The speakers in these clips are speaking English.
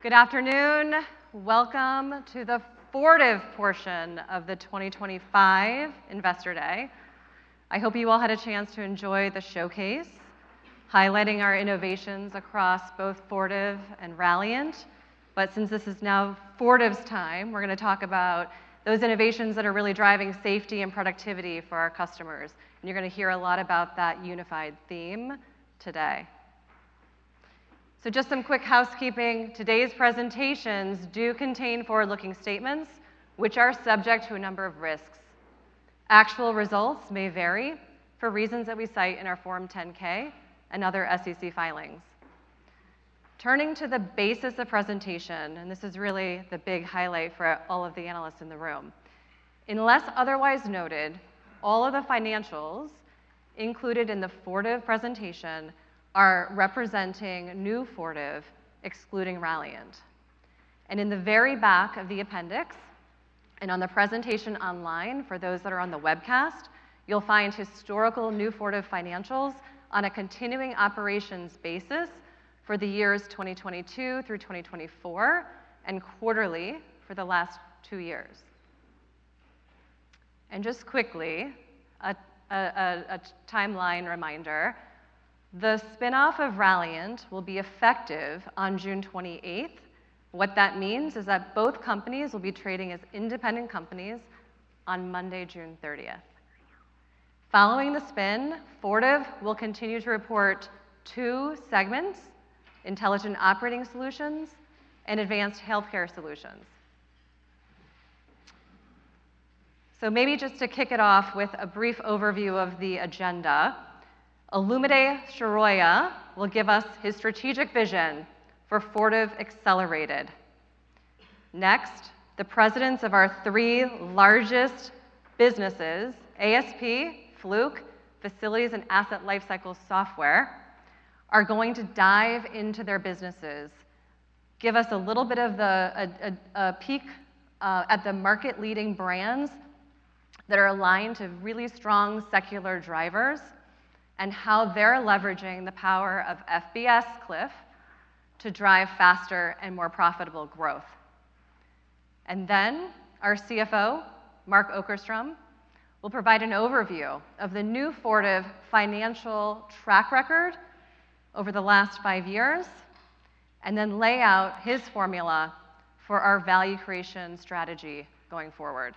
Good afternoon. Welcome to the Fortive portion of the 2025 Investor Day. I hope you all had a chance to enjoy the showcase highlighting our innovations across both Fortive and Vontier. Since this is now Fortive's time, we're going to talk about those innovations that are really driving safety and productivity for our customers. You're going to hear a lot about that unified theme today. Just some quick housekeeping: today's presentations do contain forward-looking statements, which are subject to a number of risks. Actual results may vary for reasons that we cite in our Form 10-K and other SEC filings. Turning to the basis of presentation, and this is really the big highlight for all of the analysts in the room, unless otherwise noted, all of the financials included in the Fortive presentation are representing new Fortive, excluding Vontier. In the very back of the appendix and on the presentation online for those that are on the webcast, you'll find historical new Fortive financials on a continuing operations basis for the years 2022 through 2024 and quarterly for the last two years. Just quickly, a timeline reminder: the spinoff of Vontier will be effective on June 28. What that means is that both companies will be trading as independent companies on Monday, June 30. Following the spin, Fortive will continue to report two segments: Intelligent Operating Solutions and Advanced Healthcare Solutions. Maybe just to kick it off with a brief overview of the agenda, Olumide Soroye will give us his strategic vision for Fortive Accelerated. Next, the presidents of our three largest businesses, ASP, Fluke, Facilities, and Asset Lifecycle Software, are going to dive into their businesses, give us a little bit of a peek at the market-leading brands that are aligned to really strong secular drivers, and how they're leveraging the power of FBS, Cliff, to drive faster and more profitable growth. Our CFO, Mark Okerstrom, will provide an overview of the new Fortive financial track record over the last five years, and then lay out his formula for our value creation strategy going forward.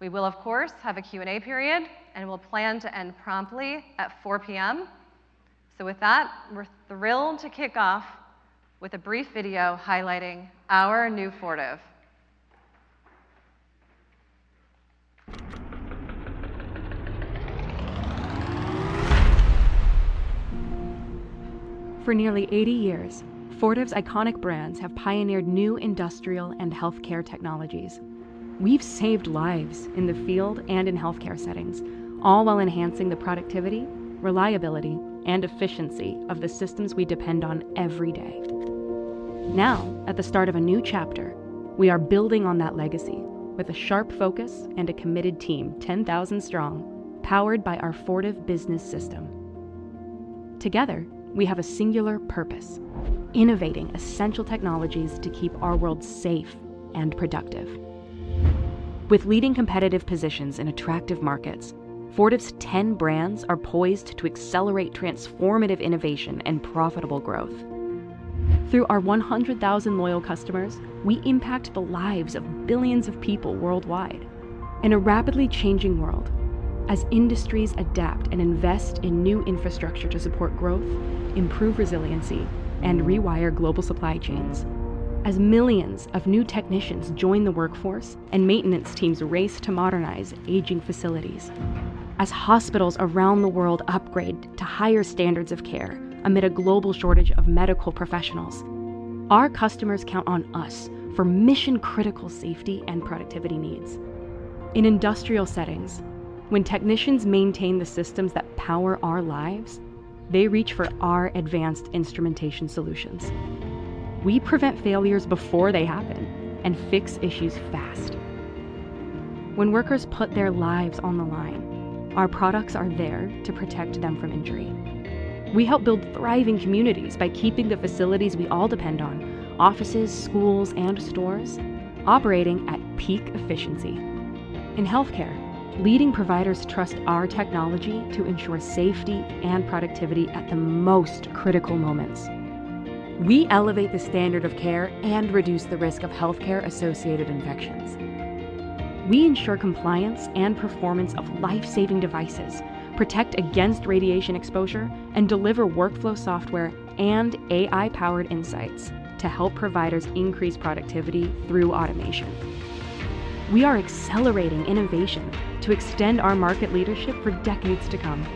We will, of course, have a Q&A period, and we'll plan to end promptly at 4:00 P.M. With that, we're thrilled to kick off with a brief video highlighting our new Fortive. For nearly 80 years, Fortive's iconic brands have pioneered new industrial and healthcare technologies. We've saved lives in the field and in healthcare settings, all while enhancing the productivity, reliability, and efficiency of the systems we depend on every day. Now, at the start of a new chapter, we are building on that legacy with a sharp focus and a committed team, 10,000 strong, powered by our Fortive Business System. Together, we have a singular purpose: innovating essential technologies to keep our world safe and productive. With leading competitive positions in attractive markets, Fortive's 10 brands are poised to accelerate transformative innovation and profitable growth. Through our 100,000 loyal customers, we impact the lives of billions of people worldwide. In a rapidly changing world, as industries adapt and invest in new infrastructure to support growth, improve resiliency, and rewire global supply chains, as millions of new technicians join the workforce and maintenance teams race to modernize aging facilities, as hospitals around the world upgrade to higher standards of care amid a global shortage of medical professionals, our customers count on us for mission-critical safety and productivity needs. In industrial settings, when technicians maintain the systems that power our lives, they reach for our advanced instrumentation solutions. We prevent failures before they happen and fix issues fast. When workers put their lives on the line, our products are there to protect them from injury. We help build thriving communities by keeping the facilities we all depend on—offices, schools, and stores—operating at peak efficiency. In healthcare, leading providers trust our technology to ensure safety and productivity at the most critical moments. We elevate the standard of care and reduce the risk of healthcare-associated infections. We ensure compliance and performance of life-saving devices, protect against radiation exposure, and deliver workflow software and AI-powered insights to help providers increase productivity through automation. We are accelerating innovation to extend our market leadership for decades to come.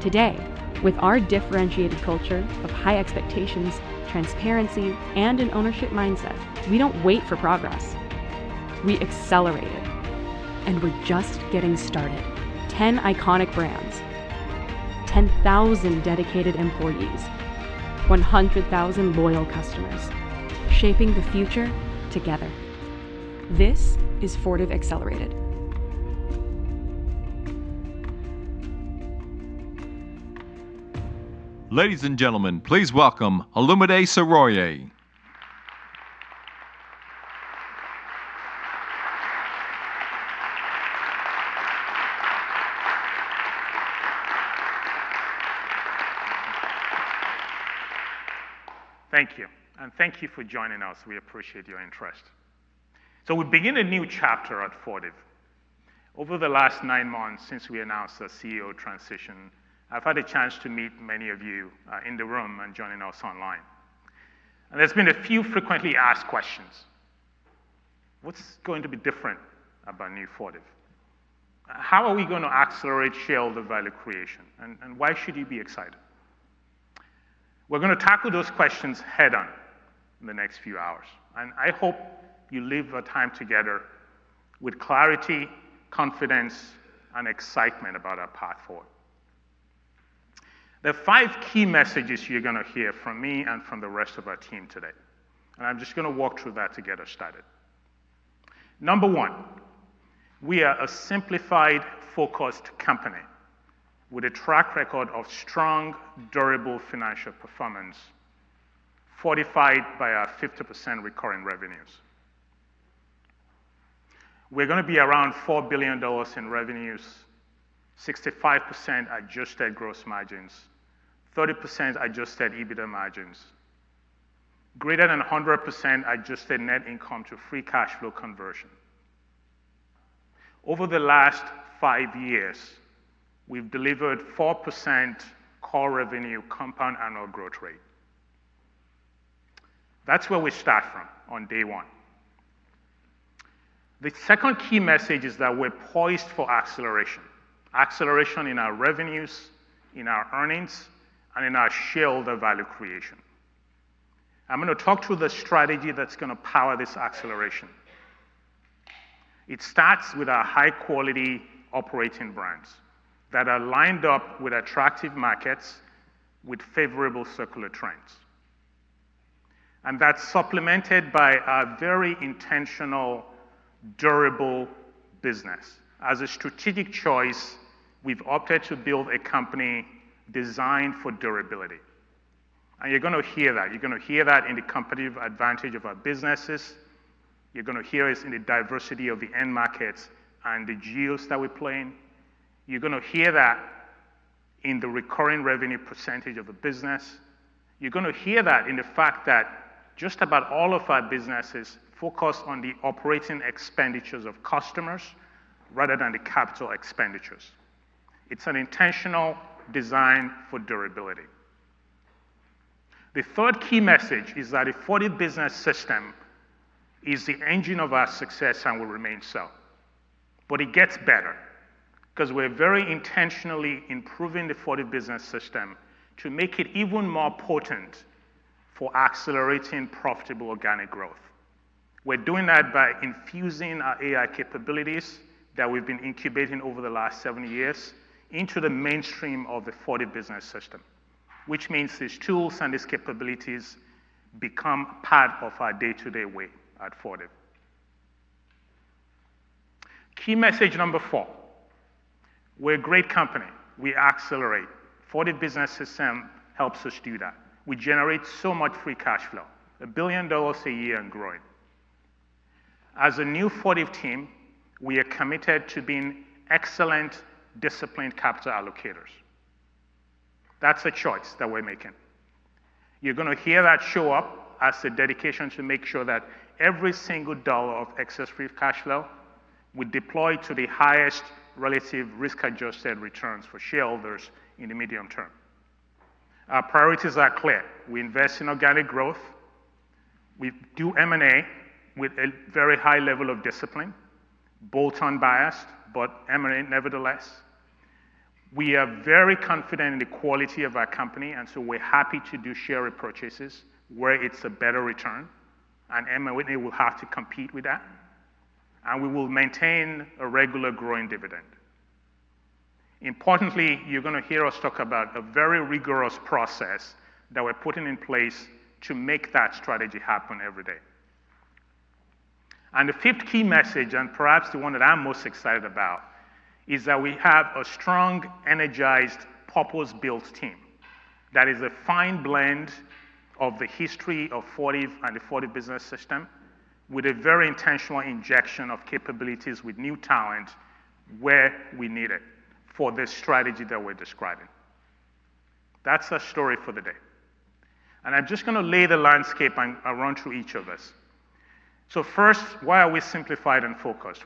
Today, with our differentiated culture of high expectations, transparency, and an ownership mindset, we do not wait for progress. We accelerate it. And we are just getting started. 10 iconic brands, 10,000 dedicated employees, 100,000 loyal customers shaping the future together. This is Fortive Accelerated. Ladies and gentlemen, please welcome Olumide Soroye. Thank you. Thank you for joining us. We appreciate your interest. We begin a new chapter at Fortive. Over the last nine months since we announced our CEO transition, I've had a chance to meet many of you in the room and joining us online. There's been a few frequently asked questions. What's going to be different about new Fortive? How are we going to accelerate shareholder value creation? Why should you be excited? We're going to tackle those questions head-on in the next few hours. I hope you leave our time together with clarity, confidence, and excitement about our path forward. There are five key messages you're going to hear from me and from the rest of our team today. I'm just going to walk through that to get us started. Number one, we are a simplified, focused company with a track record of strong, durable financial performance, fortified by our 50% recurring revenues. We're going to be around $4 billion in revenues, 65% adjusted gross margins, 30% adjusted EBITDA margins, greater than 100% adjusted net income to free cash flow conversion. Over the last five years, we've delivered 4% core revenue compound annual growth rate. That's where we start from on day one. The second key message is that we're poised for acceleration, acceleration in our revenues, in our earnings, and in our shareholder value creation. I'm going to talk through the strategy that's going to power this acceleration. It starts with our high-quality operating brands that are lined up with attractive markets with favorable secular trends. That's supplemented by our very intentional, durable business. As a strategic choice, we've opted to build a company designed for durability. You're going to hear that. You're going to hear that in the competitive advantage of our businesses. You're going to hear us in the diversity of the end markets and the geos that we play in. You're going to hear that in the recurring revenue % of the business. You're going to hear that in the fact that just about all of our businesses focus on the operating expenditures of customers rather than the capital expenditures. It's an intentional design for durability. The third key message is that the Fortive Business System is the engine of our success and will remain so. It gets better because we're very intentionally improving the Fortive Business System to make it even more potent for accelerating profitable organic growth. We're doing that by infusing our AI capabilities that we've been incubating over the last seven years into the mainstream of the Fortive Business System, which means these tools and these capabilities become part of our day-to-day way at Fortive. Key message number four, we're a great company. We accelerate. Fortive Business System helps us do that. We generate so much free cash flow, $1 billion a year and growing. As a new Fortive team, we are committed to being excellent, disciplined capital allocators. That's a choice that we're making. You're going to hear that show up as a dedication to make sure that every single dollar of excess free cash flow we deploy to the highest relative risk-adjusted returns for shareholders in the medium term. Our priorities are clear. We invest in organic growth. We do M&A with a very high level of discipline, both unbiased but M&A nevertheless. We are very confident in the quality of our company, and so we're happy to do share repurchases where it's a better return. M&A will have to compete with that. We will maintain a regular growing dividend. Importantly, you're going to hear us talk about a very rigorous process that we're putting in place to make that strategy happen every day. The fifth key message, and perhaps the one that I'm most excited about, is that we have a strong, energized, purpose-built team that is a fine blend of the history of Fortive and the Fortive Business System with a very intentional injection of capabilities with new talent where we need it for this strategy that we're describing. That's our story for the day. I'm just going to lay the landscape and run through each of us. First, why are we simplified and focused?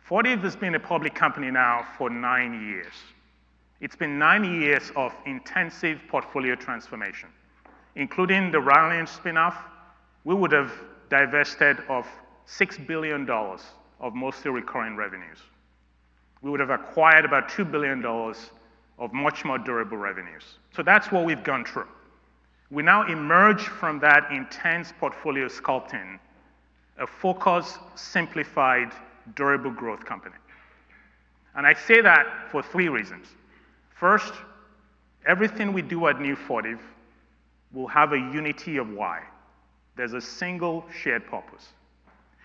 Fortive has been a public company now for nine years. It's been nine years of intensive portfolio transformation. Including the Vontier spinoff, we would have divested of $6 billion of mostly recurring revenues. We would have acquired about $2 billion of much more durable revenues. That's what we've gone through. We now emerge from that intense portfolio sculpting, a focused, simplified, durable growth company. I say that for three reasons. First, everything we do at new Fortive will have a unity of why. There's a single shared purpose.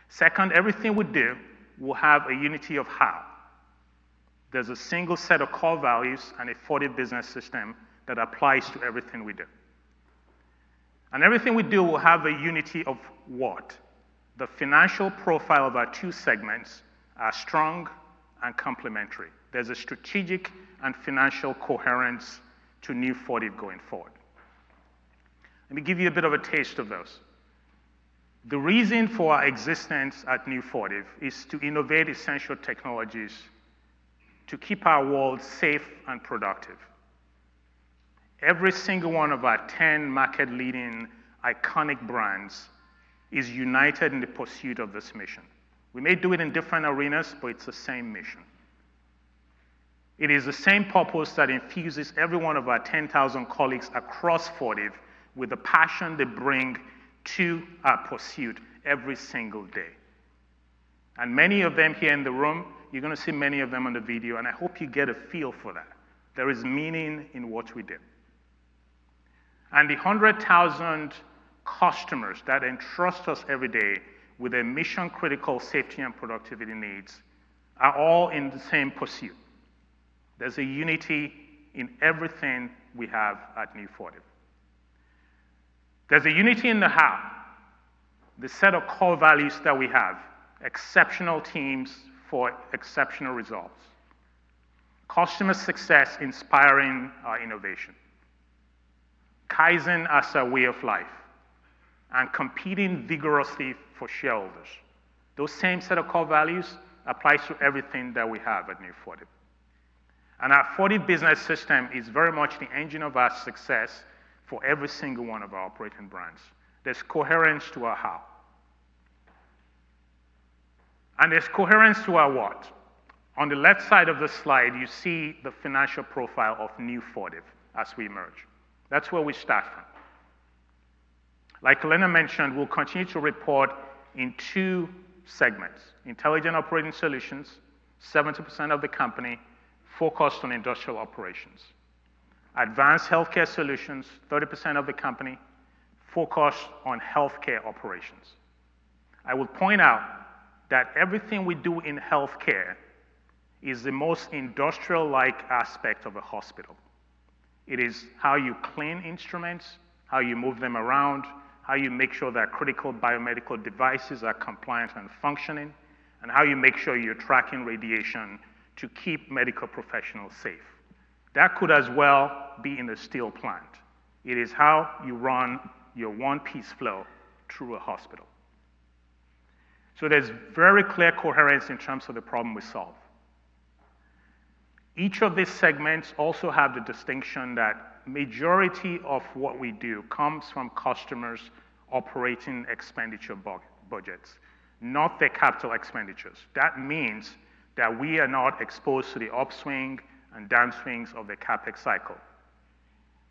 Second, everything we do will have a unity of how. There's a single set of core values and a Fortive Business System that applies to everything we do. Everything we do will have a unity of what. The financial profile of our two segments are strong and complementary. is a strategic and financial coherence to new Fortive going forward. Let me give you a bit of a taste of those. The reason for our existence at new Fortive is to innovate essential technologies to keep our world safe and productive. Every single one of our 10 market-leading iconic brands is united in the pursuit of this mission. We may do it in different arenas, but it is the same mission. It is the same purpose that infuses every one of our 10,000 colleagues across Fortive with the passion they bring to our pursuit every single day. Many of them here in the room, you are going to see many of them on the video, and I hope you get a feel for that. There is meaning in what we do. The 100,000 customers that entrust us every day with their mission-critical safety and productivity needs are all in the same pursuit. There is a unity in everything we have at new Fortive. There is a unity in the how, the set of core values that we have, exceptional teams for exceptional results, customer success inspiring our innovation, Kaizen as our way of life, and competing vigorously for shareholders. Those same set of core values applies to everything that we have at new Fortive. Our Fortive Business System is very much the engine of our success for every single one of our operating brands. There is coherence to our how. There is coherence to our what. On the left side of the slide, you see the financial profile of new Fortive as we emerge. That is where we start from. Like Elena mentioned, we'll continue to report in two segments: Intelligent Operating Solutions, 70% of the company, focused on industrial operations; Advanced Healthcare Solutions, 30% of the company, focused on healthcare operations. I will point out that everything we do in healthcare is the most industrial-like aspect of a hospital. It is how you clean instruments, how you move them around, how you make sure that critical biomedical devices are compliant and functioning, and how you make sure you're tracking radiation to keep medical professionals safe. That could as well be in a steel plant. It is how you run your one-piece flow through a hospital. There is very clear coherence in terms of the problem we solve. Each of these segments also has the distinction that the majority of what we do comes from customers' operating expenditure budgets, not their capital expenditures. That means that we are not exposed to the upswing and downswings of the CapEx cycle.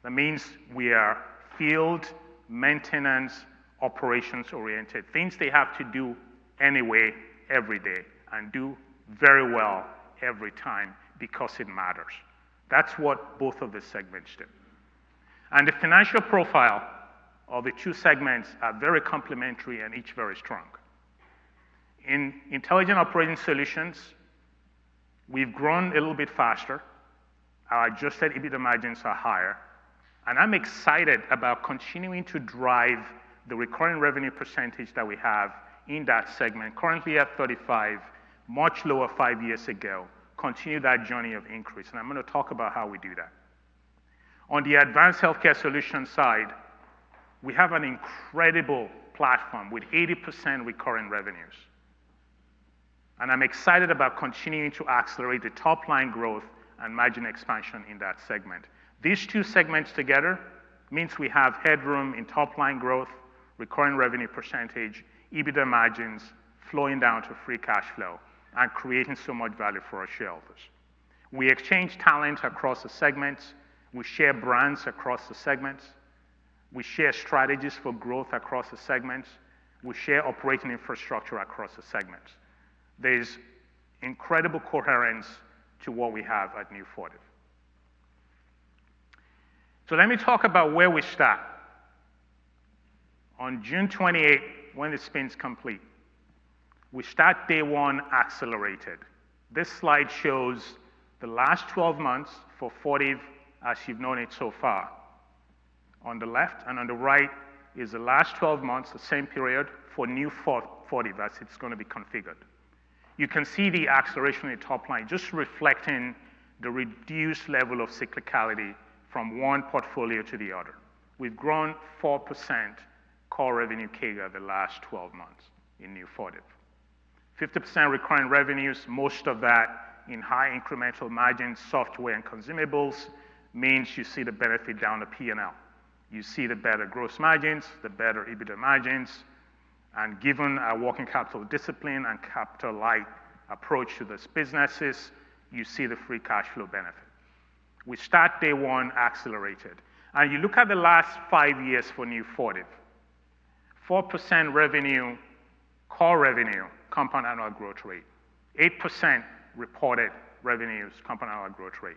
That means we are field, maintenance, operations-oriented, things they have to do anyway every day and do very well every time because it matters. That is what both of the segments do. The financial profile of the two segments is very complementary and each very strong. In Intelligent Operating Solutions, we have grown a little bit faster. Our adjusted EBITDA margins are higher. I am excited about continuing to drive the recurring revenue percentage that we have in that segment, currently at 35%, much lower five years ago, continue that journey of increase. I am going to talk about how we do that. On the Advanced Healthcare Solutions side, we have an incredible platform with 80% recurring revenues. I am excited about continuing to accelerate the top-line growth and margin expansion in that segment. These two segments together mean we have headroom in top-line growth, recurring revenue percentage, EBITDA margins flowing down to free cash flow, and creating so much value for our shareholders. We exchange talent across the segments. We share brands across the segments. We share strategies for growth across the segments. We share operating infrastructure across the segments. There is incredible coherence to what we have at new Fortive. Let me talk about where we start. On June 28, when this spin is complete, we start day one accelerated. This slide shows the last 12 months for Fortive, as you have known it so far. On the left and on the right is the last 12 months, the same period for new Fortive as it is going to be configured. You can see the acceleration in the top line just reflecting the reduced level of cyclicality from one portfolio to the other. We've grown 4% core revenue CAGR the last 12 months in new Fortive. 50% recurring revenues, most of that in high incremental margins, software, and consumables means you see the benefit down the P&L. You see the better gross margins, the better EBITDA margins. Given our working capital discipline and capital-light approach to those businesses, you see the free cash flow benefit. We start day one accelerated. You look at the last five years for new Fortive, 4% revenue, core revenue, compound annual growth rate, 8% reported revenues, compound annual growth rate.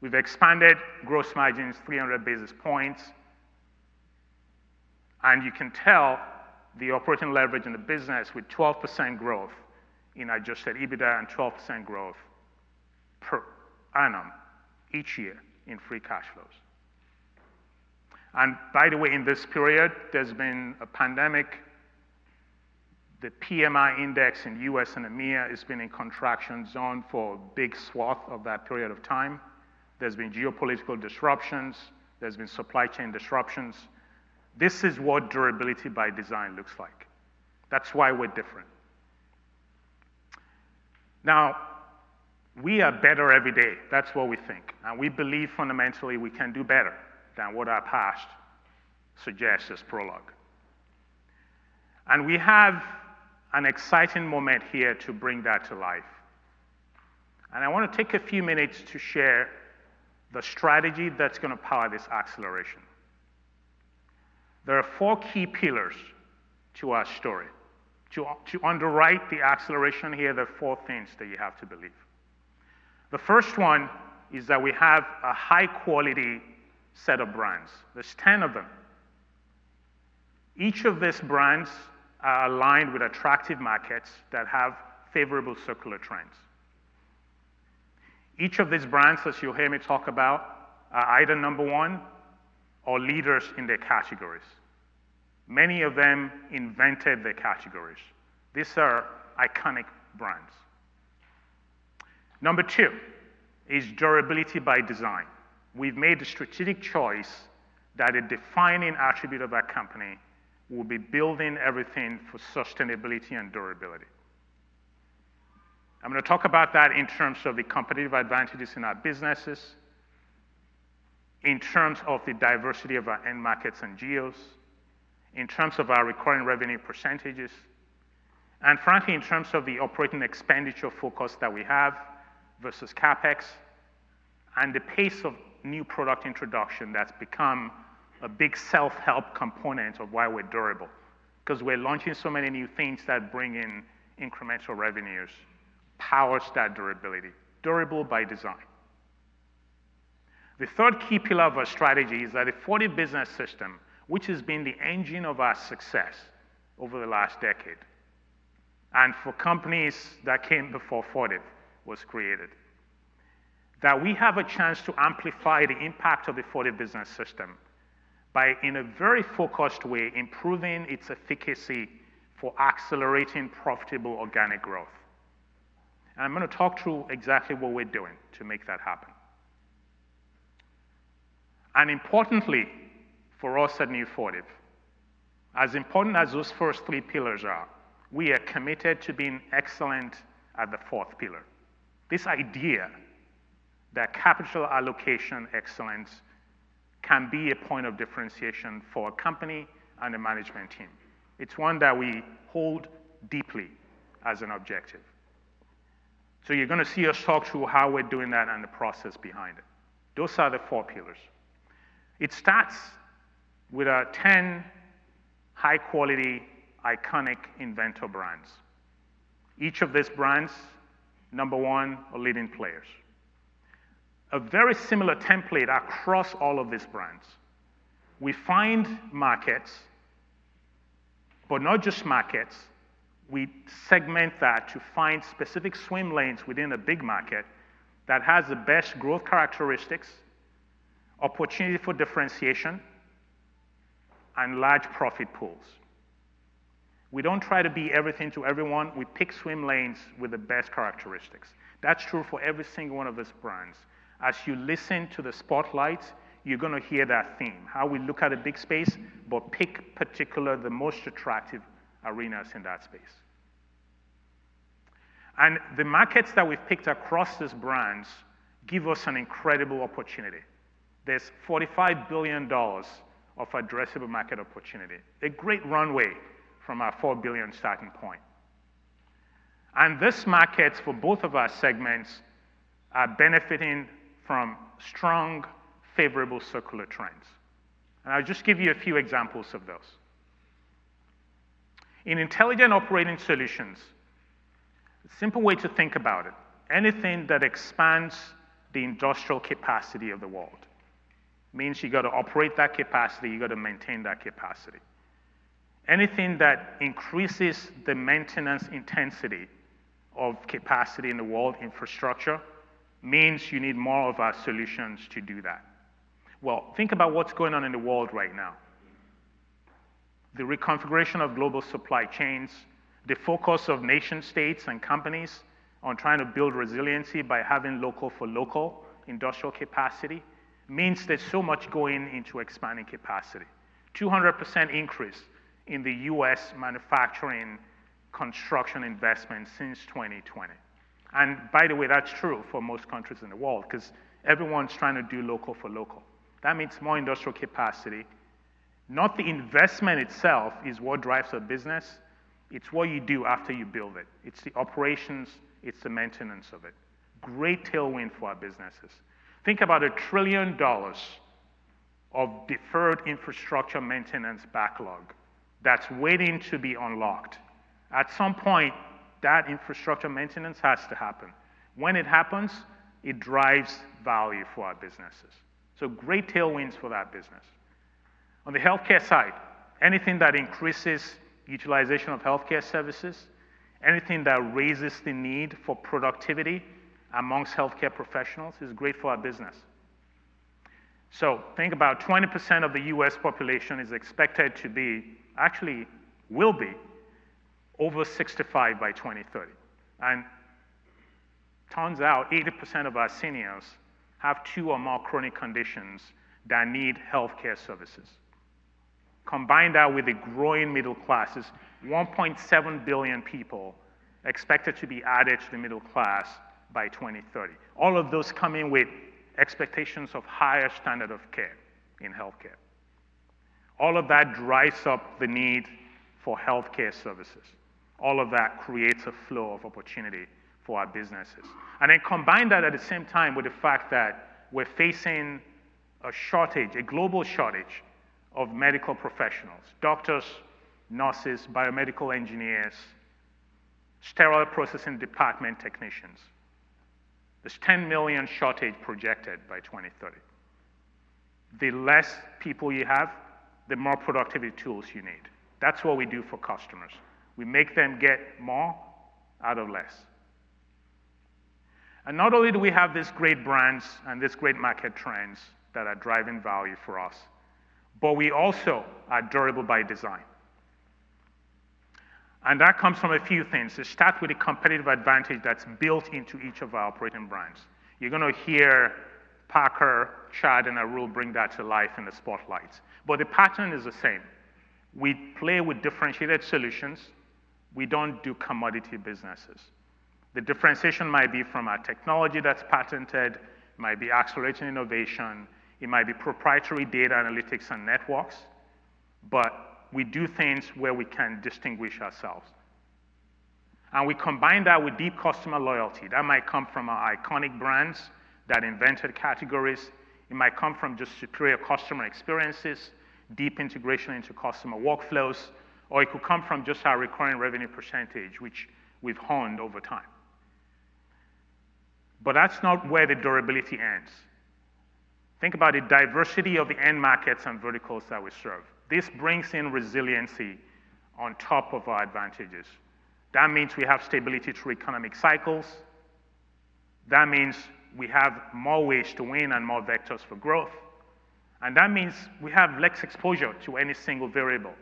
We've expanded gross margins 300 basis points. You can tell the operating leverage in the business with 12% growth in adjusted EBITDA and 12% growth per annum each year in free cash flows. By the way, in this period, there's been a pandemic. The PMI index in the U.S. and EMEA has been in contraction zone for a big swath of that period of time. There have been geopolitical disruptions. There have been supply chain disruptions. This is what durability by design looks like. That is why we are different. Now, we are better every day. That is what we think. We believe fundamentally we can do better than what our past suggests as prologue. We have an exciting moment here to bring that to life. I want to take a few minutes to share the strategy that is going to power this acceleration. There are four key pillars to our story. To underwrite the acceleration here, there are four things that you have to believe. The first one is that we have a high-quality set of brands. There are 10 of them. Each of these brands are aligned with attractive markets that have favorable circular trends. Each of these brands, as you'll hear me talk about, are item number one or leaders in their categories. Many of them invented their categories. These are iconic brands. Number two is durability by design. We've made a strategic choice that a defining attribute of our company will be building everything for sustainability and durability. I'm going to talk about that in terms of the competitive advantages in our businesses, in terms of the diversity of our end markets and geos, in terms of our recurring revenue percentages, and frankly, in terms of the operating expenditure focus that we have versus CapEx and the pace of new product introduction that's become a big self-help component of why we're durable. Because we're launching so many new things that bring in incremental revenues, powers that durability, durable by design. The third key pillar of our strategy is that the Fortive Business System, which has been the engine of our success over the last decade and for companies that came before Fortive was created, that we have a chance to amplify the impact of the Fortive Business System by, in a very focused way, improving its efficacy for accelerating profitable organic growth. I am going to talk through exactly what we are doing to make that happen. Importantly for us at new Fortive, as important as those first three pillars are, we are committed to being excellent at the fourth pillar. This idea that capital allocation excellence can be a point of differentiation for a company and a management team is one that we hold deeply as an objective. You are going to see us talk through how we are doing that and the process behind it. Those are the four pillars. It starts with our 10 high-quality, iconic inventor brands. Each of these brands, number one, are leading players. A very similar template across all of these brands. We find markets, but not just markets. We segment that to find specific swim lanes within a big market that has the best growth characteristics, opportunity for differentiation, and large profit pools. We don't try to be everything to everyone. We pick swim lanes with the best characteristics. That's true for every single one of these brands. As you listen to the spotlight, you're going to hear that theme, how we look at a big space, but pick particularly the most attractive arenas in that space. The markets that we've picked across these brands give us an incredible opportunity. There's $45 billion of addressable market opportunity, a great runway from our $4 billion starting point. These markets for both of our segments are benefiting from strong, favorable circular trends. I'll just give you a few examples of those. In Intelligent Operating Solutions, a simple way to think about it, anything that expands the industrial capacity of the world means you've got to operate that capacity. You've got to maintain that capacity. Anything that increases the maintenance intensity of capacity in the world infrastructure means you need more of our solutions to do that. Think about what's going on in the world right now. The reconfiguration of global supply chains, the focus of nation-states and companies on trying to build resiliency by having local-for-local industrial capacity means there's so much going into expanding capacity. 200% increase in U.S. manufacturing construction investment since 2020. By the way, that's true for most countries in the world because everyone's trying to do local-for-local. That means more industrial capacity. Not the investment itself is what drives a business. It's what you do after you build it. It's the operations. It's the maintenance of it. Great tailwind for our businesses. Think about a trillion dollars of deferred infrastructure maintenance backlog that's waiting to be unlocked. At some point, that infrastructure maintenance has to happen. When it happens, it drives value for our businesses. Great tailwinds for that business. On the healthcare side, anything that increases utilization of healthcare services, anything that raises the need for productivity amongst healthcare professionals is great for our business. Think about 20% of the U.S. population is expected to be, actually will be over 65 by 2030. It turns out 80% of our seniors have two or more chronic conditions that need healthcare services. Combined that with the growing middle classes, 1.7 billion people expected to be added to the middle class by 2030. All of those come in with expectations of higher standard of care in healthcare. All of that drives up the need for healthcare services. All of that creates a flow of opportunity for our businesses. Combine that at the same time with the fact that we're facing a shortage, a global shortage of medical professionals, doctors, nurses, biomedical engineers, sterile processing department technicians. There is a 10 million shortage projected by 2030. The less people you have, the more productive tools you need. That's what we do for customers. We make them get more out of less. Not only do we have these great brands and these great market trends that are driving value for us, but we also are durable by design. That comes from a few things. It starts with a competitive advantage that is built into each of our operating brands. You are going to hear Parker, Chad, and Arul bring that to life in the spotlight. The pattern is the same. We play with differentiated solutions. We do not do commodity businesses. The differentiation might be from our technology that is patented. It might be accelerating innovation. It might be proprietary data analytics and networks. We do things where we can distinguish ourselves. We combine that with deep customer loyalty. That might come from our iconic brands that invented categories. It might come from just superior customer experiences, deep integration into customer workflows, or it could come from just our recurring revenue percentage, which we have honed over time. That is not where the durability ends. Think about the diversity of the end markets and verticals that we serve. This brings in resiliency on top of our advantages. That means we have stability through economic cycles. That means we have more ways to win and more vectors for growth. That means we have less exposure to any single variable.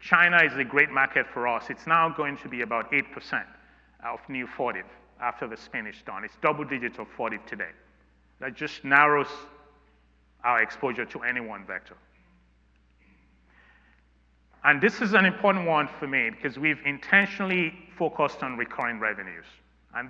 China is a great market for us. It is now going to be about 8% of new Fortive after the Spanish storm. It is double digit of Fortive today. That just narrows our exposure to any one vector. This is an important one for me because we have intentionally focused on recurring revenues.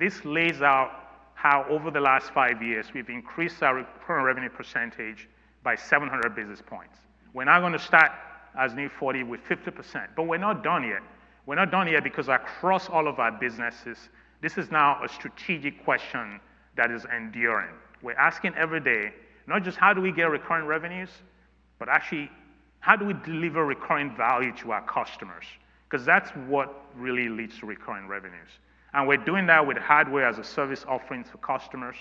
This lays out how over the last five years we have increased our recurring revenue percentage by 700 basis points. We are now going to start as new Fortive with 50%, but we are not done yet. We are not done yet because across all of our businesses, this is now a strategic question that is enduring. We're asking every day, not just how do we get recurring revenues, but actually how do we deliver recurring value to our customers? Because that's what really leads to recurring revenues. We're doing that with hardware as a service offering to customers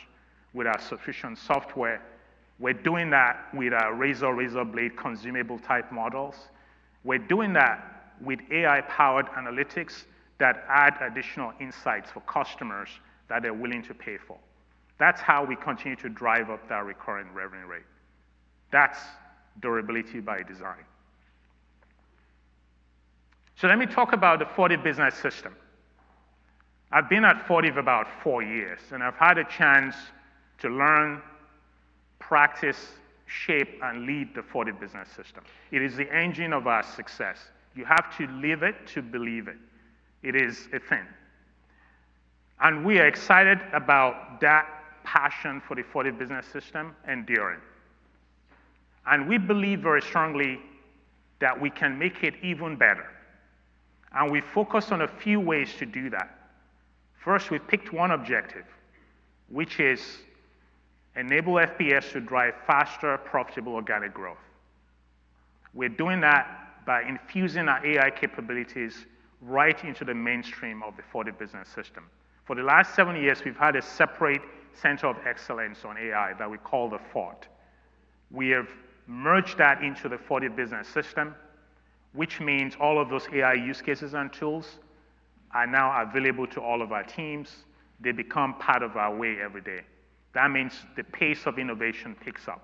with our sufficient software. We're doing that with our razor razor blade consumable type models. We're doing that with AI-powered analytics that add additional insights for customers that they're willing to pay for. That's how we continue to drive up that recurring revenue rate. That's durability by design. Let me talk about the Fortive Business System. I've been at Fortive about four years, and I've had a chance to learn, practice, shape, and lead the Fortive Business System. It is the engine of our success. You have to live it to believe it. It is a thing. We are excited about that passion for the Fortive Business System enduring. We believe very strongly that we can make it even better. We focus on a few ways to do that. First, we picked one objective, which is enable FBS to drive faster, profitable organic growth. We're doing that by infusing our AI capabilities right into the mainstream of the Fortive Business System. For the last seven years, we've had a separate center of excellence on AI that we call the Forte. We have merged that into the Fortive Business System, which means all of those AI use cases and tools are now available to all of our teams. They become part of our way every day. That means the pace of innovation picks up.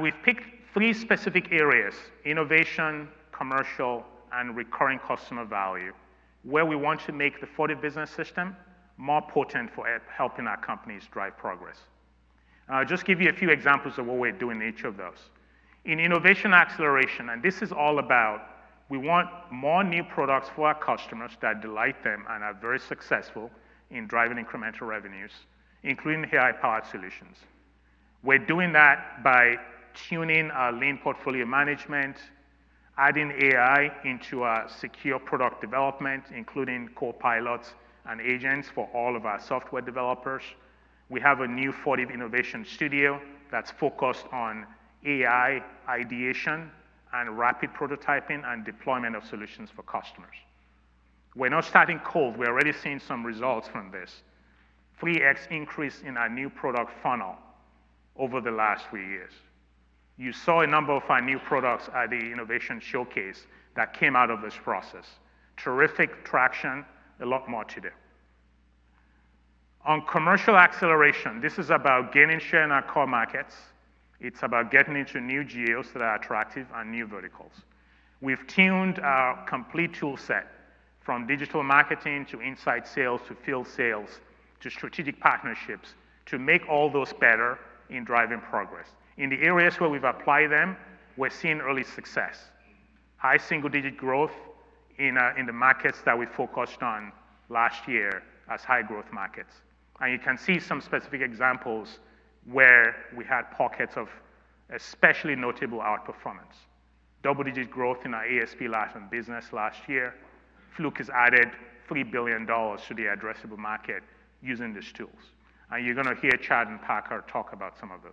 We have picked three specific areas: innovation, commercial, and recurring customer value, where we want to make the Fortive Business System more potent for helping our companies drive progress. I will just give you a few examples of what we are doing in each of those. In innovation acceleration, and this is all about, we want more new products for our customers that delight them and are very successful in driving incremental revenues, including AI-powered solutions. We are doing that by tuning our lean portfolio management, adding AI into our secure product development, including copilots and agents for all of our software developers. We have a new Fortive Innovation Studio that is focused on AI ideation and rapid prototyping and deployment of solutions for customers. We are not starting cold. We are already seeing some results from this: 3x increase in our new product funnel over the last three years. You saw a number of our new products at the innovation showcase that came out of this process. Terrific traction, a lot more to do. On commercial acceleration, this is about gaining share in our core markets. It is about getting into new geos that are attractive and new verticals. We have tuned our complete toolset from digital marketing to inside sales to field sales to strategic partnerships to make all those better in driving progress. In the areas where we have applied them, we are seeing early success. High single-digit growth in the markets that we focused on last year as high-growth markets. You can see some specific examples where we had pockets of especially notable outperformance. Double-digit growth in our ASP life and business last year. Fluke has added $3 billion to the addressable market using these tools. You are going to hear Chad and Parker talk about some of those.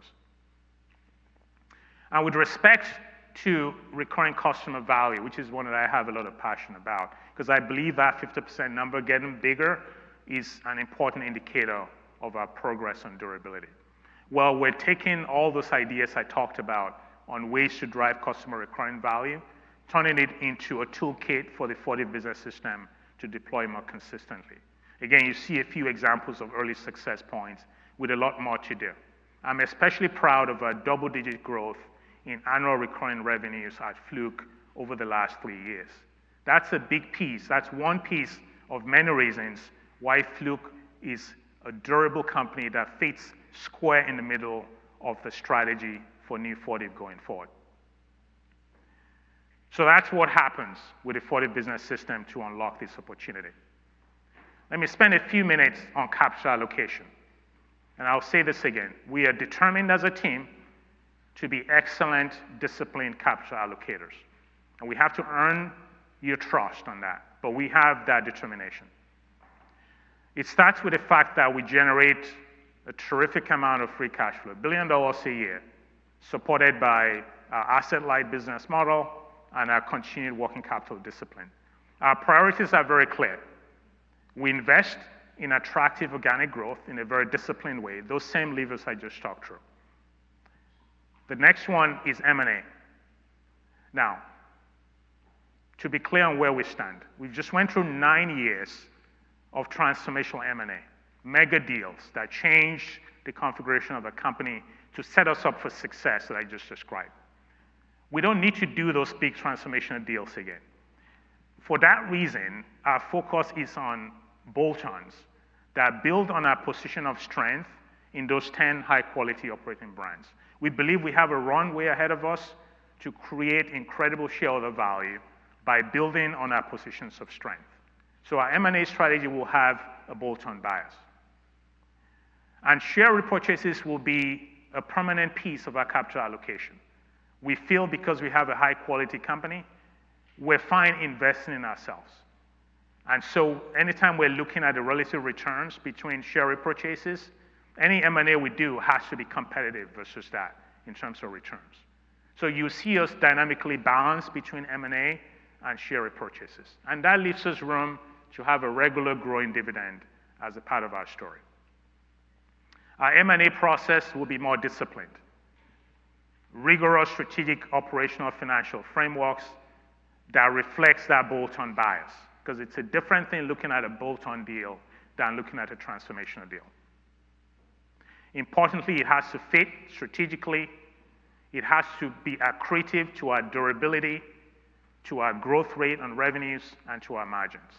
With respect to recurring customer value, which is one that I have a lot of passion about, because I believe our 50% number getting bigger is an important indicator of our progress on durability. We are taking all those ideas I talked about on ways to drive customer recurring value, turning it into a toolkit for the Fortive Business System to deploy more consistently. You see a few examples of early success points with a lot more to do. I'm especially proud of our double-digit growth in annual recurring revenues at Fluke over the last three years. That's a big piece. That's one piece of many reasons why Fluke is a durable company that fits square in the middle of the strategy for new Fortive going forward. That is what happens with the Fortive Business System to unlock this opportunity. Let me spend a few minutes on capital allocation. I'll say this again. We are determined as a team to be excellent, disciplined capital allocators. We have to earn your trust on that, but we have that determination. It starts with the fact that we generate a terrific amount of free cash flow, a billion dollars a year, supported by our asset-light business model and our continued working capital discipline. Our priorities are very clear. We invest in attractive organic growth in a very disciplined way. Those same levers I just talked through. The next one is M&A. Now, to be clear on where we stand, we just went through nine years of transformational M&A, mega deals that changed the configuration of a company to set us up for success that I just described. We don't need to do those big transformational deals again. For that reason, our focus is on bolt-ons that build on our position of strength in those 10 high-quality operating brands. We believe we have a runway ahead of us to create incredible share of the value by building on our positions of strength. Our M&A strategy will have a bolt-on bias. Share repurchases will be a permanent piece of our capture allocation. We feel because we have a high-quality company, we're fine investing in ourselves. Anytime we're looking at the relative returns between share repurchases, any M&A we do has to be competitive versus that in terms of returns. You'll see us dynamically balance between M&A and share repurchases. That leaves us room to have a regular growing dividend as a part of our story. Our M&A process will be more disciplined, rigorous strategic operational financial frameworks that reflect that bolt-on bias because it's a different thing looking at a bolt-on deal than looking at a transformational deal. Importantly, it has to fit strategically. It has to be accretive to our durability, to our growth rate on revenues, and to our margins.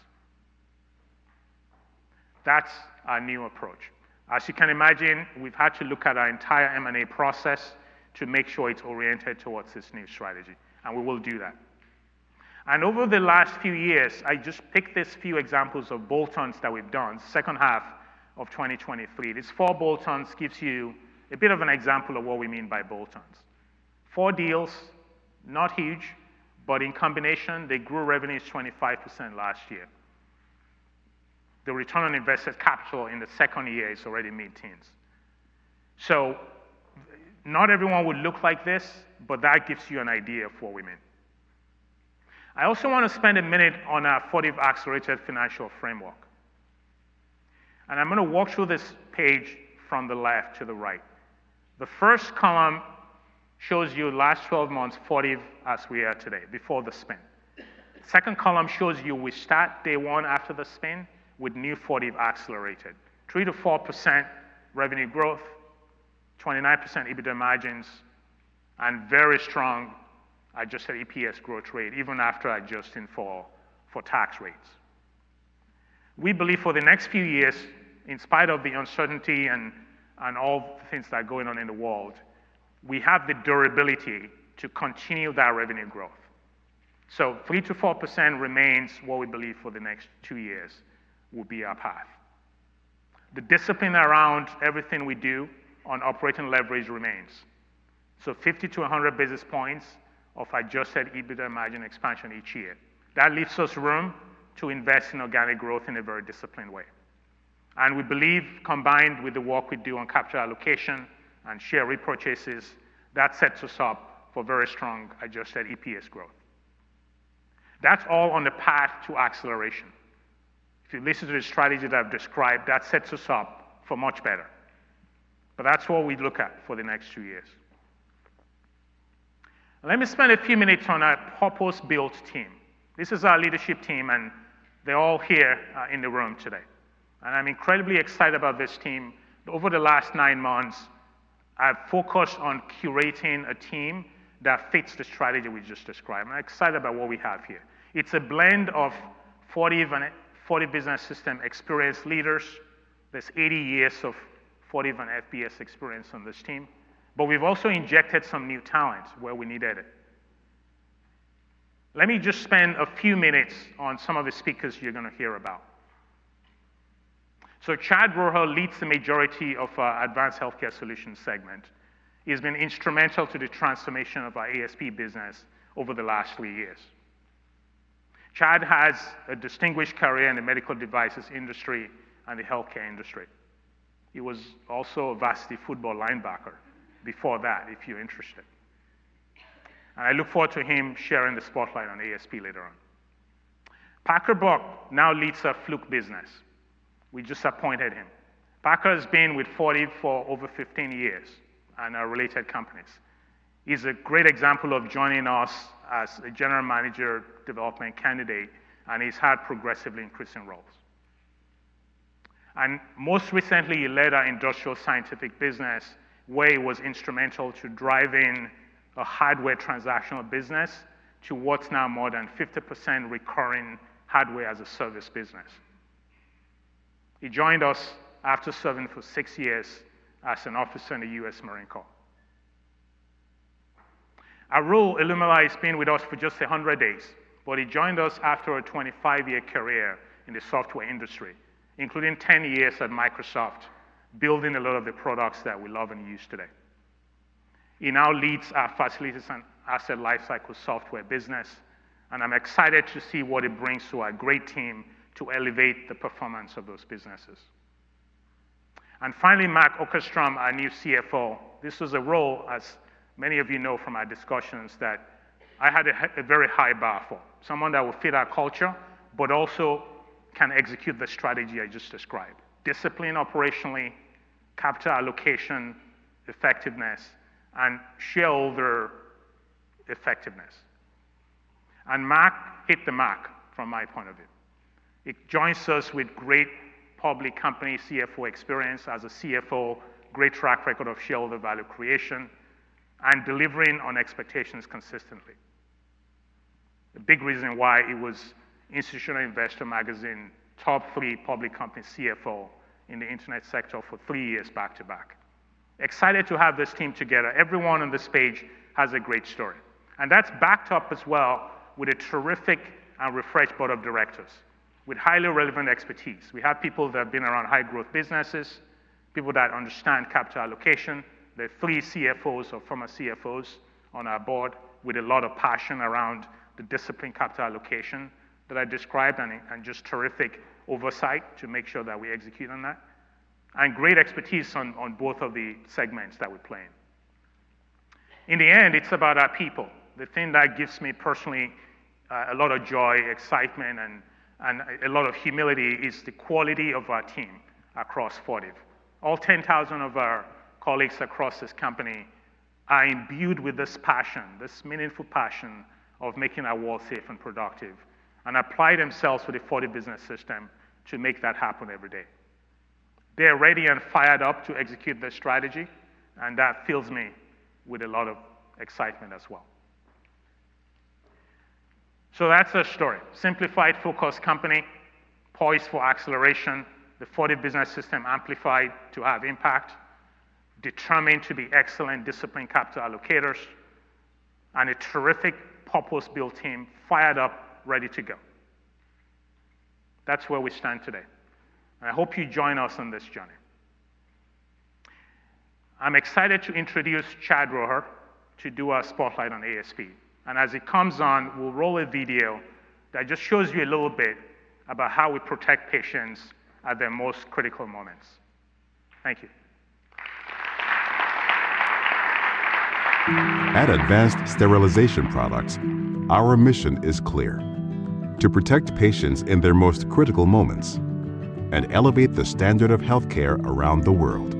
That's our new approach. As you can imagine, we've had to look at our entire M&A process to make sure it's oriented towards this new strategy. We will do that. Over the last few years, I just picked this few examples of bolt-ons that we've done second half of 2023. These four bolt-ons gives you a bit of an example of what we mean by bolt-ons. Four deals, not huge, but in combination, they grew revenues 25% last year. The return on invested capital in the second year is already mid-teens. Not everyone would look like this, but that gives you an idea of what we mean. I also want to spend a minute on our Fortive Accelerated Financial Framework. I'm going to walk through this page from the left to the right. The first column shows you last 12 months Fortive as we are today, before the spin. The second column shows you we start day one after the spin with new Fortive Accelerated, 3-4% revenue growth, 29% EBITDA margins, and very strong, I just said, EPS growth rate even after adjusting for tax rates. We believe for the next few years, in spite of the uncertainty and all the things that are going on in the world, we have the durability to continue that revenue growth. 3-4% remains what we believe for the next two years will be our path. The discipline around everything we do on operating leverage remains. So 50 to 100 basis points of adjusted EBITDA margin expansion each year. That leaves us room to invest in organic growth in a very disciplined way. And we believe, combined with the work we do on capture allocation and share repurchases, that sets us up for very strong adjusted EPS growth. That is all on the path to acceleration. If you listen to the strategy that I have described, that sets us up for much better. That is what we look at for the next two years. Let me spend a few minutes on our purpose-built team. This is our leadership team, and they are all here in the room today. I am incredibly excited about this team. Over the last nine months, I have focused on curating a team that fits the strategy we just described. I'm excited about what we have here. It's a blend of Fortive and Fortive Business System experience leaders. There's 80 years of Fortive and FBS experience on this team. We have also injected some new talent where we needed it. Let me just spend a few minutes on some of the speakers you're going to hear about. Chad Rohrer leads the majority of our Advanced Healthcare Solutions segment. He's been instrumental to the transformation of our ASP business over the last three years. Chad has a distinguished career in the medical devices industry and the healthcare industry. He was also a varsity football linebacker before that, if you're interested. I look forward to him sharing the spotlight on ASP later on. Parker Burke now leads our Fluke business. We just appointed him. Parker has been with Fortive for over 15 years and our related companies. He's a great example of joining us as a general manager development candidate, and he's had progressively increasing roles. Most recently, he led our Industrial Scientific business, where he was instrumental to driving a hardware transactional business to what's now more than 50% recurring hardware as a service business. He joined us after serving for six years as an officer in the U.S. Marine Corps. Arul, Olumide, has been with us for just 100 days, but he joined us after a 25-year career in the software industry, including 10 years at Microsoft, building a lot of the products that we love and use today. He now leads our facilities and asset lifecycle software business. I'm excited to see what it brings to our great team to elevate the performance of those businesses. Finally, Mark Okerstrom, our new CFO. This was a role, as many of you know from our discussions, that I had a very high bar for, someone that will fit our culture, but also can execute the strategy I just described: discipline operationally, capture allocation, effectiveness, and shareholder effectiveness. Mark hit the mark from my point of view. He joins us with great public company CFO experience as a CFO, great track record of shareholder value creation, and delivering on expectations consistently. The big reason why he was Institutional Investor Magazine top three public company CFO in the internet sector for three years back to back. Excited to have this team together. Everyone on this page has a great story. That is backed up as well with a terrific and refreshed board of directors with highly relevant expertise. We have people that have been around high-growth businesses, people that understand capture allocation. There are three CFOs or former CFOs on our board with a lot of passion around the discipline capture allocation that I described and just terrific oversight to make sure that we execute on that. Great expertise on both of the segments that we're playing. In the end, it's about our people. The thing that gives me personally a lot of joy, excitement, and a lot of humility is the quality of our team across Fortive. All 10,000 of our colleagues across this company are imbued with this passion, this meaningful passion of making our world safe and productive, and apply themselves to the Fortive Business System to make that happen every day. They're ready and fired up to execute the strategy, and that fills me with a lot of excitement as well. That's our story: simplified, focused company, poised for acceleration, the Fortive Business System amplified to have impact, determined to be excellent discipline capture allocators, and a terrific purpose-built team, fired up, ready to go. That's where we stand today. I hope you join us on this journey. I'm excited to introduce Chad Rohrer to do our spotlight on ASP. As he comes on, we'll roll a video that just shows you a little bit about how we protect patients at their most critical moments. Thank you. At Advanced Sterilization Products, our mission is clear: to protect patients in their most critical moments and elevate the standard of healthcare around the world.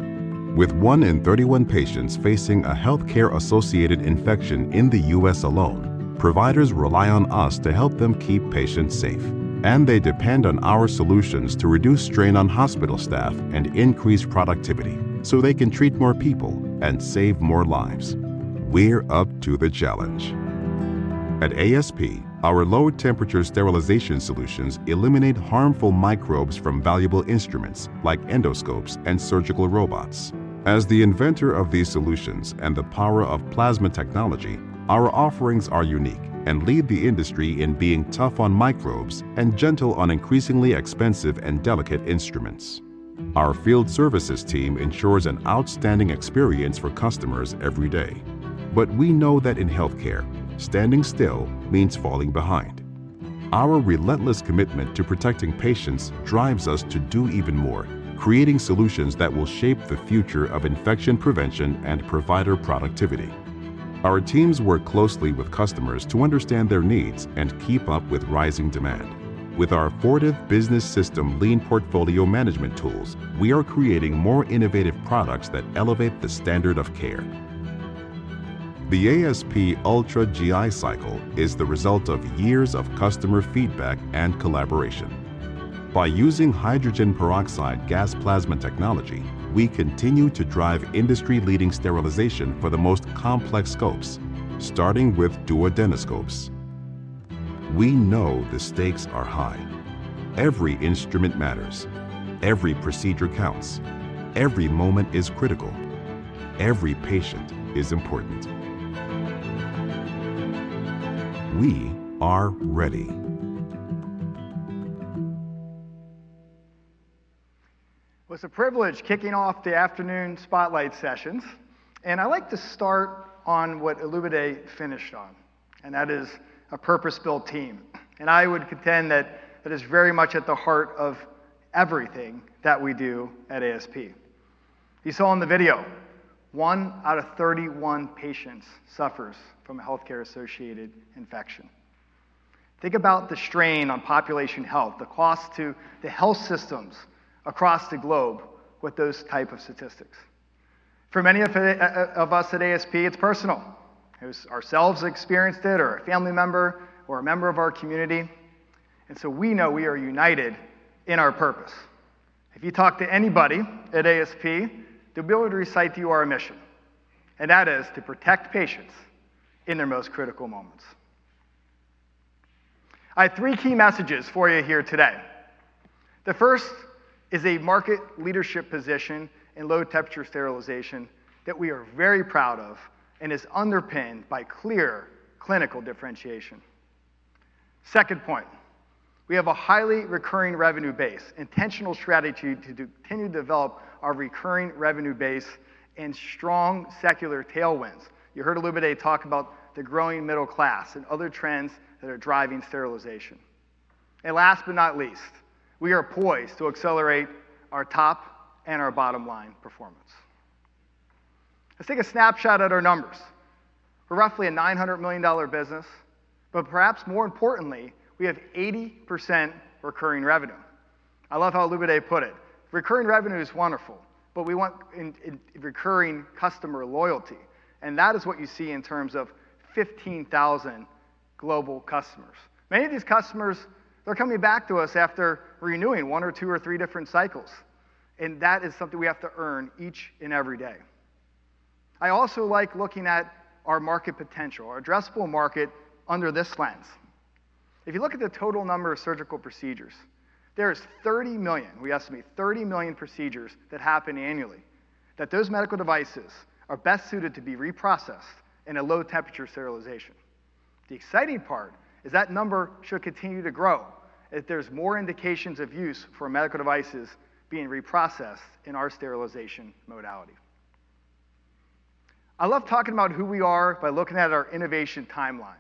With one in 31 patients facing a healthcare-associated infection in the U.S. alone, providers rely on us to help them keep patients safe. They depend on our solutions to reduce strain on hospital staff and increase productivity so they can treat more people and save more lives. We're up to the challenge. At ASP, our low-temperature sterilization solutions eliminate harmful microbes from valuable instruments like endoscopes and surgical robots. As the inventor of these solutions and the power of plasma technology, our offerings are unique and lead the industry in being tough on microbes and gentle on increasingly expensive and delicate instruments. Our field services team ensures an outstanding experience for customers every day. We know that in healthcare, standing still means falling behind. Our relentless commitment to protecting patients drives us to do even more, creating solutions that will shape the future of infection prevention and provider productivity. Our teams work closely with customers to understand their needs and keep up with rising demand. With our Fortive Business System lean portfolio management tools, we are creating more innovative products that elevate the standard of care. The ASP Ultra GI Cycle is the result of years of customer feedback and collaboration. By using hydrogen peroxide gas plasma technology, we continue to drive industry-leading sterilization for the most complex scopes, starting with duodenoscopes. We know the stakes are high. Every instrument matters. Every procedure counts. Every moment is critical. Every patient is important. We are ready. It is a privilege kicking off the afternoon spotlight sessions. I would like to start on what Illumi finished on, and that is a purpose-built team. I would contend that that is very much at the heart of everything that we do at ASP. You saw in the video, one out of 31 patients suffers from a healthcare-associated infection. Think about the strain on population health, the cost to the health systems across the globe with those types of statistics. For many of us at ASP, it's personal. It was ourselves who experienced it or a family member or a member of our community. We know we are united in our purpose. If you talk to anybody at ASP, they'll be able to recite to you our mission. That is to protect patients in their most critical moments. I have three key messages for you here today. The first is a market leadership position in low-temperature sterilization that we are very proud of and is underpinned by clear clinical differentiation. Second point, we have a highly recurring revenue base, intentional strategy to continue to develop our recurring revenue base and strong secular tailwinds. You heard Olumide talk about the growing middle class and other trends that are driving sterilization. Last but not least, we are poised to accelerate our top and our bottom line performance. Let's take a snapshot at our numbers. We're roughly a $900 million business, but perhaps more importantly, we have 80% recurring revenue. I love how Olumide put it. Recurring revenue is wonderful, but we want recurring customer loyalty. That is what you see in terms of 15,000 global customers. Many of these customers, they're coming back to us after renewing one or two or three different cycles. That is something we have to earn each and every day. I also like looking at our market potential, our addressable market under this lens. If you look at the total number of surgical procedures, there are 30 million, we estimate 30 million procedures that happen annually, that those medical devices are best suited to be reprocessed in a low-temperature sterilization. The exciting part is that number should continue to grow if there are more indications of use for medical devices being reprocessed in our sterilization modality. I love talking about who we are by looking at our innovation timeline.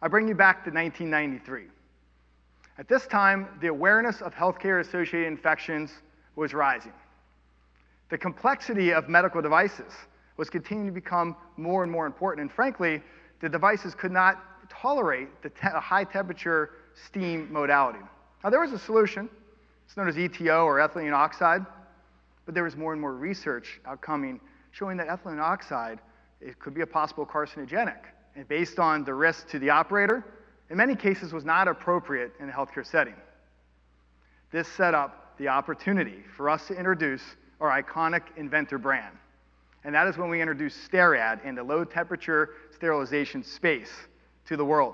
I bring you back to 1993. At this time, the awareness of healthcare-associated infections was rising. The complexity of medical devices was continuing to become more and more important. Frankly, the devices could not tolerate the high-temperature steam modality. Now, there was a solution. It is known as ETO or ethylene oxide. There was more and more research outcoming showing that ethylene oxide could be a possible carcinogenic. Based on the risk to the operator, in many cases, it was not appropriate in a healthcare setting. This set up the opportunity for us to introduce our iconic inventor brand. That is when we introduced STERRAD in the low-temperature sterilization space to the world.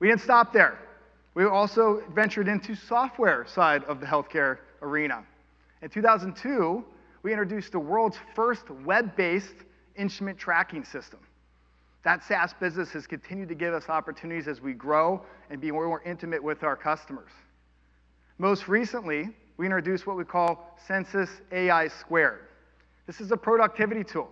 We did not stop there. We also ventured into the software side of the healthcare arena. In 2002, we introduced the world's first web-based instrument tracking system. That SaaS business has continued to give us opportunities as we grow and be more intimate with our customers. Most recently, we introduced what we call Sensus AI Squared. This is a productivity tool.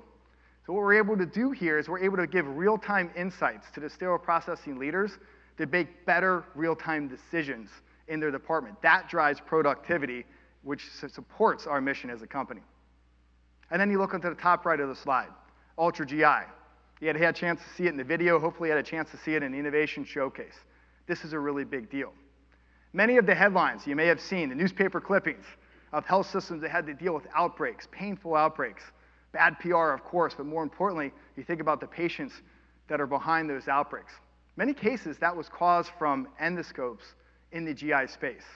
What we are able to do here is we are able to give real-time insights to the sterile processing leaders to make better real-time decisions in their department. That drives productivity, which supports our mission as a company. You look onto the top right of the slide, Ultra GI. You had a chance to see it in the video. Hopefully, you had a chance to see it in the innovation showcase. This is a really big deal. Many of the headlines you may have seen, the newspaper clippings of health systems that had to deal with outbreaks, painful outbreaks, bad PR, of course, but more importantly, you think about the patients that are behind those outbreaks. In many cases, that was caused from endoscopes in the GI space.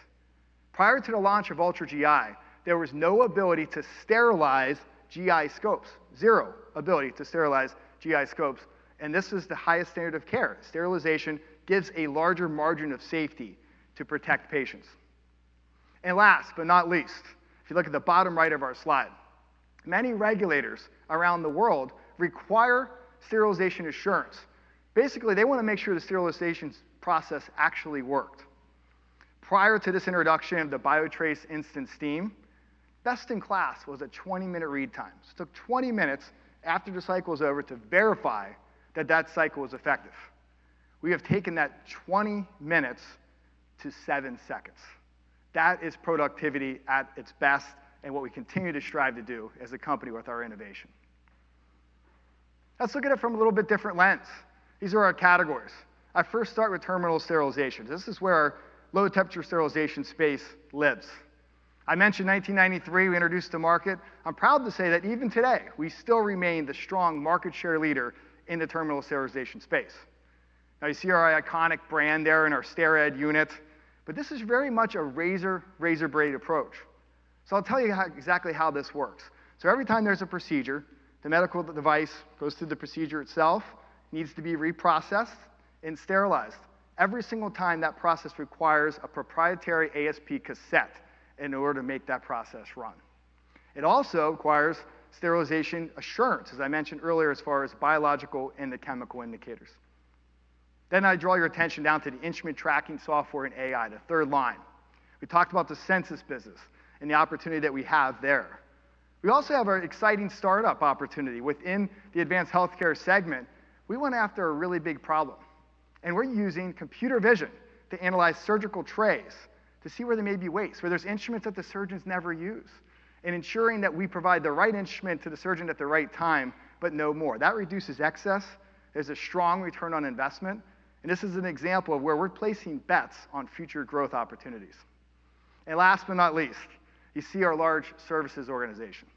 Prior to the launch of Ultra GI, there was no ability to sterilize GI scopes, zero ability to sterilize GI scopes. This is the highest standard of care. Sterilization gives a larger margin of safety to protect patients. Last but not least, if you look at the bottom right of our slide, many regulators around the world require sterilization assurance. Basically, they want to make sure the sterilization process actually worked. Prior to this introduction of the BioTrace Instant Steam, best in class was a 20-minute read time. It took 20 minutes after the cycle was over to verify that that cycle was effective. We have taken that 20 minutes to 7 seconds. That is productivity at its best and what we continue to strive to do as a company with our innovation. Let's look at it from a little bit different lens. These are our categories. I first start with terminal sterilization. This is where our low-temperature sterilization space lives. I mentioned 1993, we introduced the market. I'm proud to say that even today, we still remain the strong market share leader in the terminal sterilization space. You see our iconic brand there in our STERRAD unit. This is very much a razor-razor blade approach. I'll tell you exactly how this works. Every time there's a procedure, the medical device goes through the procedure itself, needs to be reprocessed and sterilized. Every single time, that process requires a proprietary ASP cassette in order to make that process run. It also requires sterilization assurance, as I mentioned earlier, as far as biological and the chemical indicators. I draw your attention down to the instrument tracking software and AI, the third line. We talked about the Sensus business and the opportunity that we have there. We also have our exciting startup opportunity within the advanced healthcare segment. We went after a really big problem. We are using computer vision to analyze surgical trays to see where there may be waste, where there are instruments that the surgeons never use, and ensuring that we provide the right instrument to the surgeon at the right time, but no more. That reduces excess. There is a strong return on investment. This is an example of where we are placing bets on future growth opportunities. Last but not least, you see our large services organization.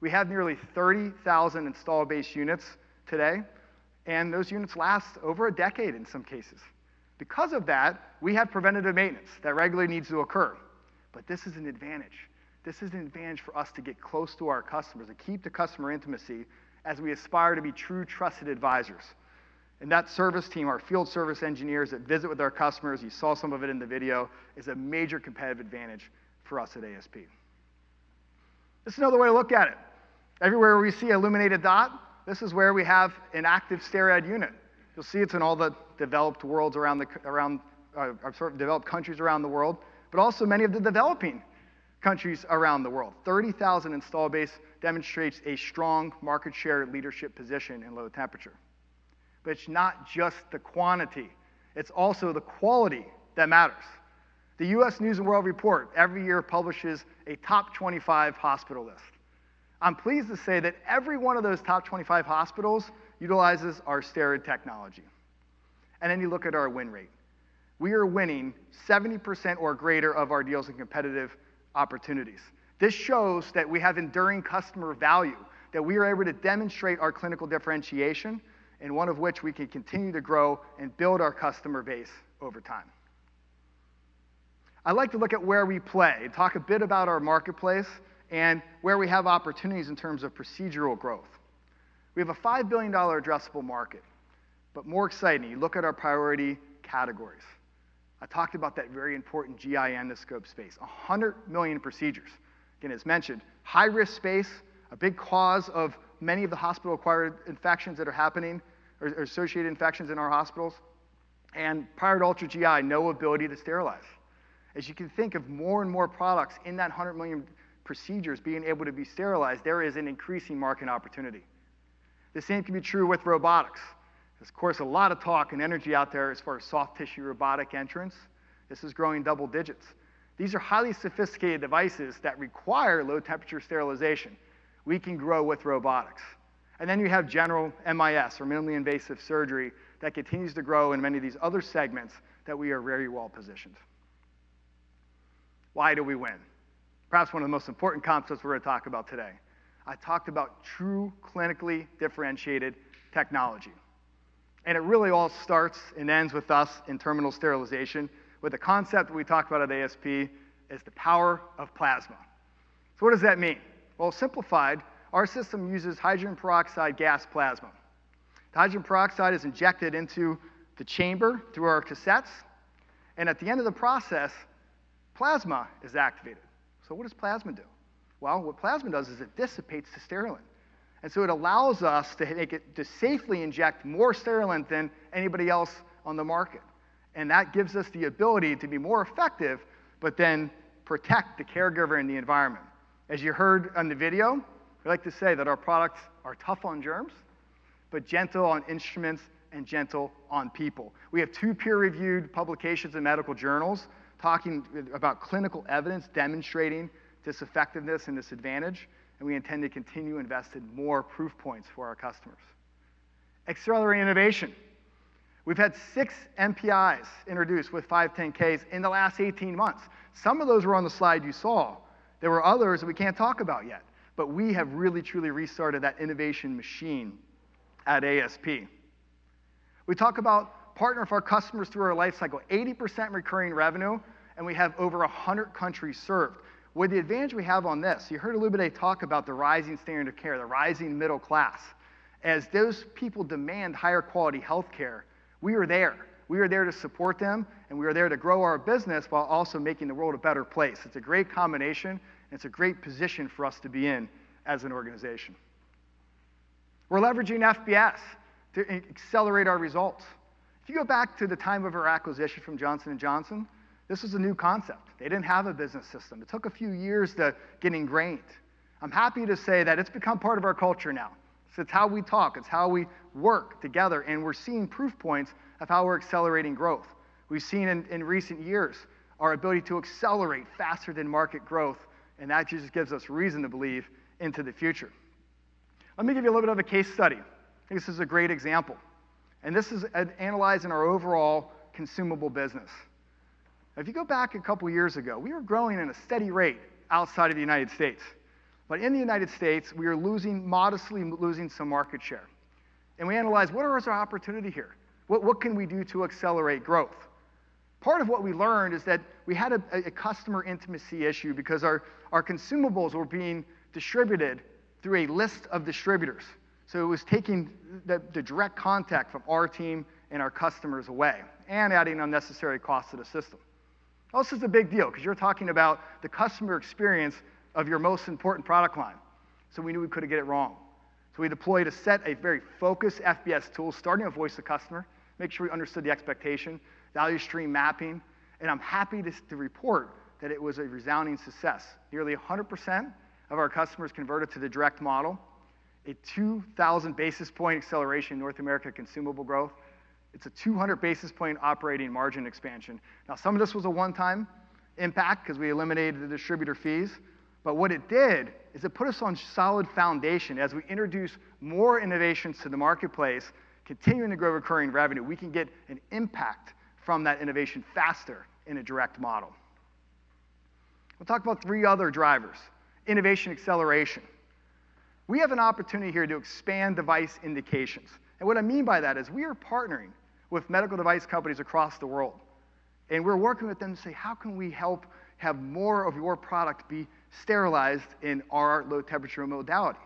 We have nearly 30,000 install-based units today. Those units last over a decade in some cases. Because of that, we have preventative maintenance that regularly needs to occur. This is an advantage. This is an advantage for us to get close to our customers and keep the customer intimacy as we aspire to be true, trusted advisors. That service team, our field service engineers that visit with our customers, you saw some of it in the video, is a major competitive advantage for us at ASP. This is another way to look at it. Everywhere we see an illuminated dot, this is where we have an active STERRAD unit. You'll see it's in all the developed countries around the world, but also many of the developing countries around the world. 30,000 install-based demonstrates a strong market share leadership position in low temperature. It's not just the quantity. It's also the quality that matters. U.S. News & World Report every year publishes a top 25 hospital list. I'm pleased to say that every one of those top 25 hospitals utilizes our STERRAD technology. You look at our win rate. We are winning 70% or greater of our deals and competitive opportunities. This shows that we have enduring customer value, that we are able to demonstrate our clinical differentiation, and one of which we can continue to grow and build our customer base over time. I'd like to look at where we play and talk a bit about our marketplace and where we have opportunities in terms of procedural growth. We have a $5 billion addressable market. More exciting, you look at our priority categories. I talked about that very important GI endoscope space, 100 million procedures. Again, as mentioned, high-risk space, a big cause of many of the hospital-acquired infections that are happening or associated infections in our hospitals. Prior to Ultra GI, no ability to sterilize. As you can think of more and more products in that 100 million procedures being able to be sterilized, there is an increasing market opportunity. The same can be true with robotics. There is, of course, a lot of talk and energy out there as far as soft tissue robotic entrance. This is growing double digits. These are highly sophisticated devices that require low-temperature sterilization. We can grow with robotics. You have general MIS or minimally invasive surgery that continues to grow in many of these other segments that we are very well positioned. Why do we win? Perhaps one of the most important concepts we are going to talk about today. I talked about true clinically differentiated technology. It really all starts and ends with us in terminal sterilization with a concept that we talked about at ASP is the power of plasma. What does that mean? Our system uses hydrogen peroxide gas plasma. The hydrogen peroxide is injected into the chamber through our cassettes. At the end of the process, plasma is activated. What does plasma do? What plasma does is it dissipates the sterolin. It allows us to safely inject more sterolin than anybody else on the market. That gives us the ability to be more effective, but then protect the caregiver and the environment. As you heard on the video, we like to say that our products are tough on germs, but gentle on instruments and gentle on people. We have two peer-reviewed publications in medical journals talking about clinical evidence demonstrating this effectiveness and this advantage. We intend to continue investing more proof points for our customers. Accelerating innovation. We have had six MPIs introduced with 510Ks in the last 18 months. Some of those were on the slide you saw. There were others that we can't talk about yet. We have really, truly restarted that innovation machine at ASP. We talk about partnering with our customers through our life cycle, 80% recurring revenue, and we have over 100 countries served. With the advantage we have on this, you heard a little bit of talk about the rising standard of care, the rising middle class. As those people demand higher quality healthcare, we are there. We are there to support them, and we are there to grow our business while also making the world a better place. It's a great combination, and it's a great position for us to be in as an organization. We're leveraging FBS to accelerate our results. If you go back to the time of our acquisition from Johnson & Johnson, this was a new concept. They did not have a business system. It took a few years to get ingrained. I am happy to say that it has become part of our culture now. It is how we talk. It is how we work together. We are seeing proof points of how we are accelerating growth. We have seen in recent years our ability to accelerate faster than market growth. That just gives us reason to believe into the future. Let me give you a little bit of a case study. This is a great example. This is analyzing our overall consumable business. If you go back a couple of years ago, we were growing at a steady rate outside of the U.S. In the U.S., we were modestly losing some market share. We analyzed, what is our opportunity here? What can we do to accelerate growth? Part of what we learned is that we had a customer intimacy issue because our consumables were being distributed through a list of distributors. It was taking the direct contact from our team and our customers away and adding unnecessary costs to the system. This is a big deal because you're talking about the customer experience of your most important product line. We knew we couldn't get it wrong. We deployed a set, a very focused FBS tool, starting with voice of customer, making sure we understood the expectation, value stream mapping. I'm happy to report that it was a resounding success. Nearly 100% of our customers converted to the direct model, a 2,000 basis point acceleration in North America consumable growth. It is a 200 basis point operating margin expansion. Now, some of this was a one-time impact because we eliminated the distributor fees. What it did is it put us on a solid foundation. As we introduce more innovations to the marketplace, continuing to grow recurring revenue, we can get an impact from that innovation faster in a direct model. We'll talk about three other drivers: innovation acceleration. We have an opportunity here to expand device indications. What I mean by that is we are partnering with medical device companies across the world. We're working with them to say, how can we help have more of your product be sterilized in our low-temperature modality?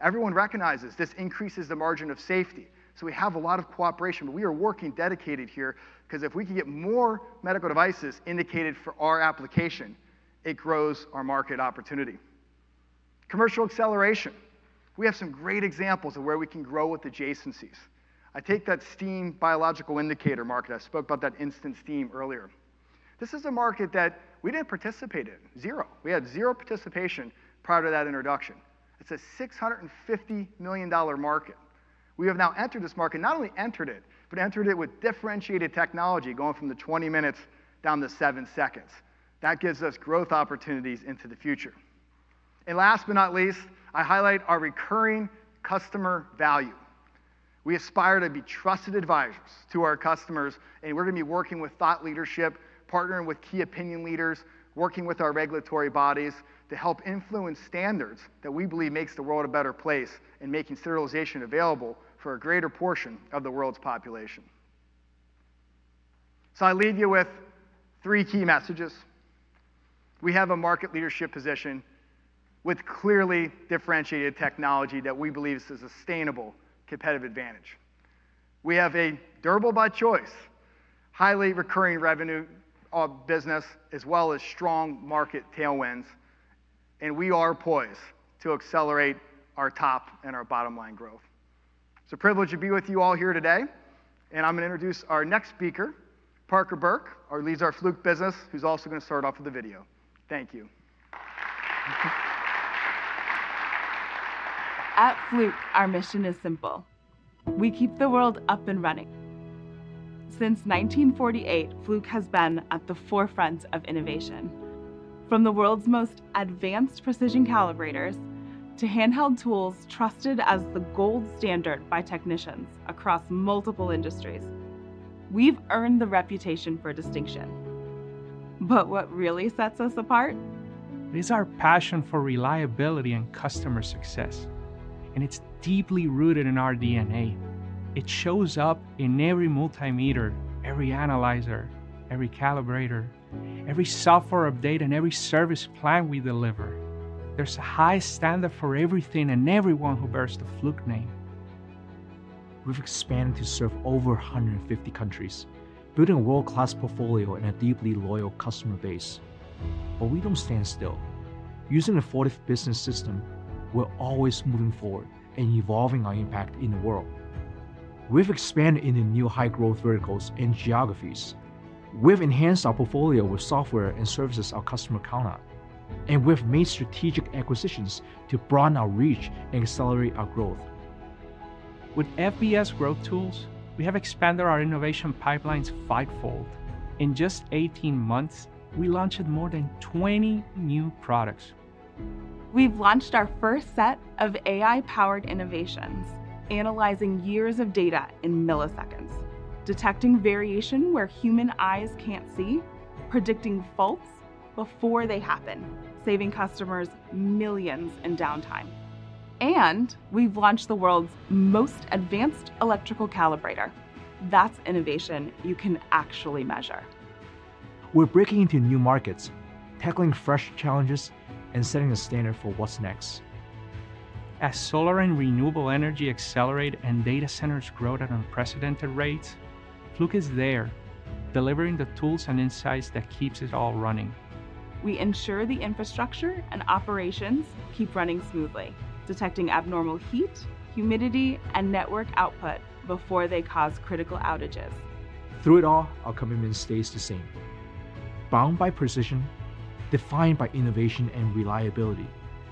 Everyone recognizes this increases the margin of safety. We have a lot of cooperation. We are working dedicated here because if we can get more medical devices indicated for our application, it grows our market opportunity. Commercial acceleration. We have some great examples of where we can grow with adjacencies. I take that steam biological indicator market. I spoke about that instant steam earlier. This is a market that we did not participate in, zero. We had zero participation prior to that introduction. It is a $650 million market. We have now entered this market, not only entered it, but entered it with differentiated technology going from the 20 minutes down to the 7 seconds. That gives us growth opportunities into the future. Last but not least, I highlight our recurring customer value. We aspire to be trusted advisors to our customers. We are going to be working with thought leadership, partnering with key opinion leaders, working with our regulatory bodies to help influence standards that we believe make the world a better place in making sterilization available for a greater portion of the world's population. I leave you with three key messages. We have a market leadership position with clearly differentiated technology that we believe is a sustainable competitive advantage. We have a durable by choice, highly recurring revenue business, as well as strong market tailwinds. We are poised to accelerate our top and our bottom line growth. It's a privilege to be with you all here today. I'm going to introduce our next speaker, Parker Burke, who leads our Fluke business, who's also going to start off with the video. Thank you. At Fluke, our mission is simple. We keep the world up and running. Since 1948, Fluke has been at the forefront of innovation. From the world's most advanced precision calibrators to handheld tools trusted as the gold standard by technicians across multiple industries, we've earned the reputation for distinction. What really sets us apart? It's our passion for reliability and customer success. It is deeply rooted in our DNA. It shows up in every multimeter, every analyzer, every calibrator, every software update, and every service plan we deliver. There is a high standard for everything and everyone who bears the Fluke name. We have expanded to serve over 150 countries, building a world-class portfolio and a deeply loyal customer base. We do not stand still. Using an affordable business system, we are always moving forward and evolving our impact in the world. We have expanded into new high-growth verticals and geographies. We have enhanced our portfolio with software and services our customers count on. We have made strategic acquisitions to broaden our reach and accelerate our growth. With FBS growth tools, we have expanded our innovation pipelines fivefold. In just 18 months, we launched more than 20 new products. We've launched our first set of AI-powered innovations, analyzing years of data in milliseconds, detecting variation where human eyes can't see, predicting faults before they happen, saving customers millions in downtime. We've launched the world's most advanced electrical calibrator. That's innovation you can actually measure. We're breaking into new markets, tackling fresh challenges, and setting a standard for what's next. As solar and renewable energy accelerate and data centers grow at an unprecedented rate, Fluke is there, delivering the tools and insights that keep it all running. We ensure the infrastructure and operations keep running smoothly, detecting abnormal heat, humidity, and network output before they cause critical outages. Through it all, our commitment stays the same: bound by precision, defined by innovation and reliability.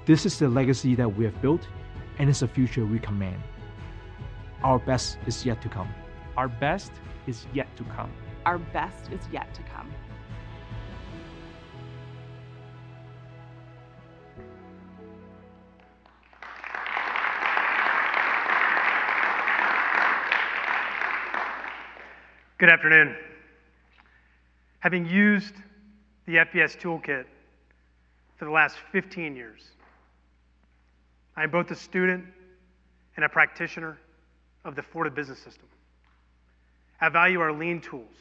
This is the legacy that we have built, and it's a future we command. Our best is yet to come. Our best is yet to come. Our best is yet to come. Good afternoon. Having used the FBS toolkit for the last 15 years, I am both a student and a practitioner of the Fortive Business System. I value our lean tools,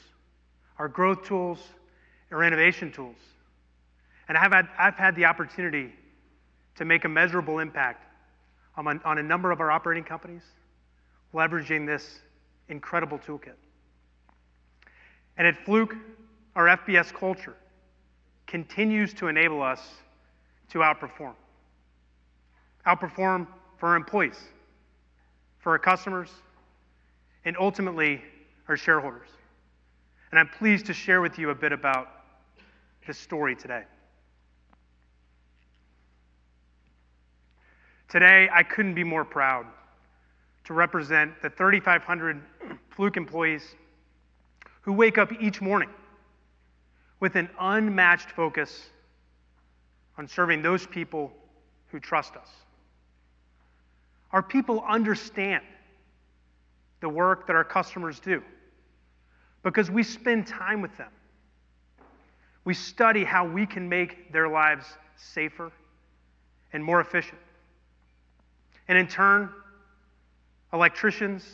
our growth tools, and our innovation tools. I have had the opportunity to make a measurable impact on a number of our operating companies leveraging this incredible toolkit. At Fluke, our FBS culture continues to enable us to outperform. Outperform for our employees, for our customers, and ultimately our shareholders. I am pleased to share with you a bit about the story today. Today, I could not be more proud to represent the 3,500 Fluke employees who wake up each morning with an unmatched focus on serving those people who trust us. Our people understand the work that our customers do because we spend time with them. We study how we can make their lives safer and more efficient. In turn, electricians,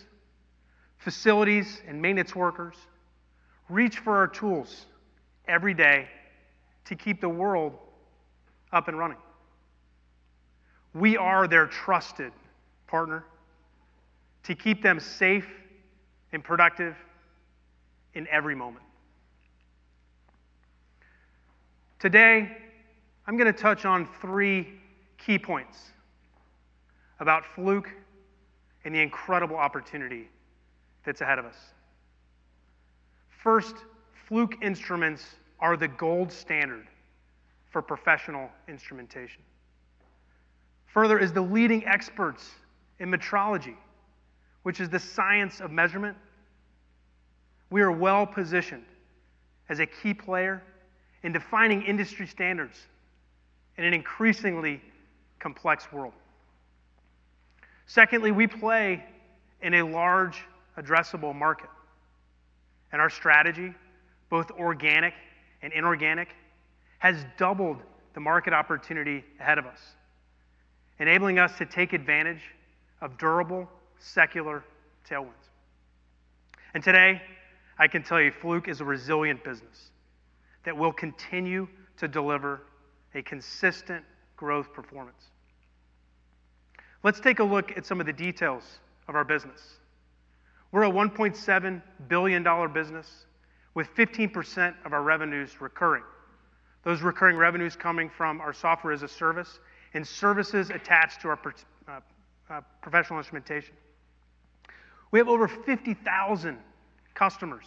facilities, and maintenance workers reach for our tools every day to keep the world up and running. We are their trusted partner to keep them safe and productive in every moment. Today, I'm going to touch on three key points about Fluke and the incredible opportunity that's ahead of us. First, Fluke instruments are the gold standard for professional instrumentation. Further, as the leading experts in metrology, which is the science of measurement, we are well positioned as a key player in defining industry standards in an increasingly complex world. Secondly, we play in a large addressable market. Our strategy, both organic and inorganic, has doubled the market opportunity ahead of us, enabling us to take advantage of durable secular tailwinds. Today, I can tell you Fluke is a resilient business that will continue to deliver a consistent growth performance. Let's take a look at some of the details of our business. We're a $1.7 billion business with 15% of our revenues recurring. Those recurring revenues are coming from our software as a service and services attached to our professional instrumentation. We have over 50,000 customers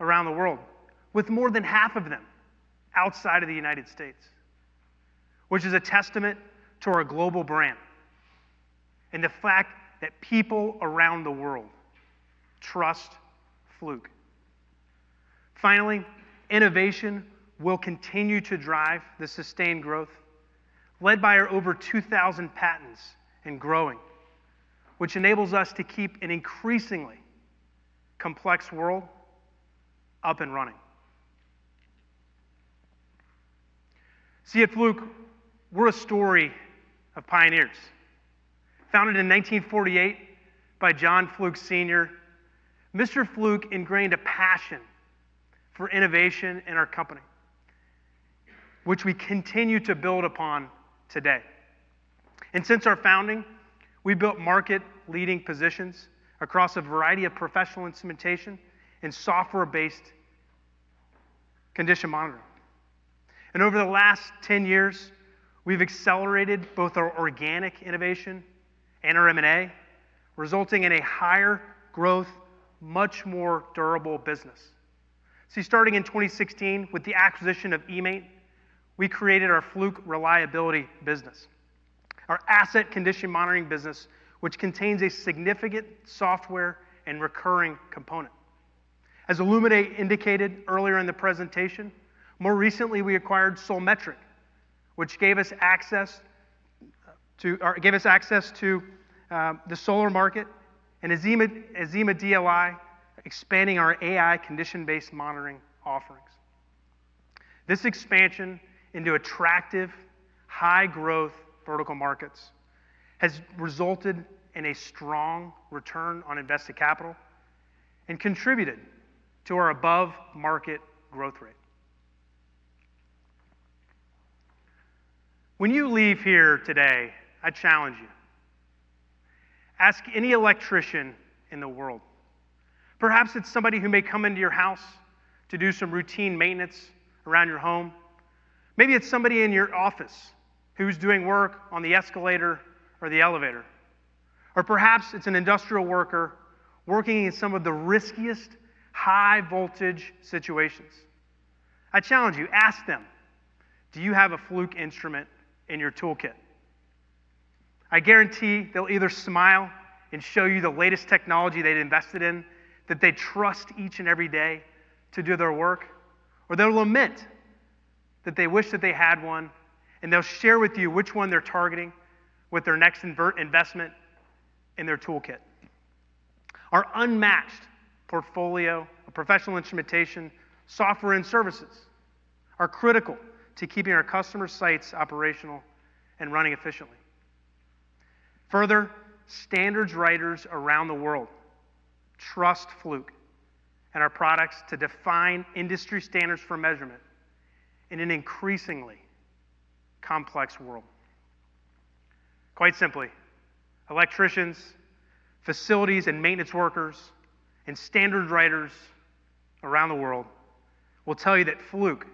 around the world, with more than half of them outside of the United States, which is a testament to our global brand and the fact that people around the world trust Fluke. Finally, innovation will continue to drive the sustained growth, led by our over 2,000 patents and growing, which enables us to keep an increasingly complex world up and running. See at Fluke, we're a story of pioneers. Founded in 1948 by John Fluke Sr., Mr. Fluke ingrained a passion for innovation in our company, which we continue to build upon today. Since our founding, we have built market-leading positions across a variety of professional instrumentation and software-based condition monitoring. Over the last 10 years, we have accelerated both our organic innovation and our M&A, resulting in a higher growth, much more durable business. Starting in 2016 with the acquisition of eMaint, we created our Fluke Reliability business, our asset condition monitoring business, which contains a significant software and recurring component. As Olumide indicated earlier in the presentation, more recently, we acquired Solmetric, which gave us access to the solar market, and Azima DLI, expanding our AI condition-based monitoring offerings. This expansion into attractive, high-growth vertical markets has resulted in a strong return on invested capital and contributed to our above-market growth rate. When you leave here today, I challenge you. Ask any electrician in the world. Perhaps it's somebody who may come into your house to do some routine maintenance around your home. Maybe it's somebody in your office who's doing work on the escalator or the elevator. Or perhaps it's an industrial worker working in some of the riskiest high-voltage situations. I challenge you. Ask them, "Do you have a Fluke instrument in your toolkit?" I guarantee they'll either smile and show you the latest technology they've invested in, that they trust each and every day to do their work, or they'll lament that they wish that they had one, and they'll share with you which one they're targeting with their next investment in their toolkit. Our unmatched portfolio of professional instrumentation, software, and services is critical to keeping our customers' sites operational and running efficiently. Further, standards writers around the world trust Fluke and our products to define industry standards for measurement in an increasingly complex world. Quite simply, electricians, facilities, and maintenance workers, and standards writers around the world will tell you that Fluke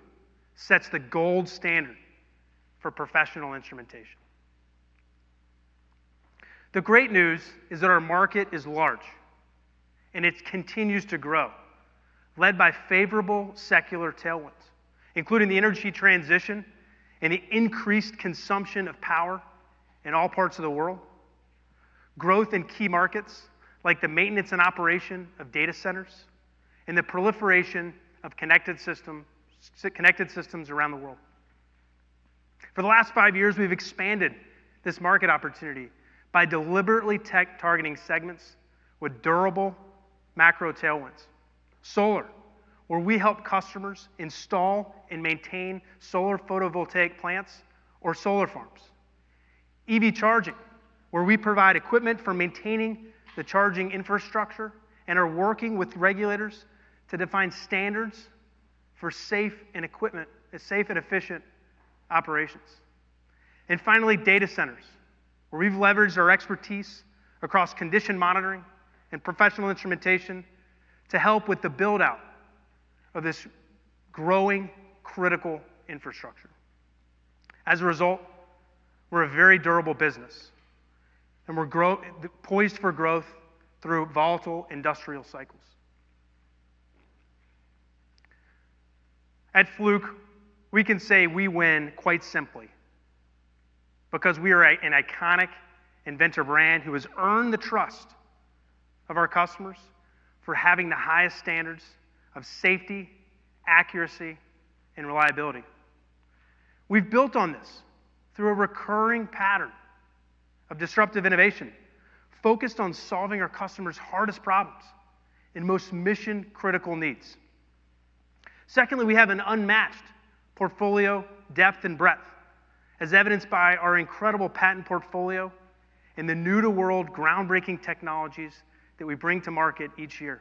sets the gold standard for professional instrumentation. The great news is that our market is large, and it continues to grow, led by favorable secular tailwinds, including the energy transition and the increased consumption of power in all parts of the world, growth in key markets like the maintenance and operation of data centers, and the proliferation of connected systems around the world. For the last five years, we've expanded this market opportunity by deliberately targeting segments with durable macro tailwinds. Solar, where we help customers install and maintain solar photovoltaic plants or solar farms. EV charging, where we provide equipment for maintaining the charging infrastructure and are working with regulators to define standards for safe and efficient operations. Finally, data centers, where we've leveraged our expertise across condition monitoring and professional instrumentation to help with the build-out of this growing critical infrastructure. As a result, we're a very durable business, and we're poised for growth through volatile industrial cycles. At Fluke, we can say we win quite simply because we are an iconic inventor brand who has earned the trust of our customers for having the highest standards of safety, accuracy, and reliability. We've built on this through a recurring pattern of disruptive innovation focused on solving our customers' hardest problems and most mission-critical needs. Secondly, we have an unmatched portfolio depth and breadth, as evidenced by our incredible patent portfolio and the new-to-world groundbreaking technologies that we bring to market each year.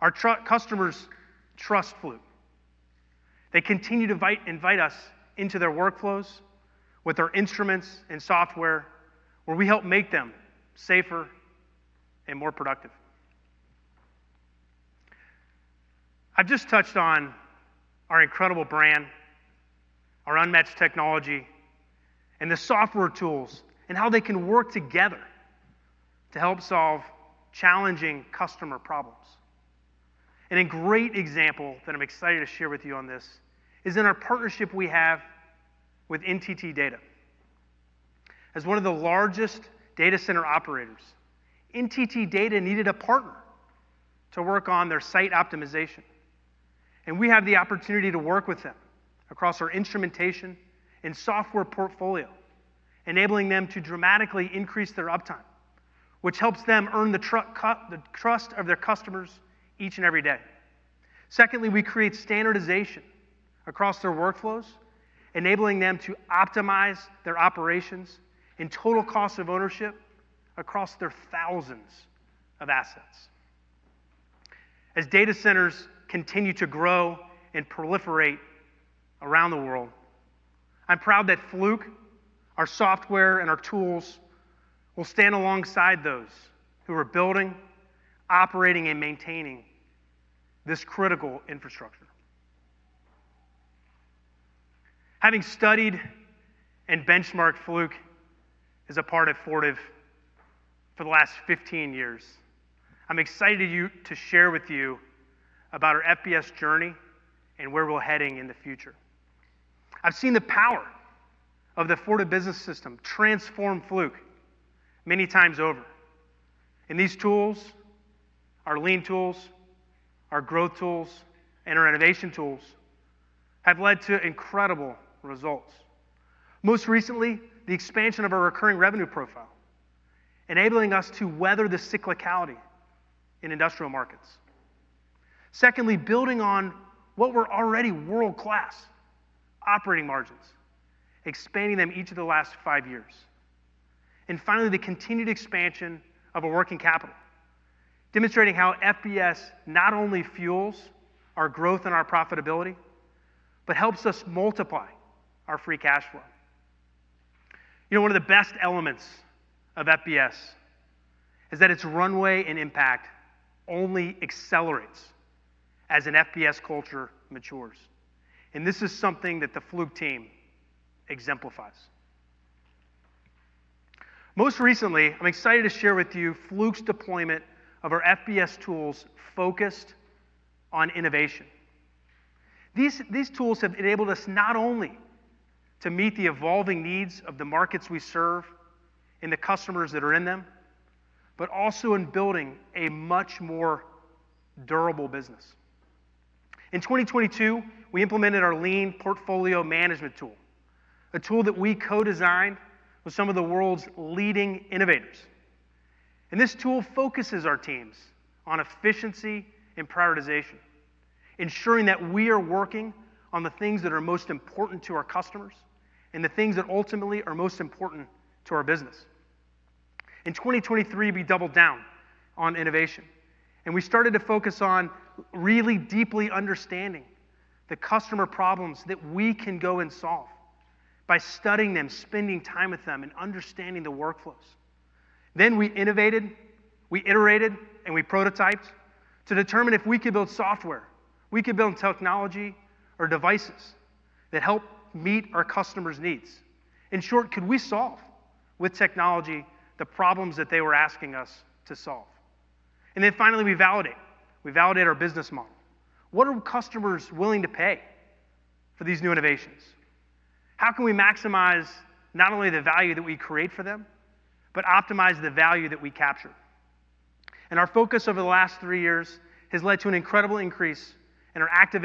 Our customers trust Fluke. They continue to invite us into their workflows with our instruments and software, where we help make them safer and more productive. I have just touched on our incredible brand, our unmatched technology, and the software tools and how they can work together to help solve challenging customer problems. A great example that I am excited to share with you on this is in our partnership we have with NTT Data. As one of the largest data center operators, NTT Data needed a partner to work on their site optimization. We have the opportunity to work with them across our instrumentation and software portfolio, enabling them to dramatically increase their uptime, which helps them earn the trust of their customers each and every day. Secondly, we create standardization across their workflows, enabling them to optimize their operations and total cost of ownership across their thousands of assets. As data centers continue to grow and proliferate around the world, I'm proud that Fluke, our software, and our tools will stand alongside those who are building, operating, and maintaining this critical infrastructure. Having studied and benchmarked Fluke as a part of Fortive for the last 15 years, I'm excited to share with you about our FBS journey and where we're heading in the future. I've seen the power of the Fortive Business System transform Fluke many times over. These tools, our lean tools, our growth tools, and our innovation tools have led to incredible results. Most recently, the expansion of our recurring revenue profile, enabling us to weather the cyclicality in industrial markets. Secondly, building on what were already world-class operating margins, expanding them each of the last five years. Finally, the continued expansion of our working capital, demonstrating how FBS not only fuels our growth and our profitability, but helps us multiply our free cash flow. One of the best elements of FBS is that its runway and impact only accelerates as an FBS culture matures. This is something that the Fluke team exemplifies. Most recently, I'm excited to share with you Fluke's deployment of our FBS tools focused on innovation. These tools have enabled us not only to meet the evolving needs of the markets we serve and the customers that are in them, but also in building a much more durable business. In 2022, we implemented our lean portfolio management tool, a tool that we co-designed with some of the world's leading innovators. This tool focuses our teams on efficiency and prioritization, ensuring that we are working on the things that are most important to our customers and the things that ultimately are most important to our business. In 2023, we doubled down on innovation. We started to focus on really deeply understanding the customer problems that we can go and solve by studying them, spending time with them, and understanding the workflows. We innovated, we iterated, and we prototyped to determine if we could build software, we could build technology, or devices that help meet our customers' needs. In short, could we solve with technology the problems that they were asking us to solve? Finally, we validate. We validate our business model. What are customers willing to pay for these new innovations? How can we maximize not only the value that we create for them, but optimize the value that we capture? Our focus over the last three years has led to an incredible increase in our active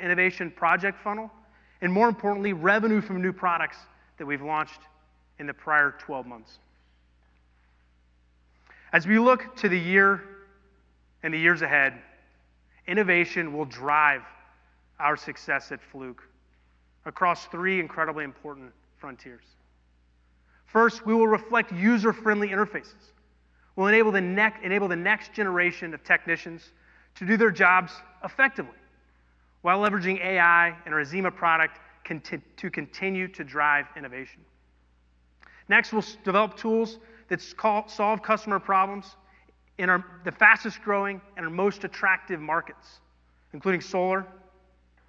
innovation project funnel and, more importantly, revenue from new products that we've launched in the prior 12 months. As we look to the year and the years ahead, innovation will drive our success at Fluke across three incredibly important frontiers. First, we will reflect user-friendly interfaces. We'll enable the next generation of technicians to do their jobs effectively while leveraging AI and our Azima product to continue to drive innovation. Next, we'll develop tools that solve customer problems in the fastest-growing and our most attractive markets, including solar,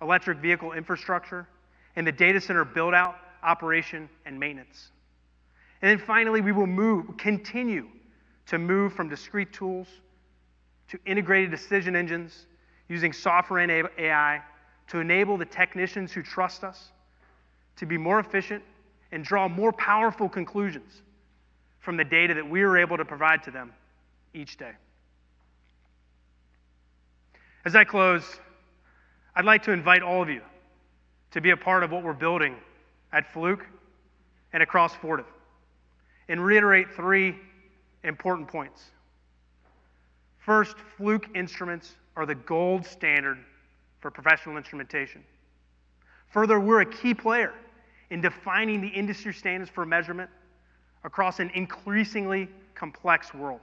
electric vehicle infrastructure, and the data center build-out, operation, and maintenance. Finally, we will continue to move from discrete tools to integrated decision engines using software and AI to enable the technicians who trust us to be more efficient and draw more powerful conclusions from the data that we are able to provide to them each day. As I close, I'd like to invite all of you to be a part of what we're building at Fluke and across Fortive and reiterate three important points. First, Fluke instruments are the gold standard for professional instrumentation. Further, we're a key player in defining the industry standards for measurement across an increasingly complex world.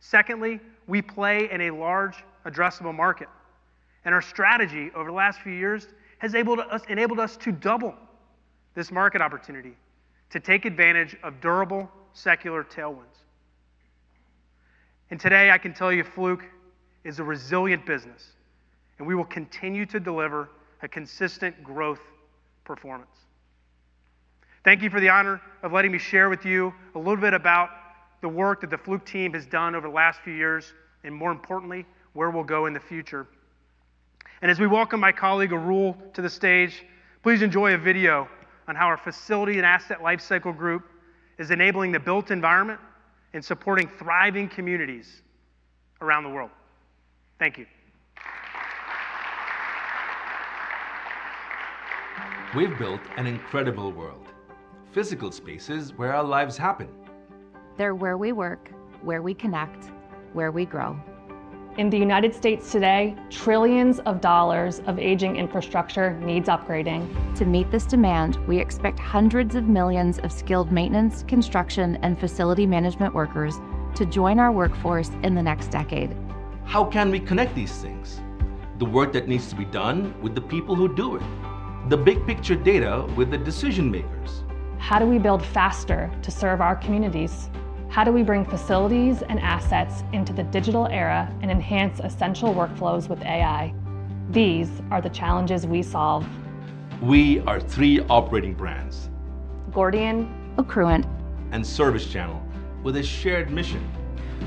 Secondly, we play in a large addressable market. Our strategy over the last few years has enabled us to double this market opportunity to take advantage of durable secular tailwinds. Today, I can tell you Fluke is a resilient business, and we will continue to deliver a consistent growth performance. Thank you for the honor of letting me share with you a little bit about the work that the Fluke team has done over the last few years and, more importantly, where we'll go in the future. As we welcome my colleague Arul to the stage, please enjoy a video on how our facility and asset lifecycle group is enabling the built environment and supporting thriving communities around the world. Thank you. We've built an incredible world, physical spaces where our lives happen. They're where we work, where we connect, where we grow. In the United States today, trillions of dollars of aging infrastructure needs upgrading. To meet this demand, we expect hundreds of millions of skilled maintenance, construction, and facility management workers to join our workforce in the next decade. How can we connect these things, the work that needs to be done, with the people who do it, the big-picture data with the decision-makers? How do we build faster to serve our communities? How do we bring facilities and assets into the digital era and enhance essential workflows with AI? These are the challenges we solve. We are three operating brands: Gordian, Accruent, and Service Channel, with a shared mission.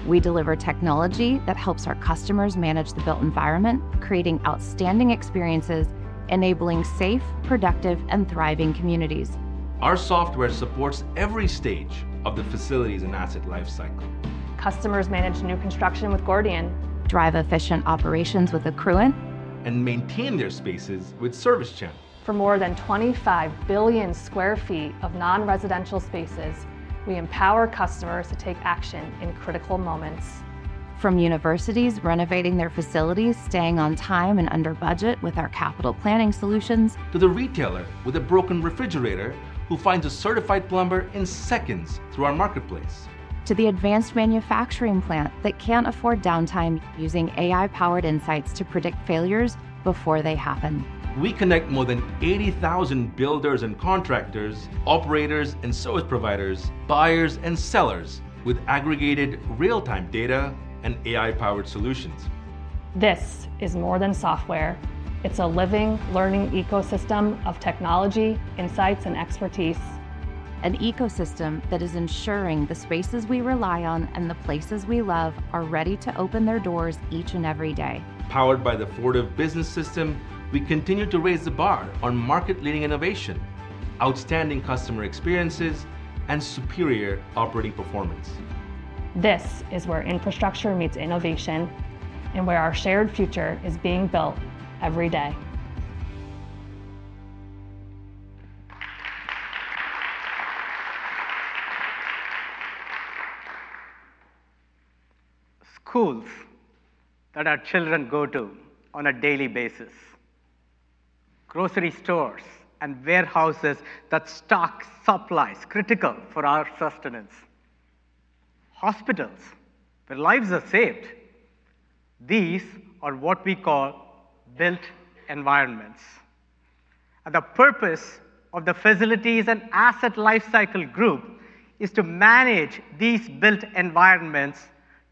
We deliver technology that helps our customers manage the built environment, creating outstanding experiences, enabling safe, productive, and thriving communities. Our software supports every stage of the facilities and asset lifecycle. Customers manage new construction with Gordian, drive efficient operations with Accruent, and maintain their spaces with Service Channel. For more than 25 billion sq ft of non-residential spaces, we empower customers to take action in critical moments. From universities renovating their facilities, staying on time and under budget with our capital planning solutions, to the retailer with a broken refrigerator who finds a certified plumber in seconds through our marketplace, to the advanced manufacturing plant that can't afford downtime using AI-powered insights to predict failures before they happen. We connect more than 80,000 builders and contractors, operators and service providers, buyers and sellers with aggregated real-time data and AI-powered solutions. This is more than software. It's a living, learning ecosystem of technology, insights, and expertise. An ecosystem that is ensuring the spaces we rely on and the places we love are ready to open their doors each and every day. Powered by the Fortive Business System, we continue to raise the bar on market-leading innovation, outstanding customer experiences, and superior operating performance. This is where infrastructure meets innovation and where our shared future is being built every day. Schools that our children go to on a daily basis, grocery stores and warehouses that stock supplies critical for our sustenance, hospitals where lives are saved, these are what we call built environments. The purpose of the facilities and asset lifecycle group is to manage these built environments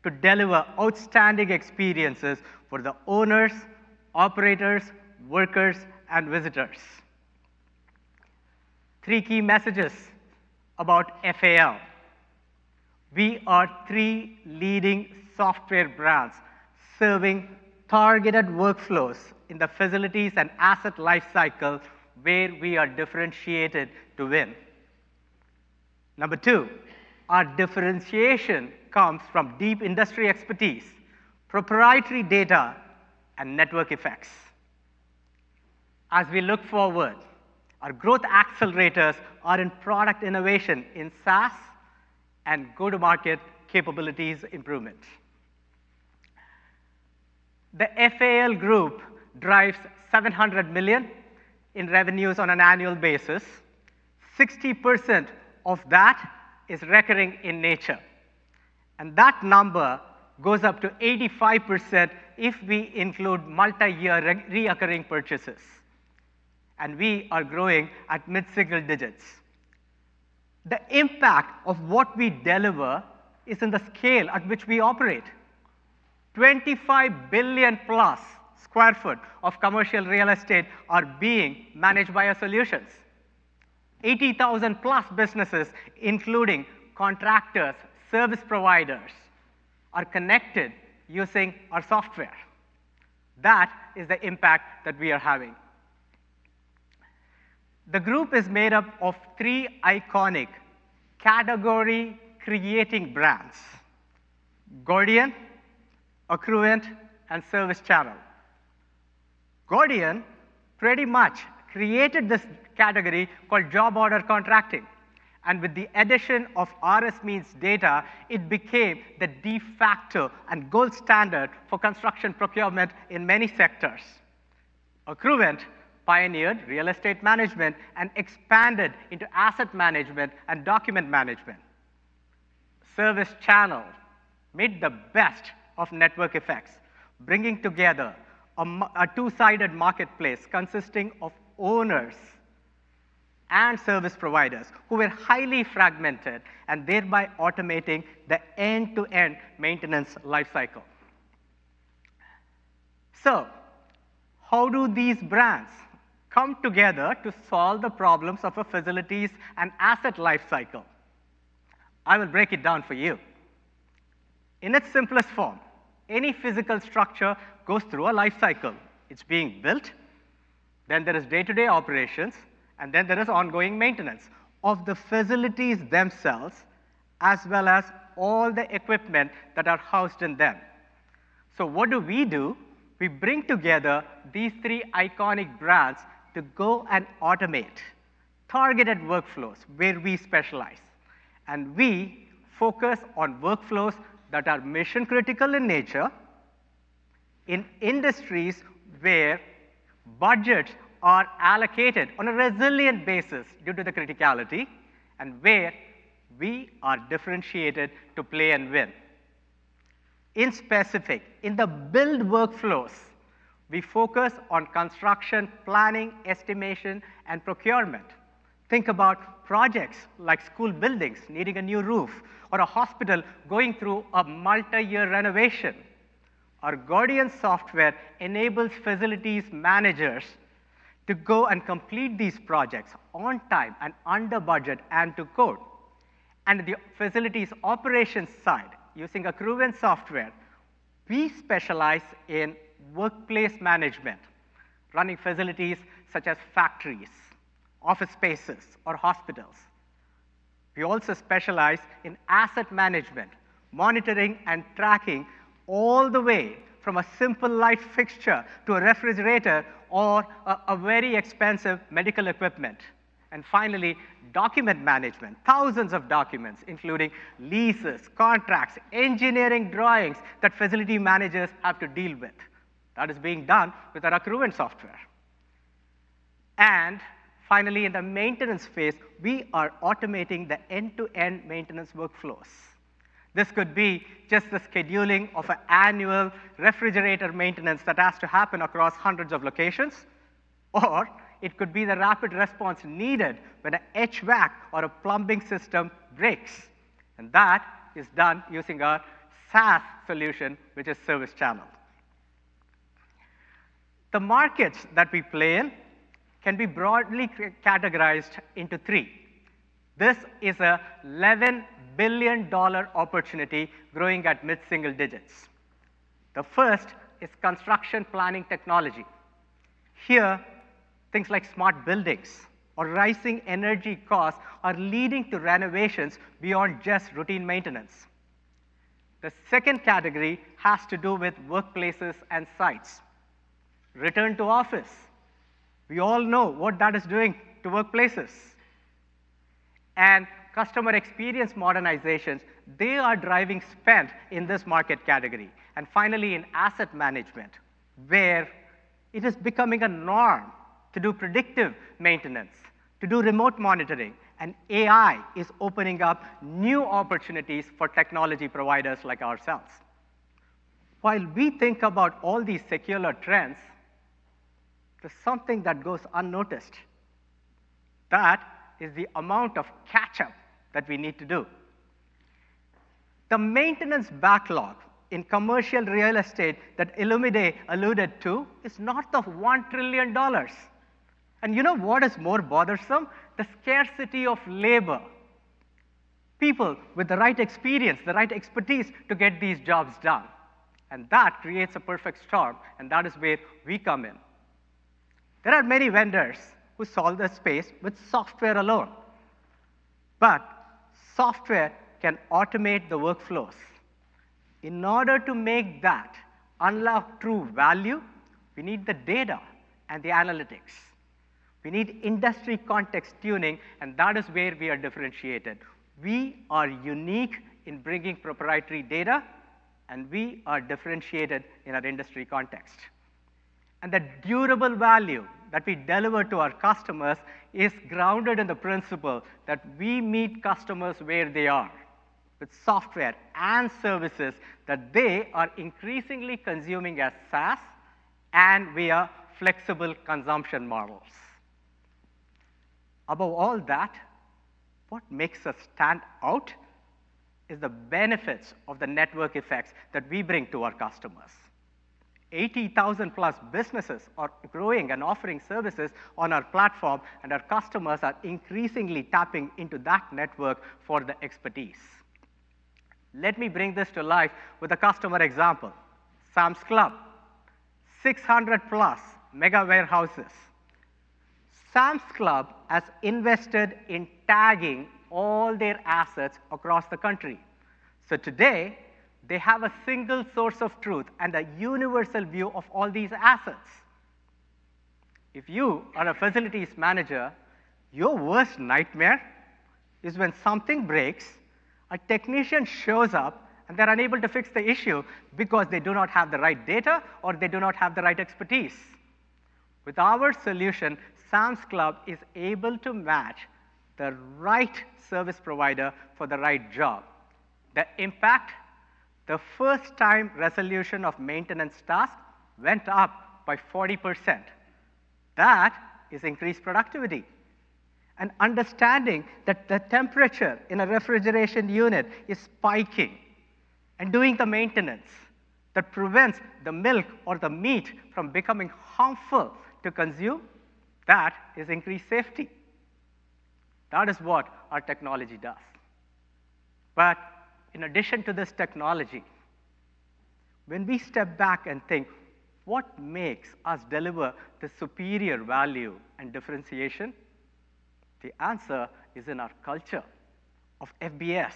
to deliver outstanding experiences for the owners, operators, workers, and visitors. Three key messages about FAL: we are three leading software brands serving targeted workflows in the facilities and asset lifecycle where we are differentiated to win. Number two, our differentiation comes from deep industry expertise, proprietary data, and network effects. As we look forward, our growth accelerators are in product innovation in SaaS and go-to-market capabilities improvement. The FAL group drives $700 million in revenues on an annual basis. 60% of that is recurring in nature. That number goes up to 85% if we include multi-year recurring purchases. We are growing at mid-single digits. The impact of what we deliver is in the scale at which we operate. 25 billion+ sq ft of commercial real estate are being managed by our solutions. 80,000+ businesses, including contractors, service providers, are connected using our software. That is the impact that we are having. The group is made up of three iconic category-creating brands: Gordian, Accruent, and Service Channel. Gordian pretty much created this category called job order contracting. With the addition of RSMeans data, it became the de facto and gold standard for construction procurement in many sectors. Accruent pioneered real estate management and expanded into asset management and document management. Service Channel made the best of network effects, bringing together a two-sided marketplace consisting of owners and service providers who were highly fragmented and thereby automating the end-to-end maintenance lifecycle. How do these brands come together to solve the problems of a facilities and asset lifecycle? I will break it down for you. In its simplest form, any physical structure goes through a lifecycle. It is being built. There are day-to-day operations, and there is ongoing maintenance of the facilities themselves, as well as all the equipment that are housed in them. What do we do? We bring together these three iconic brands to go and automate targeted workflows where we specialize. We focus on workflows that are mission-critical in nature, in industries where budgets are allocated on a resilient basis due to the criticality, and where we are differentiated to play and win. In specific, in the built workflows, we focus on construction, planning, estimation, and procurement. Think about projects like school buildings needing a new roof or a hospital going through a multi-year renovation. Our Gordian software enables facilities managers to go and complete these projects on time and under budget and to code. In the facilities operations side, using Accruent software, we specialize in workplace management, running facilities such as factories, office spaces, or hospitals. We also specialize in asset management, monitoring and tracking all the way from a simple light fixture to a refrigerator or a very expensive medical equipment. Finally, document management, thousands of documents, including leases, contracts, engineering drawings that facility managers have to deal with. That is being done with our Accruent software. Finally, in the maintenance phase, we are automating the end-to-end maintenance workflows. This could be just the scheduling of an annual refrigerator maintenance that has to happen across hundreds of locations, or it could be the rapid response needed when an HVAC or a plumbing system breaks. That is done using our SaaS solution, which is Service Channel. The markets that we play in can be broadly categorized into three. This is a $11 billion opportunity growing at mid-single digits. The first is construction planning technology. Here, things like smart buildings or rising energy costs are leading to renovations beyond just routine maintenance. The second category has to do with workplaces and sites. Return to office, we all know what that is doing to workplaces. Customer experience modernizations, they are driving spend in this market category. Finally, in asset management, where it is becoming a norm to do predictive maintenance, to do remote monitoring, and AI is opening up new opportunities for technology providers like ourselves. While we think about all these secular trends, there is something that goes unnoticed. That is the amount of catch-up that we need to do. The maintenance backlog in commercial real estate that Olumide alluded to is north of $1 trillion. You know what is more bothersome? The scarcity of labor, people with the right experience, the right expertise to get these jobs done. That creates a perfect storm, and that is where we come in. There are many vendors who solve this space with software alone. Software can automate the workflows. In order to make that unlock true value, we need the data and the analytics. We need industry context tuning, and that is where we are differentiated. We are unique in bringing proprietary data, and we are differentiated in our industry context. The durable value that we deliver to our customers is grounded in the principle that we meet customers where they are with software and services that they are increasingly consuming as SaaS and via flexible consumption models. Above all that, what makes us stand out is the benefits of the network effects that we bring to our customers. 80,000+ businesses are growing and offering services on our platform, and our customers are increasingly tapping into that network for the expertise. Let me bring this to life with a customer example: Sam's Club, 600+ mega warehouses. Sam's Club has invested in tagging all their assets across the country. Today, they have a single source of truth and a universal view of all these assets. If you are a facilities manager, your worst nightmare is when something breaks, a technician shows up, and they're unable to fix the issue because they do not have the right data or they do not have the right expertise. With our solution, Sam's Club is able to match the right service provider for the right job. The impact? The first-time resolution of maintenance tasks went up by 40%. That is increased productivity. Understanding that the temperature in a refrigeration unit is spiking and doing the maintenance that prevents the milk or the meat from becoming harmful to consume, that is increased safety. That is what our technology does. In addition to this technology, when we step back and think, what makes us deliver the superior value and differentiation? The answer is in our culture of FBS.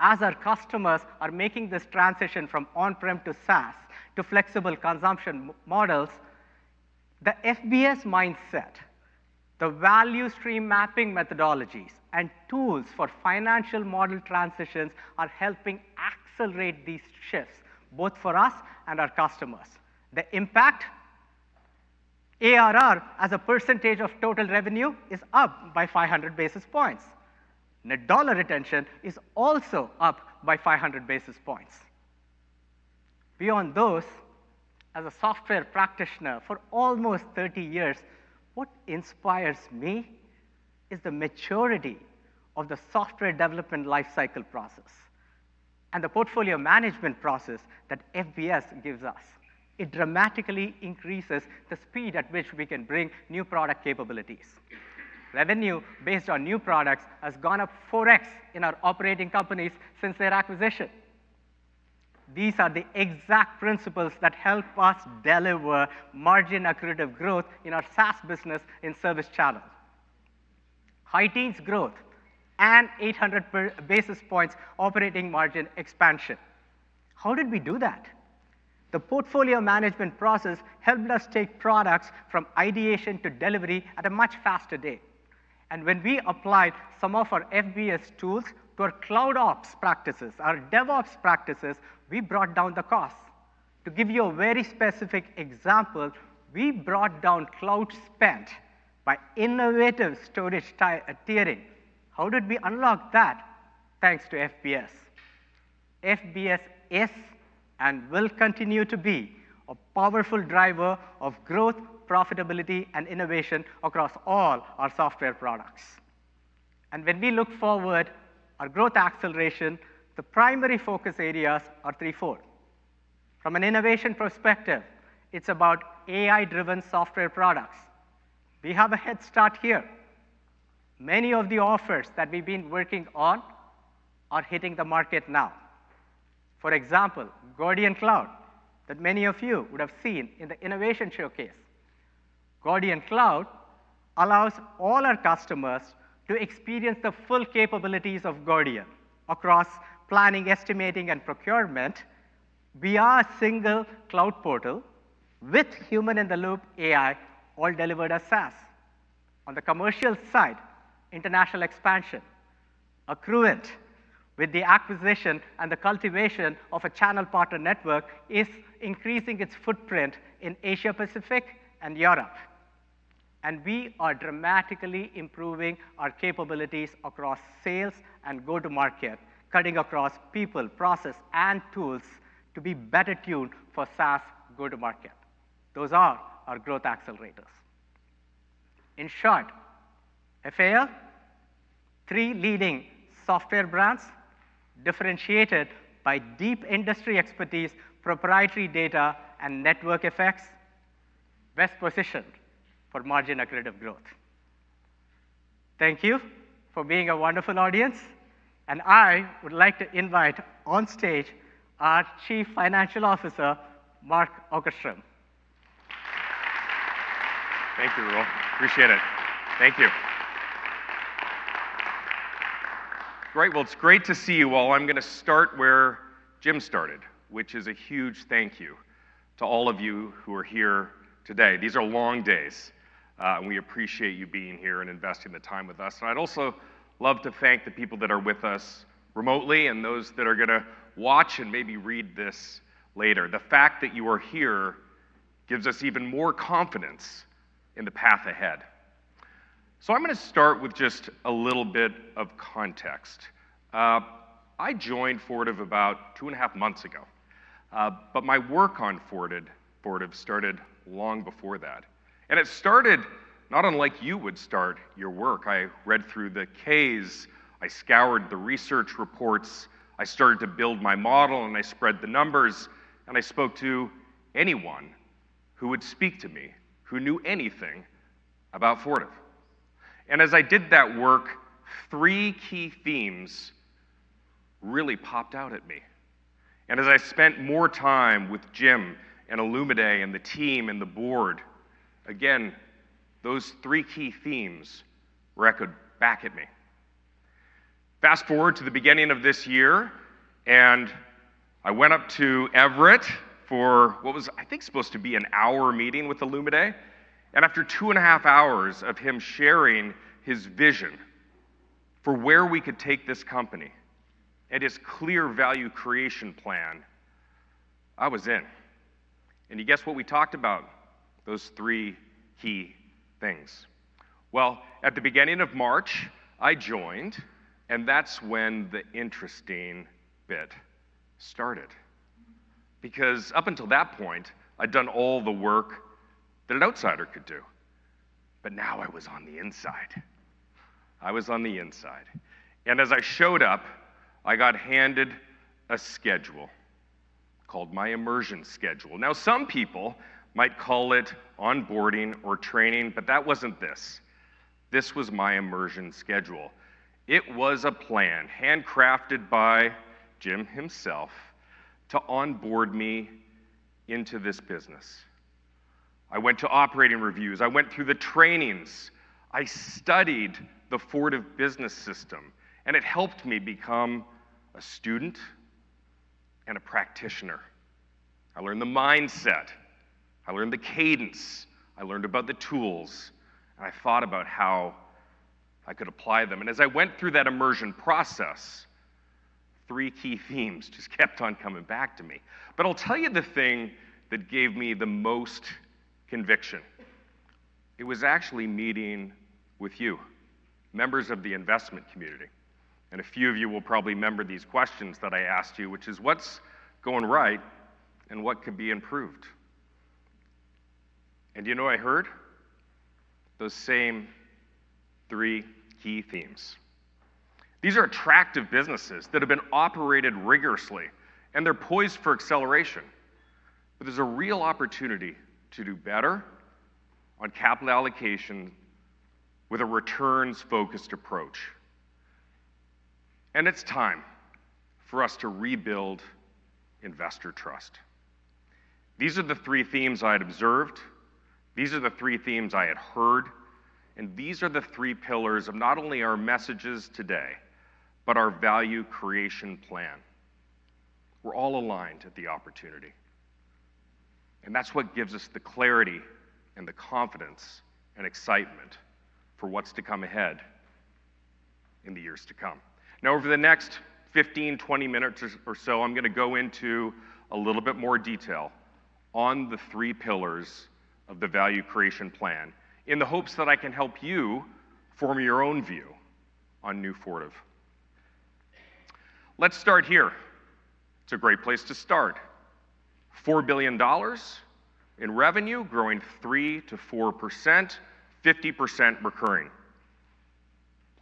As our customers are making this transition from on-prem to SaaS to flexible consumption models, the FBS mindset, the value stream mapping methodologies, and tools for financial model transitions are helping accelerate these shifts both for us and our customers. The impact? ARR as a percentage of total revenue is up by 500 basis points. Net dollar retention is also up by 500 basis points. Beyond those, as a software practitioner for almost 30 years, what inspires me is the maturity of the software development lifecycle process and the portfolio management process that FBS gives us. It dramatically increases the speed at which we can bring new product capabilities. Revenue based on new products has gone up 4x in our operating companies since their acquisition. These are the exact principles that help us deliver margin accretive growth in our SaaS business in Service Channel. Heightens growth and 800 basis points operating margin expansion. How did we do that? The portfolio management process helped us take products from ideation to delivery at a much faster date. When we applied some of our FBS tools to our CloudOps practices, our DevOps practices, we brought down the costs. To give you a very specific example, we brought down cloud spend by innovative storage tiering. How did we unlock that? Thanks to FBS. FBS is and will continue to be a powerful driver of growth, profitability, and innovation across all our software products. When we look forward, our growth acceleration, the primary focus areas are threefold. From an innovation perspective, it's about AI-driven software products. We have a head start here. Many of the offers that we've been working on are hitting the market now. For example, Gordian Cloud that many of you would have seen in the innovation showcase. Gordian Cloud allows all our customers to experience the full capabilities of Gordian across planning, estimating, and procurement via a single cloud portal with human-in-the-loop AI, all delivered as SaaS. On the commercial side, international expansion. Accruent, with the acquisition and the cultivation of a channel partner network, is increasing its footprint in Asia-Pacific and Europe. We are dramatically improving our capabilities across sales and go-to-market, cutting across people, process, and tools to be better tuned for SaaS go-to-market. Those are our growth accelerators. In short, FAO, three leading software brands differentiated by deep industry expertise, proprietary data, and network effects, best positioned for margin accretive growth. Thank you for being a wonderful audience. I would like to invite on stage our Chief Financial Officer, Mark Okerstrom. Thank you, Arul. Appreciate it. Thank you. Great. It is great to see you all. I am going to start where Jim started, which is a huge thank you to all of you who are here today. These are long days, and we appreciate you being here and investing the time with us. I would also love to thank the people that are with us remotely and those that are going to watch and maybe read this later. The fact that you are here gives us even more confidence in the path ahead. I am going to start with just a little bit of context. I joined Fortive about two and a half months ago, but my work on Fortive started long before that. It started not unlike you would start your work. I read through the K's. I scoured the research reports. I started to build my model, and I spread the numbers. I spoke to anyone who would speak to me who knew anything about Fortive. As I did that work, three key themes really popped out at me. As I spent more time with Jim and Olumide and the team and the board, again, those three key themes were echoed back at me. Fast forward to the beginning of this year, I went up to Everett for what was, I think, supposed to be an hour meeting with Olumide. After two and a half hours of him sharing his vision for where we could take this company and its clear value creation plan, I was in. You guess what we talked about? Those three key things. At the beginning of March, I joined, and that's when the interesting bit started. Because up until that point, I'd done all the work that an outsider could do. Now I was on the inside. I was on the inside. As I showed up, I got handed a schedule called my immersion schedule. Some people might call it onboarding or training, but that wasn't this. This was my immersion schedule. It was a plan handcrafted by Jim himself to onboard me into this business. I went to operating reviews. I went through the trainings. I studied the Fortive Business System, and it helped me become a student and a practitioner. I learned the mindset. I learned the cadence. I learned about the tools, and I thought about how I could apply them. As I went through that immersion process, three key themes just kept on coming back to me. I'll tell you the thing that gave me the most conviction. It was actually meeting with you, members of the investment community. A few of you will probably remember these questions that I asked you, which is, what's going right and what could be improved? You know I heard those same three key themes. These are attractive businesses that have been operated rigorously, and they're poised for acceleration. There is a real opportunity to do better on capital allocation with a returns-focused approach. It is time for us to rebuild investor trust. These are the three themes I had observed. These are the three themes I had heard. These are the three pillars of not only our messages today, but our value creation plan. We're all aligned at the opportunity. That's what gives us the clarity and the confidence and excitement for what's to come ahead in the years to come. Now, over the next 15-20 minutes or so, I'm going to go into a little bit more detail on the three pillars of the value creation plan in the hopes that I can help you form your own view on new Fortive. Let's start here. It's a great place to start. $4 billion in revenue growing 3-4%, 50% recurring.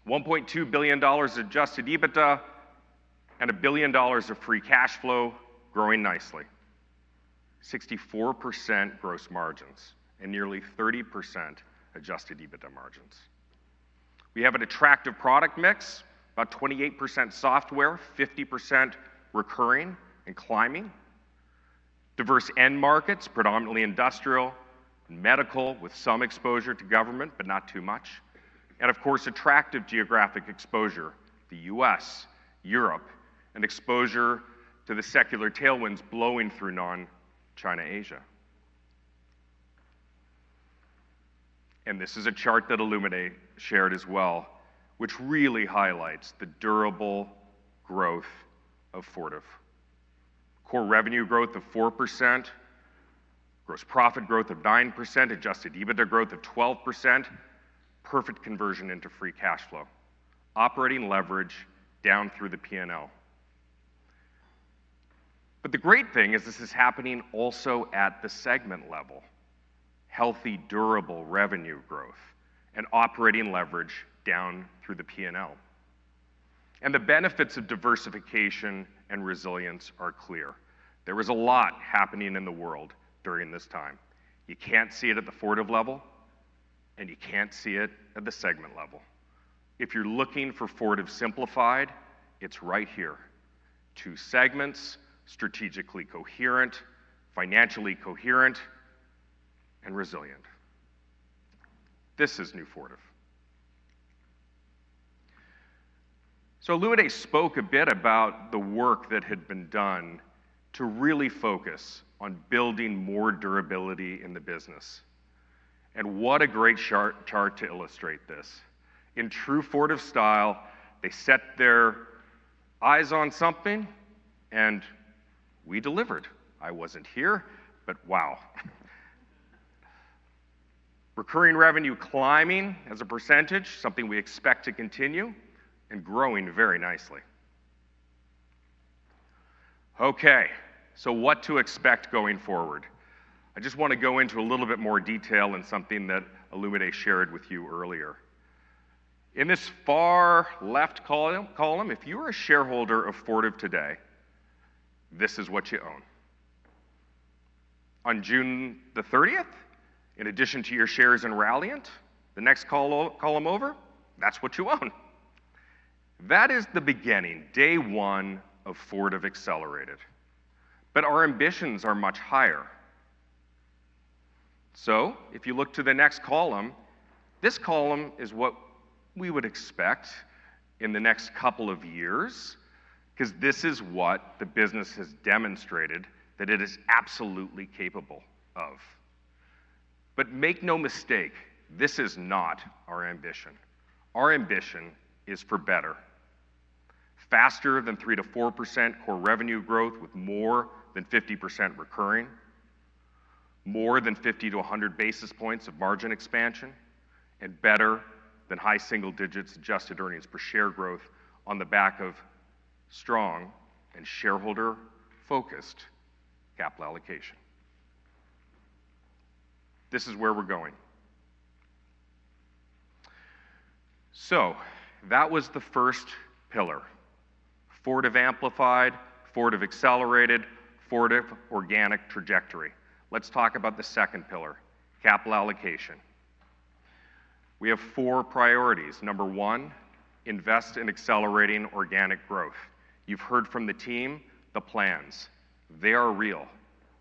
$1.2 billion adjusted EBITDA and $1 billion of free cash flow growing nicely. 64% gross margins and nearly 30% adjusted EBITDA margins. We have an attractive product mix, about 28% software, 50% recurring and climbing. Diverse end markets, predominantly industrial and medical, with some exposure to government, but not too much. Of course, attractive geographic exposure, the U.S., Europe, and exposure to the secular tailwinds blowing through non-China Asia. This is a chart that Olumide shared as well, which really highlights the durable growth of Fortive. Core revenue growth of 4%, gross profit growth of 9%, adjusted EBITDA growth of 12%, perfect conversion into free cash flow, operating leverage down through the P&L. The great thing is this is happening also at the segment level. Healthy, durable revenue growth and operating leverage down through the P&L. The benefits of diversification and resilience are clear. There was a lot happening in the world during this time. You cannot see it at the Fortive level, and you cannot see it at the segment level. If you are looking for Fortive simplified, it is right here. Two segments, strategically coherent, financially coherent, and resilient. This is new Fortive. Olumide spoke a bit about the work that had been done to really focus on building more durability in the business. What a great chart to illustrate this. In true Fortive style, they set their eyes on something, and we delivered. I wasn't here, but wow. Recurring revenue climbing as a percentage, something we expect to continue, and growing very nicely. Okay. What to expect going forward? I just want to go into a little bit more detail in something that Olumide shared with you earlier. In this far left column, if you are a shareholder of Fortive today, this is what you own. On June 30, in addition to your shares in Vontier, the next column over, that's what you own. That is the beginning, day one of Fortive accelerated. Our ambitions are much higher. If you look to the next column, this column is what we would expect in the next couple of years because this is what the business has demonstrated that it is absolutely capable of. Make no mistake, this is not our ambition. Our ambition is for better. Faster than 3-4% core revenue growth with more than 50% recurring, more than 50-100 basis points of margin expansion, and better than high single digits adjusted earnings per share growth on the back of strong and shareholder-focused capital allocation. This is where we're going. That was the first pillar. Fortive amplified, Fortive accelerated, Fortive organic trajectory. Let's talk about the second pillar, capital allocation. We have four priorities. Number one, invest in accelerating organic growth. You've heard from the team, the plans. They are real.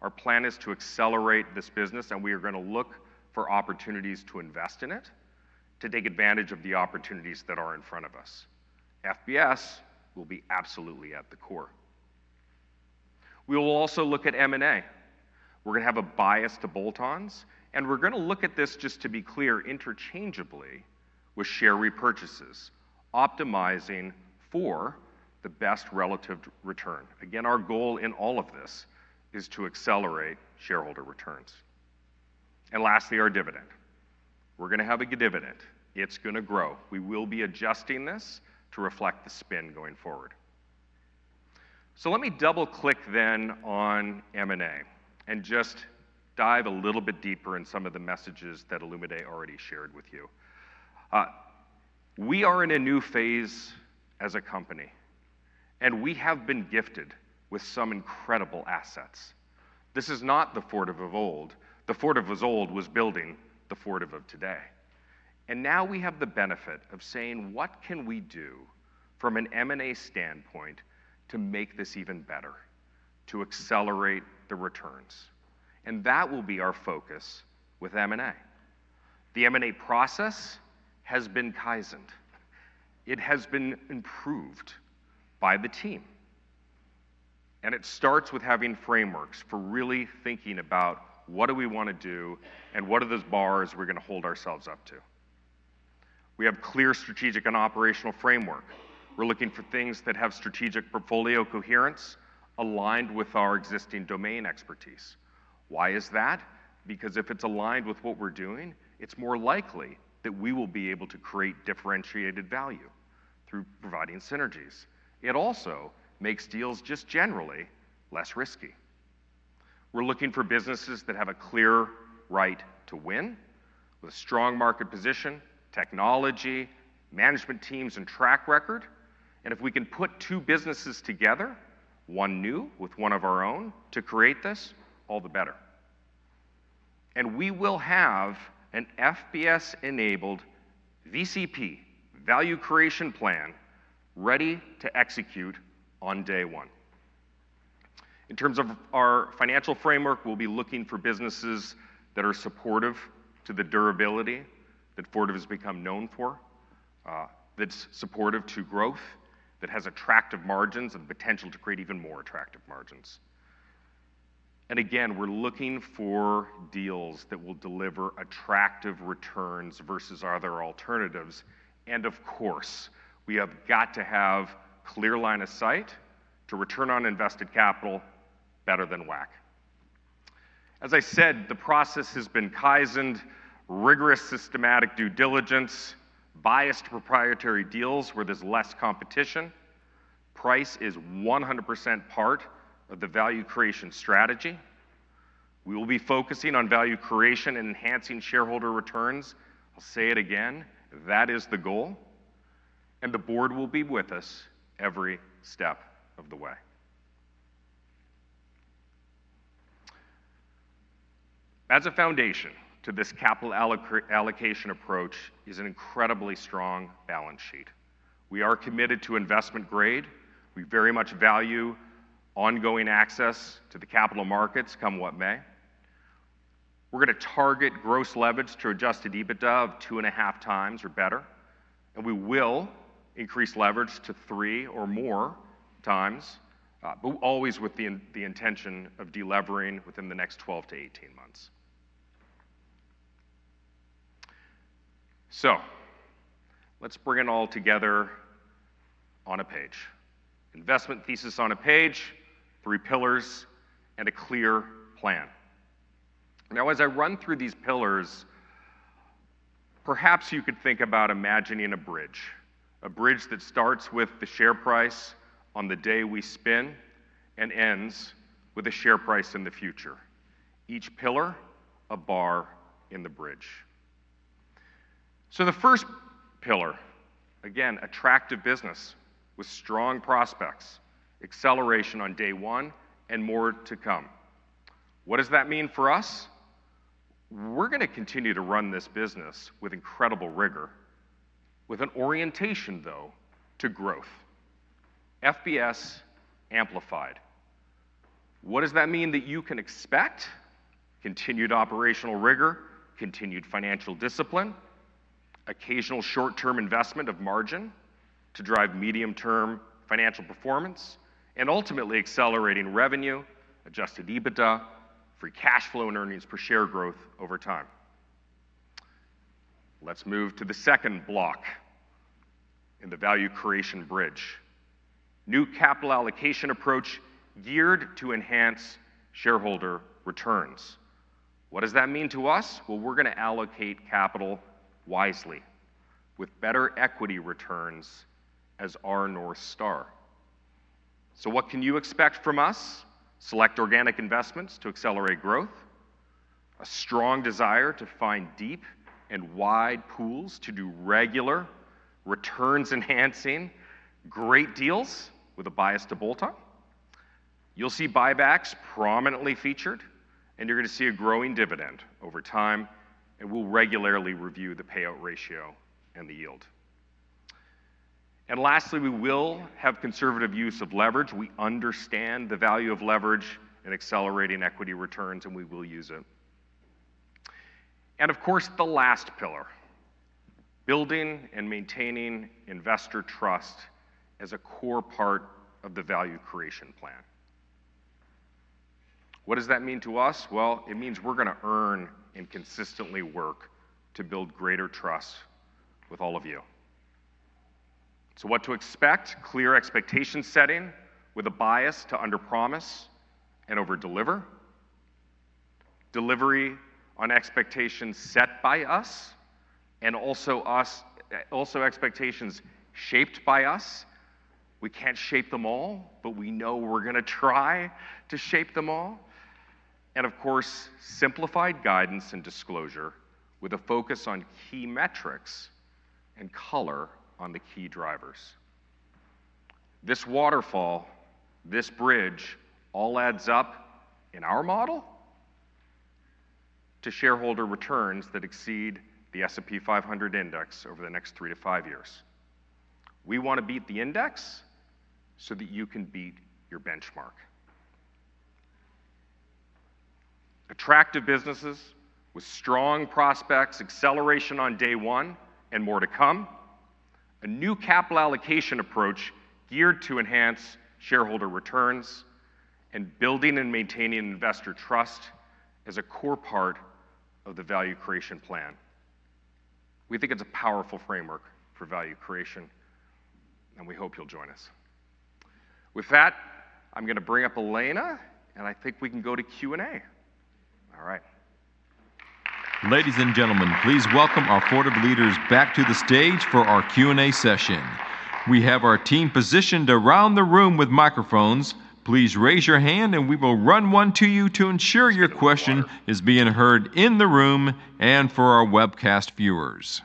Our plan is to accelerate this business, and we are going to look for opportunities to invest in it, to take advantage of the opportunities that are in front of us. FBS will be absolutely at the core. We will also look at M&A. We're going to have a bias to bolt-ons, and we're going to look at this just to be clear, interchangeably with share repurchases, optimizing for the best relative return. Again, our goal in all of this is to accelerate shareholder returns. Lastly, our dividend. We're going to have a good dividend. It's going to grow. We will be adjusting this to reflect the spin going forward. Let me double-click then on M&A and just dive a little bit deeper in some of the messages that Olumide already shared with you. We are in a new phase as a company, and we have been gifted with some incredible assets. This is not the Ford of old. The Ford of old was building the Ford of today. Now we have the benefit of saying, what can we do from an M&A standpoint to make this even better, to accelerate the returns? That will be our focus with M&A. The M&A process has been kaizen. It has been improved by the team. It starts with having frameworks for really thinking about what do we want to do and what are those bars we're going to hold ourselves up to. We have clear strategic and operational framework. We're looking for things that have strategic portfolio coherence aligned with our existing domain expertise. Why is that? Because if it's aligned with what we're doing, it's more likely that we will be able to create differentiated value through providing synergies. It also makes deals just generally less risky. We're looking for businesses that have a clear right to win with a strong market position, technology, management teams, and track record. If we can put two businesses together, one new with one of our own to create this, all the better. We will have an FBS-enabled VCP, value creation plan, ready to execute on day one. In terms of our financial framework, we'll be looking for businesses that are supportive to the durability that Fortive has become known for, that's supportive to growth, that has attractive margins and the potential to create even more attractive margins. Again, we're looking for deals that will deliver attractive returns versus other alternatives. Of course, we have got to have clear line of sight to return on invested capital better than whack. As I said, the process has been kaizen, rigorous systematic due diligence, biased proprietary deals where there's less competition. Price is 100% part of the value creation strategy. We will be focusing on value creation and enhancing shareholder returns. I'll say it again, that is the goal. The board will be with us every step of the way. As a foundation to this capital allocation approach is an incredibly strong balance sheet. We are committed to investment grade. We very much value ongoing access to the capital markets come what may. We're going to target gross leverage to adjusted EBITDA of 2.5x or better. We will increase leverage to three or more times, but always with the intention of delivering within the next 12 to 18 months. Let's bring it all together on a page. Investment thesis on a page, three pillars, and a clear plan. Now, as I run through these pillars, perhaps you could think about imagining a bridge. A bridge that starts with the share price on the day we spin and ends with a share price in the future. Each pillar, a bar in the bridge. The first pillar, again, attractive business with strong prospects, acceleration on day one, and more to come. What does that mean for us? We're going to continue to run this business with incredible rigor, with an orientation though to growth. FBS amplified. What does that mean that you can expect? Continued operational rigor, continued financial discipline, occasional short-term investment of margin to drive medium-term financial performance, and ultimately accelerating revenue, adjusted EBITDA, free cash flow, and earnings per share growth over time. Let's move to the second block in the value creation bridge. New capital allocation approach geared to enhance shareholder returns. What does that mean to us? We're going to allocate capital wisely with better equity returns as our North Star. What can you expect from us? Select organic investments to accelerate growth, a strong desire to find deep and wide pools to do regular returns enhancing great deals with a bias to bolt-on. You'll see buybacks prominently featured, and you're going to see a growing dividend over time, and we'll regularly review the payout ratio and the yield. Lastly, we will have conservative use of leverage. We understand the value of leverage in accelerating equity returns, and we will use it. The last pillar, building and maintaining investor trust, is a core part of the value creation plan. What does that mean to us? It means we're going to earn and consistently work to build greater trust with all of you. What to expect: clear expectation setting with a bias to underpromise and overdeliver. Delivery on expectations set by us and also expectations shaped by us. We can't shape them all, but we know we're going to try to shape them all. Simplified guidance and disclosure with a focus on key metrics and color on the key drivers. This waterfall, this bridge, all adds up in our model to shareholder returns that exceed the S&P 500 index over the next three to five years. We want to beat the index so that you can beat your benchmark. Attractive businesses with strong prospects, acceleration on day one, and more to come. A new capital allocation approach geared to enhance shareholder returns and building and maintaining investor trust as a core part of the value creation plan. We think it's a powerful framework for value creation, and we hope you'll join us. With that, I'm going to bring up Elena, and I think we can go to Q&A. All right. Ladies and gentlemen, please welcome our Fortive leaders back to the stage for our Q&A session. We have our team positioned around the room with microphones. Please raise your hand, and we will run one to you to ensure your question is being heard in the room and for our webcast viewers.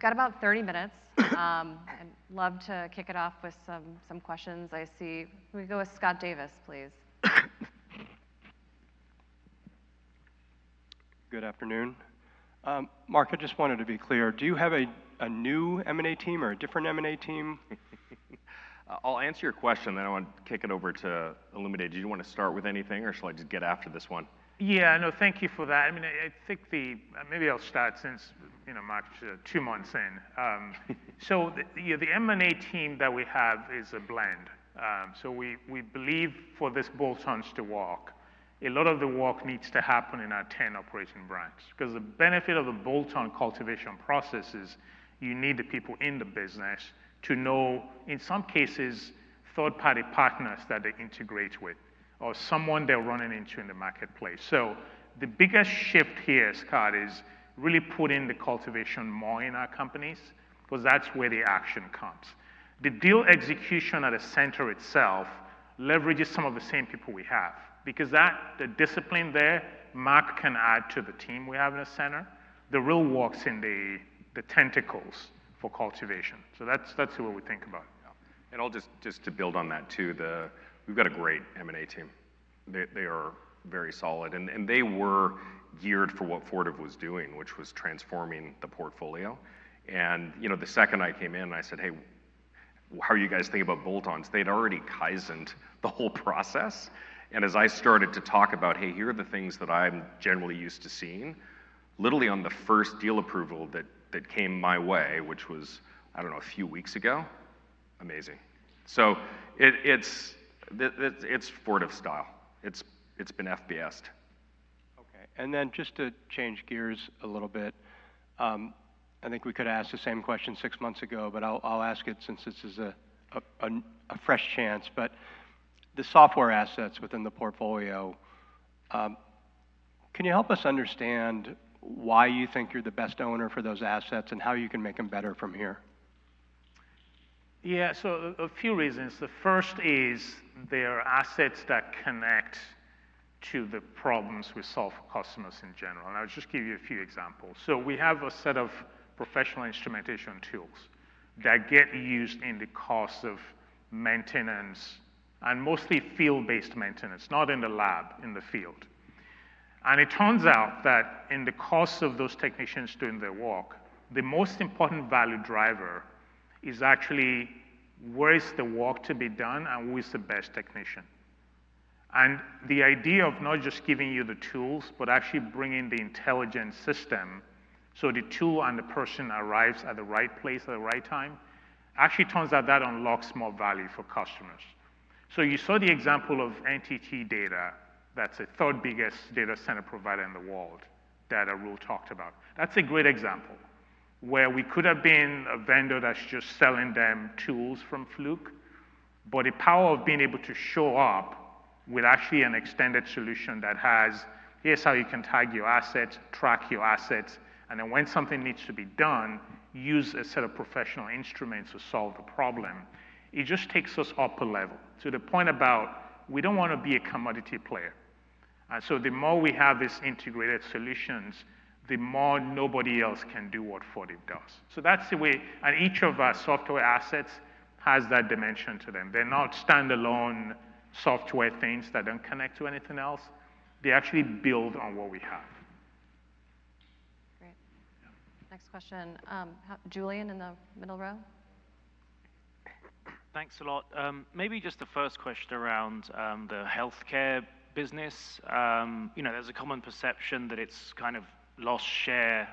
All right. Terrific. We've got about 30 minutes. I'd love to kick it off with some questions. I see we go with Scott Davis, please. Good afternoon. Mark, I just wanted to be clear. Do you have a new M&A team or a different M&A team? I'll answer your question, then I want to kick it over to Olumide. Did you want to start with anything, or shall I just get after this one? Yeah, no, thank you for that. I mean, I think maybe I'll start since Mark's two months in. So the M&A team that we have is a blend. We believe for this bolt-ons to walk, a lot of the walk needs to happen in our 10 operating branches. Because the benefit of the bolt-on cultivation process is you need the people in the business to know, in some cases, third-party partners that they integrate with or someone they're running into in the marketplace. The biggest shift here, Scott, is really putting the cultivation more in our companies because that's where the action comes. The deal execution at a center itself leverages some of the same people we have. Because the discipline there, Mark can add to the team we have in a center. The real walks in the tentacles for cultivation. That's what we think about. I'll just build on that too. We've got a great M&A team. They are very solid. They were geared for what Fortive was doing, which was transforming the portfolio. The second I came in, I said, "Hey, how are you guys thinking about bolt-ons?" They'd already kaizened the whole process. As I started to talk about, "Hey, here are the things that I'm generally used to seeing," literally on the first deal approval that came my way, which was, I don't know, a few weeks ago, amazing. It's Fortive style. It's been FBSed. Okay. Just to change gears a little bit, I think we could ask the same question six months ago, but I'll ask it since this is a fresh chance. The software assets within the portfolio, can you help us understand why you think you're the best owner for those assets and how you can make them better from here? Yeah, so a few reasons. The first is there are assets that connect to the problems we solve for customers in general. I'll just give you a few examples. We have a set of professional instrumentation tools that get used in the course of maintenance and mostly field-based maintenance, not in the lab, in the field. It turns out that in the course of those technicians doing their walk, the most important value driver is actually where is the walk to be done and who is the best technician. The idea of not just giving you the tools, but actually bringing the intelligent system so the tool and the person arrives at the right place at the right time actually turns out that unlocks more value for customers. You saw the example of NTT Data, that's the third biggest data center provider in the world that Arul talked about. That's a great example where we could have been a vendor that's just selling them tools from Fluke, but the power of being able to show up with actually an extended solution that has, "Here's how you can tag your assets, track your assets, and then when something needs to be done, use a set of professional instruments to solve the problem." It just takes us up a level to the point about we don't want to be a commodity player. The more we have these integrated solutions, the more nobody else can do what Fortive does. That's the way each of our software assets has that dimension to them. They're not stand-alone software things that don't connect to anything else. They actually build on what we have. Great. Next question. Julian in the middle row. Thanks a lot. Maybe just the first question around the healthcare business. There's a common perception that it's kind of lost share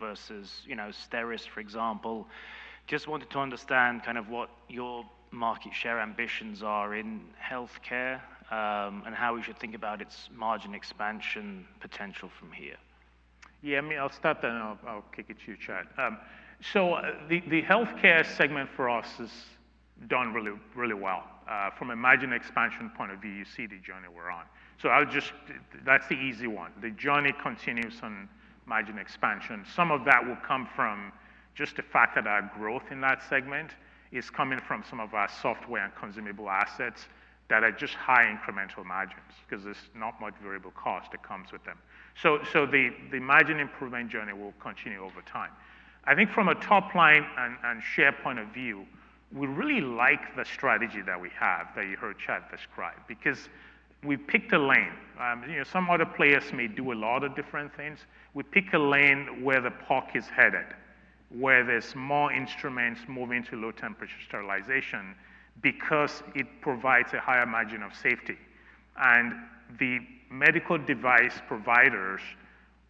versus Steris, for example. Just wanted to understand kind of what your market share ambitions are in healthcare and how we should think about its margin expansion potential from here. Yeah, I'll start then and I'll kick it to you, Chad. So the healthcare segment for us has done really well. From a margin expansion point of view, you see the journey we're on. That's the easy one. The journey continues on margin expansion. Some of that will come from just the fact that our growth in that segment is coming from some of our software and consumable assets that are just high incremental margins because there's not much variable cost that comes with them. The margin improvement journey will continue over time. I think from a top line and share point of view, we really like the strategy that we have that you heard Chad describe because we picked a lane. Some other players may do a lot of different things. We pick a lane where the puck is headed, where there's more instruments moving to low temperature sterilization because it provides a higher margin of safety. And the medical device providers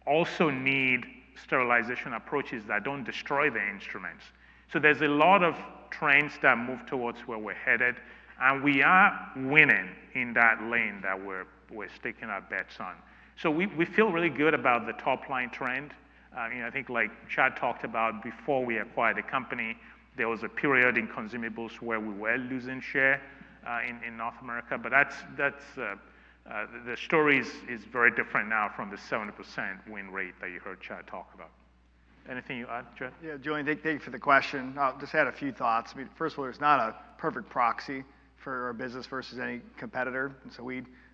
also need sterilization approaches that don't destroy the instruments. There are a lot of trends that move towards where we're headed, and we are winning in that lane that we're sticking our bets on. We feel really good about the top line trend. I think like Chad talked about before we acquired the company, there was a period in consumables where we were losing share in North America, but the story is very different now from the 70% win rate that you heard Chad talk about. Anything you add, Chad? Yeah, Julian, thank you for the question. I just had a few thoughts. First of all, there is not a perfect proxy for our business versus any competitor.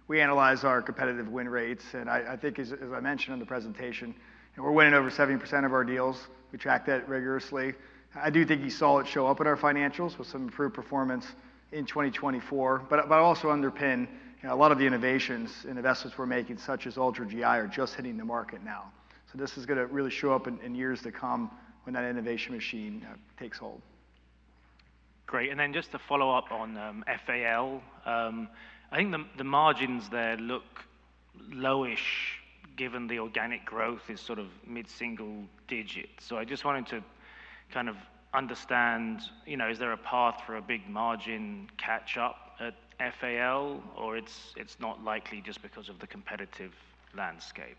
We analyze our competitive win rates, and I think, as I mentioned in the presentation, we are winning over 70% of our deals. We track that rigorously. I do think you saw it show up in our financials with some improved performance in 2024, but I also underpin a lot of the innovations and investments we are making, such as Ultra GI, are just hitting the market now. This is going to really show up in years to come when that innovation machine takes hold. Great. Just to follow up on FAL, I think the margins there look lowish given the organic growth is sort of mid-single digits. I just wanted to kind of understand, is there a path for a big margin catch-up at FAL, or is it not likely just because of the competitive landscape?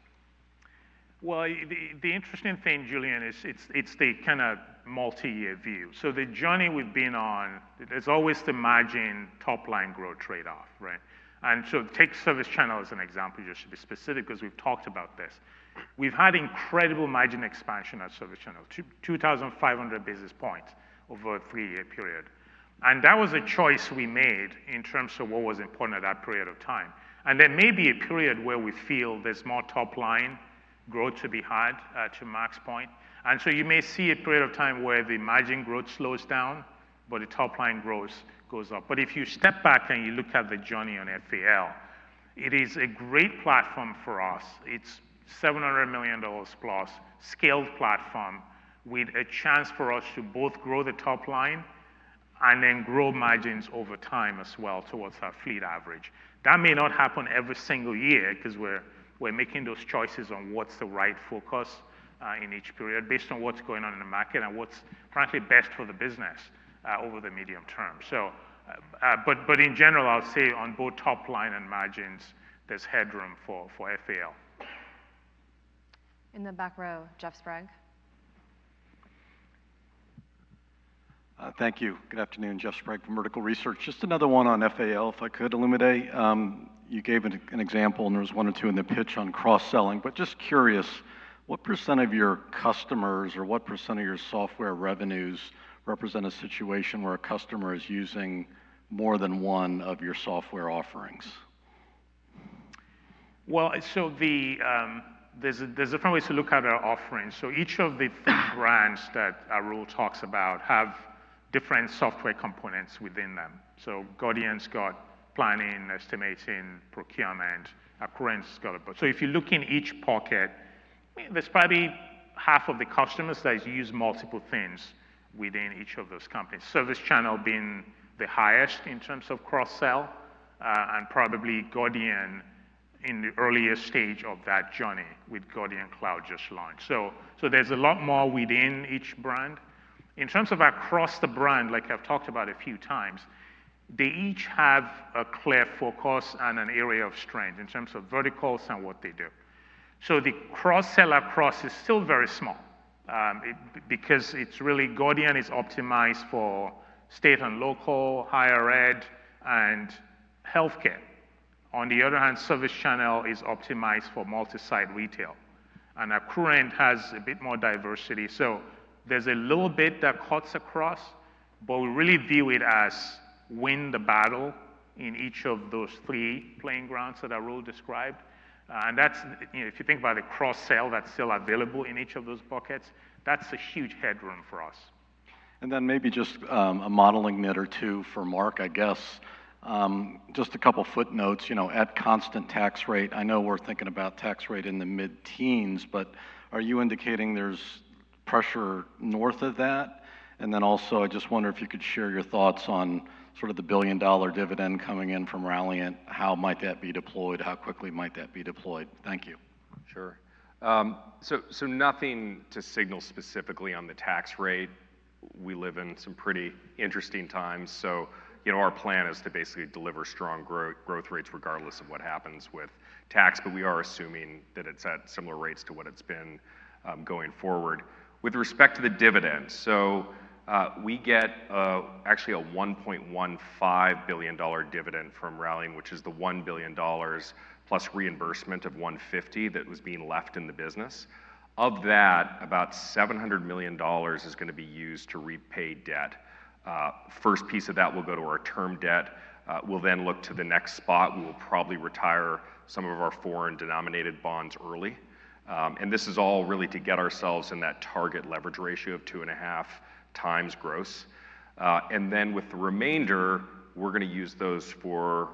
The interesting thing, Julian, is it is the kind of multi-year view. The journey we have been on, there is always the margin top line growth trade-off, right? Take Service Channel as an example. You should be specific because we have talked about this. We have had incredible margin expansion at Service Channel, 2,500 basis points over a three-year period. That was a choice we made in terms of what was important at that period of time. There may be a period where we feel there's more top line growth to be had to Mark's point. You may see a period of time where the margin growth slows down, but the top line growth goes up. If you step back and you look at the journey on FAL, it is a great platform for us. It's $700 million+, scaled platform with a chance for us to both grow the top line and then grow margins over time as well towards our fleet average. That may not happen every single year because we're making those choices on what's the right focus in each period based on what's going on in the market and what's apparently best for the business over the medium term. In general, I'll say on both top line and margins, there's headroom for FAL. In the back row, Jeff Sprague. Thank you. Good afternoon, Jeff Sprague from Vertical Research. Just another one on FAL, if I could, Olumide. You gave an example, and there was one or two in the pitch on cross-selling. Just curious, what percent of your customers or what percent of your software revenues represent a situation where a customer is using more than one of your software offerings? There are different ways to look at our offerings. Each of the three brands that Arul talks about have different software components within them. Gordian's got planning, estimating, procurement. Accruent has got a bunch. If you look in each pocket, there's probably half of the customers that use multiple things within each of those companies. Service Channel being the highest in terms of cross-sell and probably Gordian in the earliest stage of that journey with Gordian Cloud just launched. There is a lot more within each brand. In terms of across the brand, like I have talked about a few times, they each have a clear focus and an area of strength in terms of verticals and what they do. The cross-sell across is still very small because Gordian is optimized for state and local, higher ed, and healthcare. On the other hand, Service Channel is optimized for multi-site retail. Accruent has a bit more diversity. There is a little bit that cuts across, but we really view it as win the battle in each of those three playing grounds that Arul described. If you think about the cross-sell that is still available in each of those pockets, that is a huge headroom for us. Maybe just a modeling minute or two for Mark, I guess. Just a couple of footnotes. At constant tax rate, I know we're thinking about tax rate in the mid-teens, but are you indicating there's pressure north of that? I just wonder if you could share your thoughts on sort of the billion-dollar dividend coming in from Vontier. How might that be deployed? How quickly might that be deployed? Thank you. Sure. Nothing to signal specifically on the tax rate. We live in some pretty interesting times. Our plan is to basically deliver strong growth rates regardless of what happens with tax, but we are assuming that it's at similar rates to what it's been going forward. With respect to the dividend, we get actually a $1.15 billion dividend from Vontier, which is the $1 billion+ reimbursement of $150 million that was being left in the business. Of that, about $700 million is going to be used to repay debt. First piece of that will go to our term debt. We will then look to the next spot. We will probably retire some of our foreign denominated bonds early. This is all really to get ourselves in that target leverage ratio of two and a half times gross. With the remainder, we are going to use those for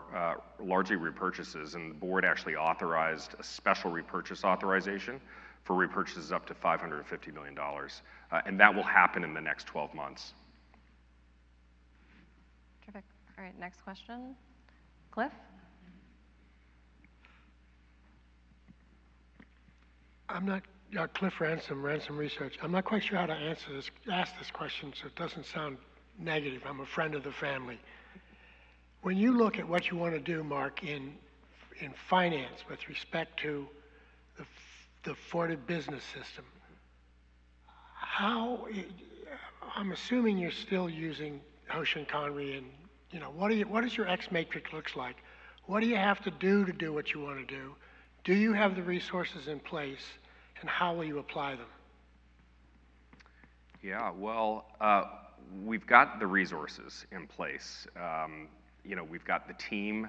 largely repurchases. The board actually authorized a special repurchase authorization for repurchases up to $550 million. That will happen in the next 12 months. Terrific. All right. Next question. Cliff? Cliff Ransom, Ransom Research. I'm not quite sure how to ask this question, so it doesn't sound negative. I'm a friend of the family. When you look at what you want to do, Mark, in finance with respect to the Fortive Business System, I'm assuming you're still using Hoshin Kanri and what does your X matrix look like? What do you have to do to do what you want to do? Do you have the resources in place, and how will you apply them? Yeah. We've got the resources in place. We've got the team.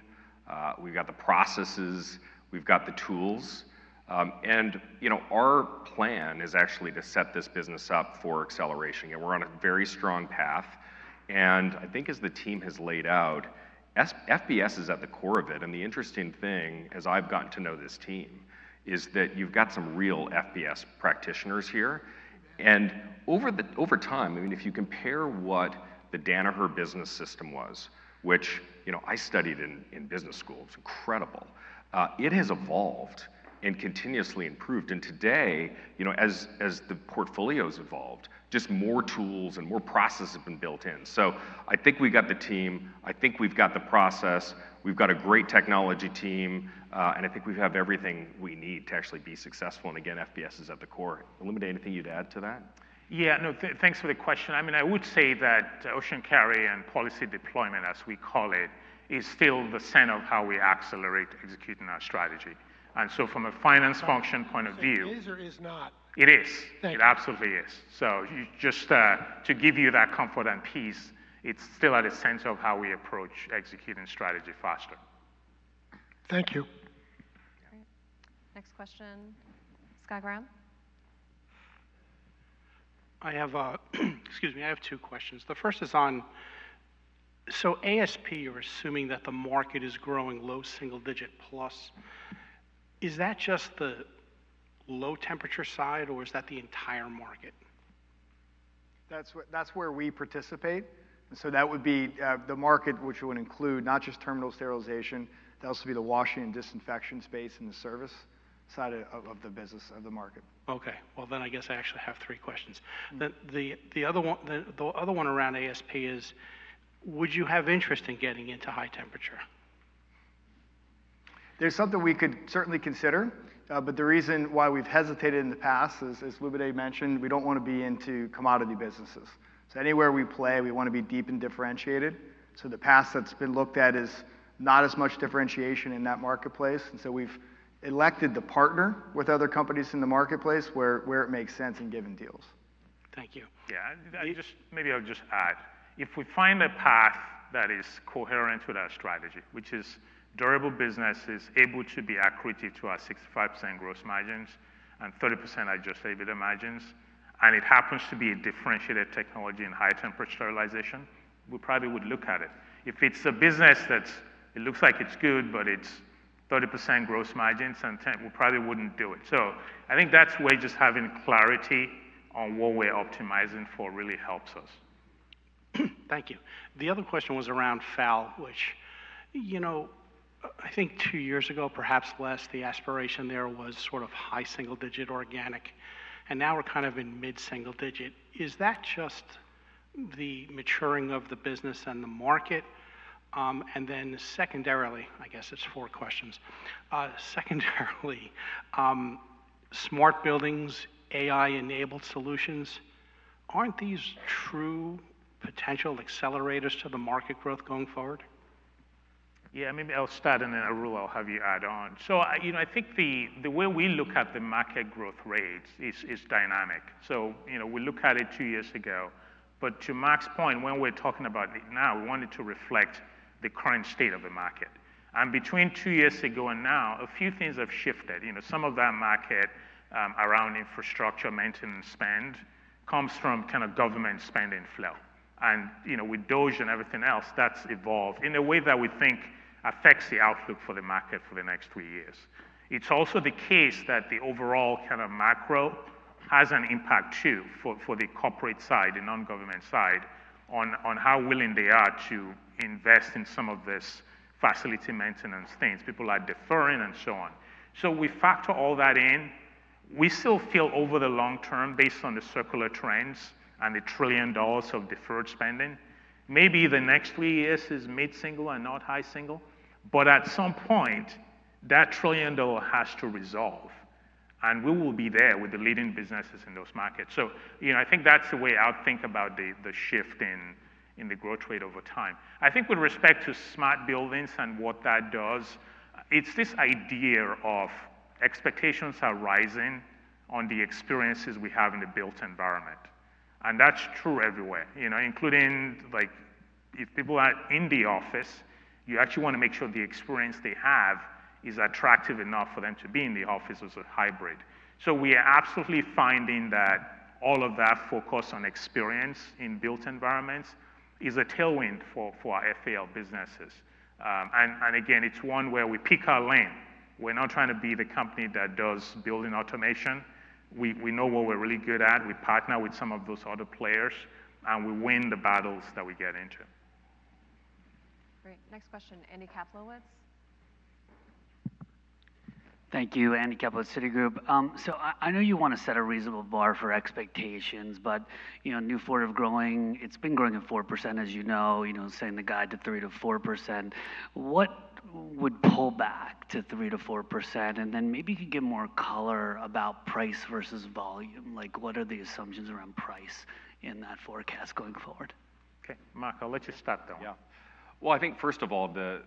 We've got the processes. We've got the tools. Our plan is actually to set this business up for acceleration. We're on a very strong path. I think as the team has laid out, FBS is at the core of it. The interesting thing, as I've gotten to know this team, is that you've got some real FBS practitioners here. Over time, I mean, if you compare what the Danaher business system was, which I studied in business school, it was incredible. It has evolved and continuously improved. Today, as the portfolio has evolved, just more tools and more processes have been built in. I think we've got the team. I think we've got the process. We've got a great technology team. I think we have everything we need to actually be successful. Again, FBS is at the core. Olumide, anything you'd add to that? Yeah. No, thanks for the question. I mean, I would say that Hoshin Kanri and policy deployment, as we call it, is still the center of how we accelerate executing our strategy. From a finance function point of view. Is or is not? It is. It absolutely is. Just to give you that comfort and peace, it's still at the center of how we approach executing strategy faster. Thank you. Great. Next question. Sky Brown? I have a, excuse me, I have two questions. The first is on, so ASP, you're assuming that the market is growing low single digit plus. Is that just the low temperature side, or is that the entire market? That's where we participate. That would be the market, which would include not just terminal sterilization. That would also be the washing and disinfection space and the service side of the business of the market. Okay. I guess I actually have three questions. The other one around ASP is, would you have interest in getting into high temperature? There's something we could certainly consider. The reason why we've hesitated in the past, as Olumide mentioned, we don't want to be into commodity businesses. Anywhere we play, we want to be deep and differentiated. The path that's been looked at is not as much differentiation in that marketplace, and we've elected to partner with other companies in the marketplace where it makes sense in given deals. Thank you. Yeah. Maybe I'll just add. If we find a path that is coherent with our strategy, which is durable businesses able to be accurate to our 65% gross margins and 30% adjusted margins, and it happens to be a differentiated technology in high temperature sterilization, we probably would look at it. If it's a business that looks like it's good, but it's 30% gross margins, we probably wouldn't do it. I think that's where just having clarity on what we're optimizing for really helps us. Thank you. The other question was around FAL, which I think two years ago, perhaps less, the aspiration there was sort of high single digit organic. And now we're kind of in mid-single digit. Is that just the maturing of the business and the market? And then secondarily, I guess it's four questions. Secondarily, smart buildings, AI-enabled solutions, aren't these true potential accelerators to the market growth going forward? Yeah. Maybe I'll start, and then Arul, I'll have you add on. I think the way we look at the market growth rates is dynamic. We look at it two years ago. But to Mark's point, when we're talking about it now, we want it to reflect the current state of the market. Between two years ago and now, a few things have shifted. Some of that market around infrastructure maintenance spend comes from kind of government spending flow. With DOGE and everything else, that has evolved in a way that we think affects the outlook for the market for the next three years. It is also the case that the overall kind of macro has an impact too for the corporate side and non-government side on how willing they are to invest in some of these facility maintenance things, people like deferring and so on. We factor all that in. We still feel over the long term, based on the circular trends and the trillion dollars of deferred spending, maybe the next three years is mid-single and not high single. At some point, that trillion dollar has to resolve. We will be there with the leading businesses in those markets. I think that's the way I would think about the shift in the growth rate over time. I think with respect to smart buildings and what that does, it's this idea of expectations are rising on the experiences we have in the built environment. That's true everywhere, including if people are in the office, you actually want to make sure the experience they have is attractive enough for them to be in the office as a hybrid. We are absolutely finding that all of that focus on experience in built environments is a tailwind for our FAL businesses. Again, it's one where we pick our lane. We're not trying to be the company that does building automation. We know what we're really good at. We partner with some of those other players, and we win the battles that we get into. Great. Next question. Andy Kaplowitz. Thank you. Andy Kaplowitz, Citigroup. I know you want to set a reasonable bar for expectations, but new Fortive growing, it's been growing at 4%, as you know, saying the guide to 3-4%. What would pull back to 3-4%? And then maybe you can give more color about price versus volume. What are the assumptions around price in that forecast going forward? Okay. Mark, I'll let you start though. Yeah. I think first of all, the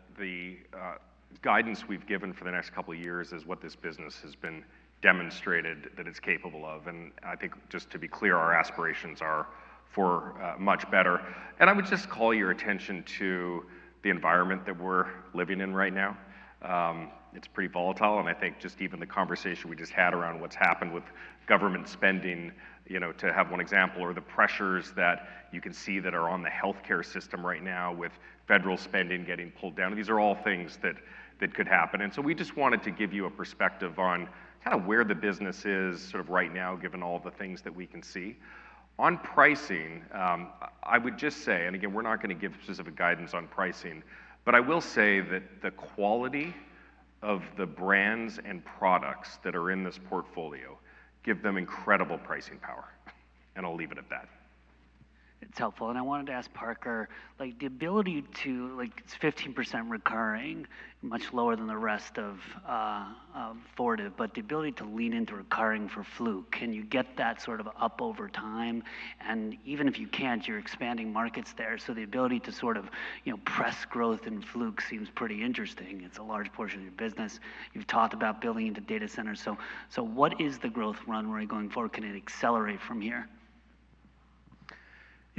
guidance we've given for the next couple of years is what this business has been demonstrated that it's capable of. I think just to be clear, our aspirations are for much better. I would just call your attention to the environment that we're living in right now. It's pretty volatile. I think just even the conversation we just had around what's happened with government spending, to have one example, or the pressures that you can see that are on the healthcare system right now with federal spending getting pulled down. These are all things that could happen. We just wanted to give you a perspective on kind of where the business is sort of right now, given all the things that we can see. On pricing, I would just say, and again, we're not going to give specific guidance on pricing, but I will say that the quality of the brands and products that are in this portfolio give them incredible pricing power. I'll leave it at that. It's helpful. I wanted to ask Parker, the ability to, it's 15% recurring, much lower than the rest of Fortive, but the ability to lean into recurring for Fluke, can you get that sort of up over time? Even if you can't, you're expanding markets there. The ability to sort of press growth in Fluke seems pretty interesting. It's a large portion of your business. You've talked about building into data centers. What is the growth runway going forward? Can it accelerate from here?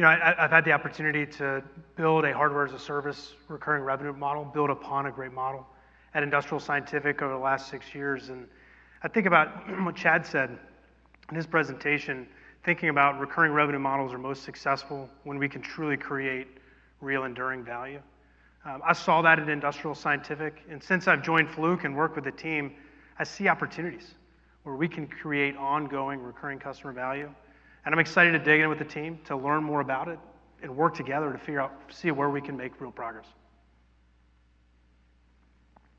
I've had the opportunity to build a hardware as a service recurring revenue model, build upon a great model at Industrial Scientific over the last six years. I think about what Chad said in his presentation, thinking about recurring revenue models are most successful when we can truly create real enduring value. I saw that at Industrial Scientific. Since I've joined Fluke and worked with the team, I see opportunities where we can create ongoing recurring customer value. I'm excited to dig in with the team to learn more about it and work together to see where we can make real progress.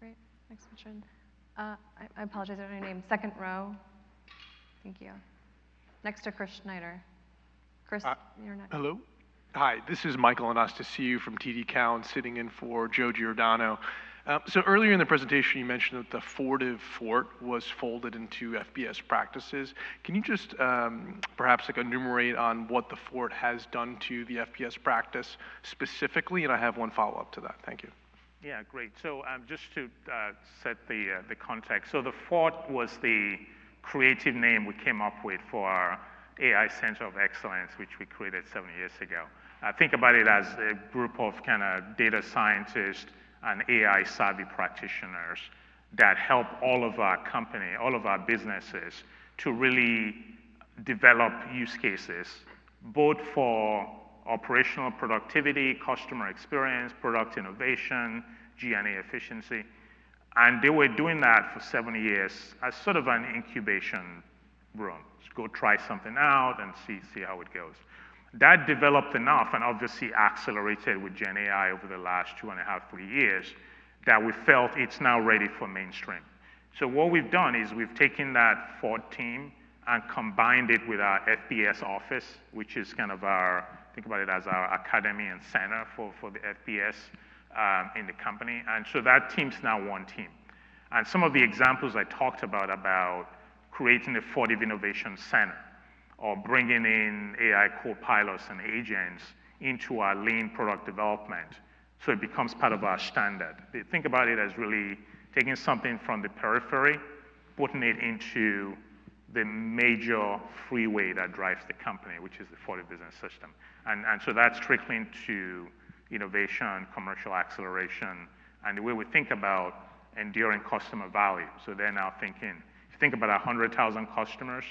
Great. Next question. I apologize. I don't have your name. Second row. Thank you. Next to Chris Schneider. Chris, you're next. Hello. Hi. This is Michael Anastasiou from TD Cowen sitting in for Joe Giordano. Earlier in the presentation, you mentioned that the Fort of Fort was folded into FBS practices. Can you just perhaps enumerate on what the Fort has done to the FBS practice specifically? I have one follow-up to that. Thank you. Yeah. Great. Just to set the context, the Ford was the creative name we came up with for our AI Center of Excellence, which we created seven years ago. Think about it as a group of kind of data scientists and AI-savvy practitioners that help all of our company, all of our businesses to really develop use cases both for operational productivity, customer experience, product innovation, G&A efficiency. They were doing that for seven years as sort of an incubation room. Let's go try something out and see how it goes. That developed enough and obviously accelerated with GenAI over the last two and a half, three years that we felt it's now ready for mainstream. What we have done is we have taken that Ford team and combined it with our FBS office, which is kind of our, think about it as our academy and center for the FBS in the company. That team is now one team. Some of the examples I talked about, about creating a Fortive Innovation Center or bringing in AI copilots and agents into our lean product development so it becomes part of our standard. Think about it as really taking something from the periphery, putting it into the major freeway that drives the company, which is the Fortive Business System. That is trickling to innovation, commercial acceleration, and the way we think about enduring customer value. They're now thinking, if you think about 100,000 customers,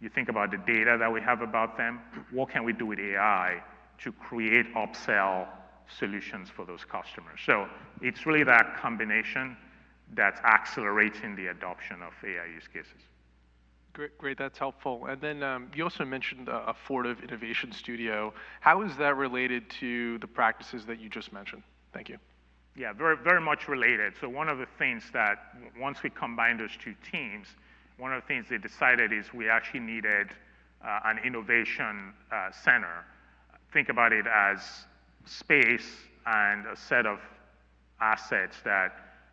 you think about the data that we have about them, what can we do with AI to create upsell solutions for those customers? It's really that combination that's accelerating the adoption of AI use cases. Great. That's helpful. You also mentioned a Fortive Innovation Studio. How is that related to the practices that you just mentioned? Thank you. Yeah. Very much related. One of the things that once we combined those two teams, one of the things they decided is we actually needed an innovation center. Think about it as space and a set of assets that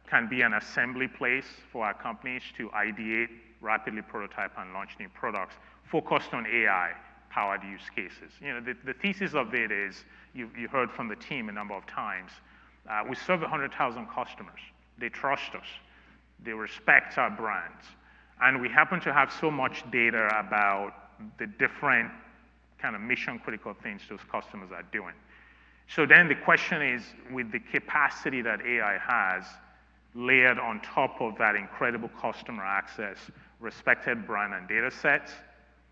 can be an assembly place for our companies to ideate, rapidly prototype, and launch new products focused on AI-powered use cases. The thesis of it is you heard from the team a number of times. We serve 100,000 customers. They trust us. They respect our brands. We happen to have so much data about the different kind of mission-critical things those customers are doing. The question is, with the capacity that AI has layered on top of that incredible customer access, respected brand and data sets,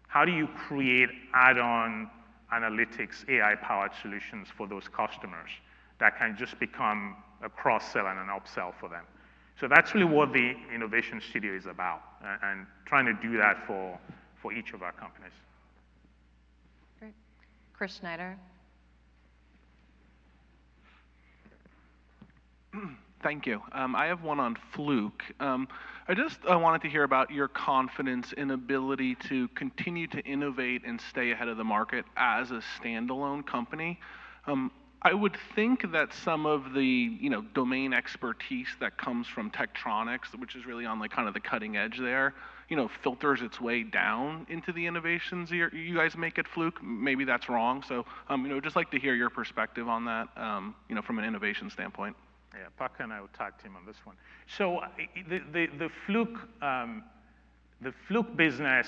how do you create add-on analytics, AI-powered solutions for those customers that can just become a cross-sell and an upsell for them? That is really what the Innovation Studio is about and trying to do that for each of our companies. Great. Chris Schneider. Thank you. I have one on Fluke. I just wanted to hear about your confidence in ability to continue to innovate and stay ahead of the market as a standalone company. I would think that some of the domain expertise that comes from Tektronix, which is really on kind of the cutting edge there, filters its way down into the innovations you guys make at Fluke. Maybe that's wrong. I’d just like to hear your perspective on that from an innovation standpoint. Yeah. Parker, and I will talk to him on this one. The Fluke business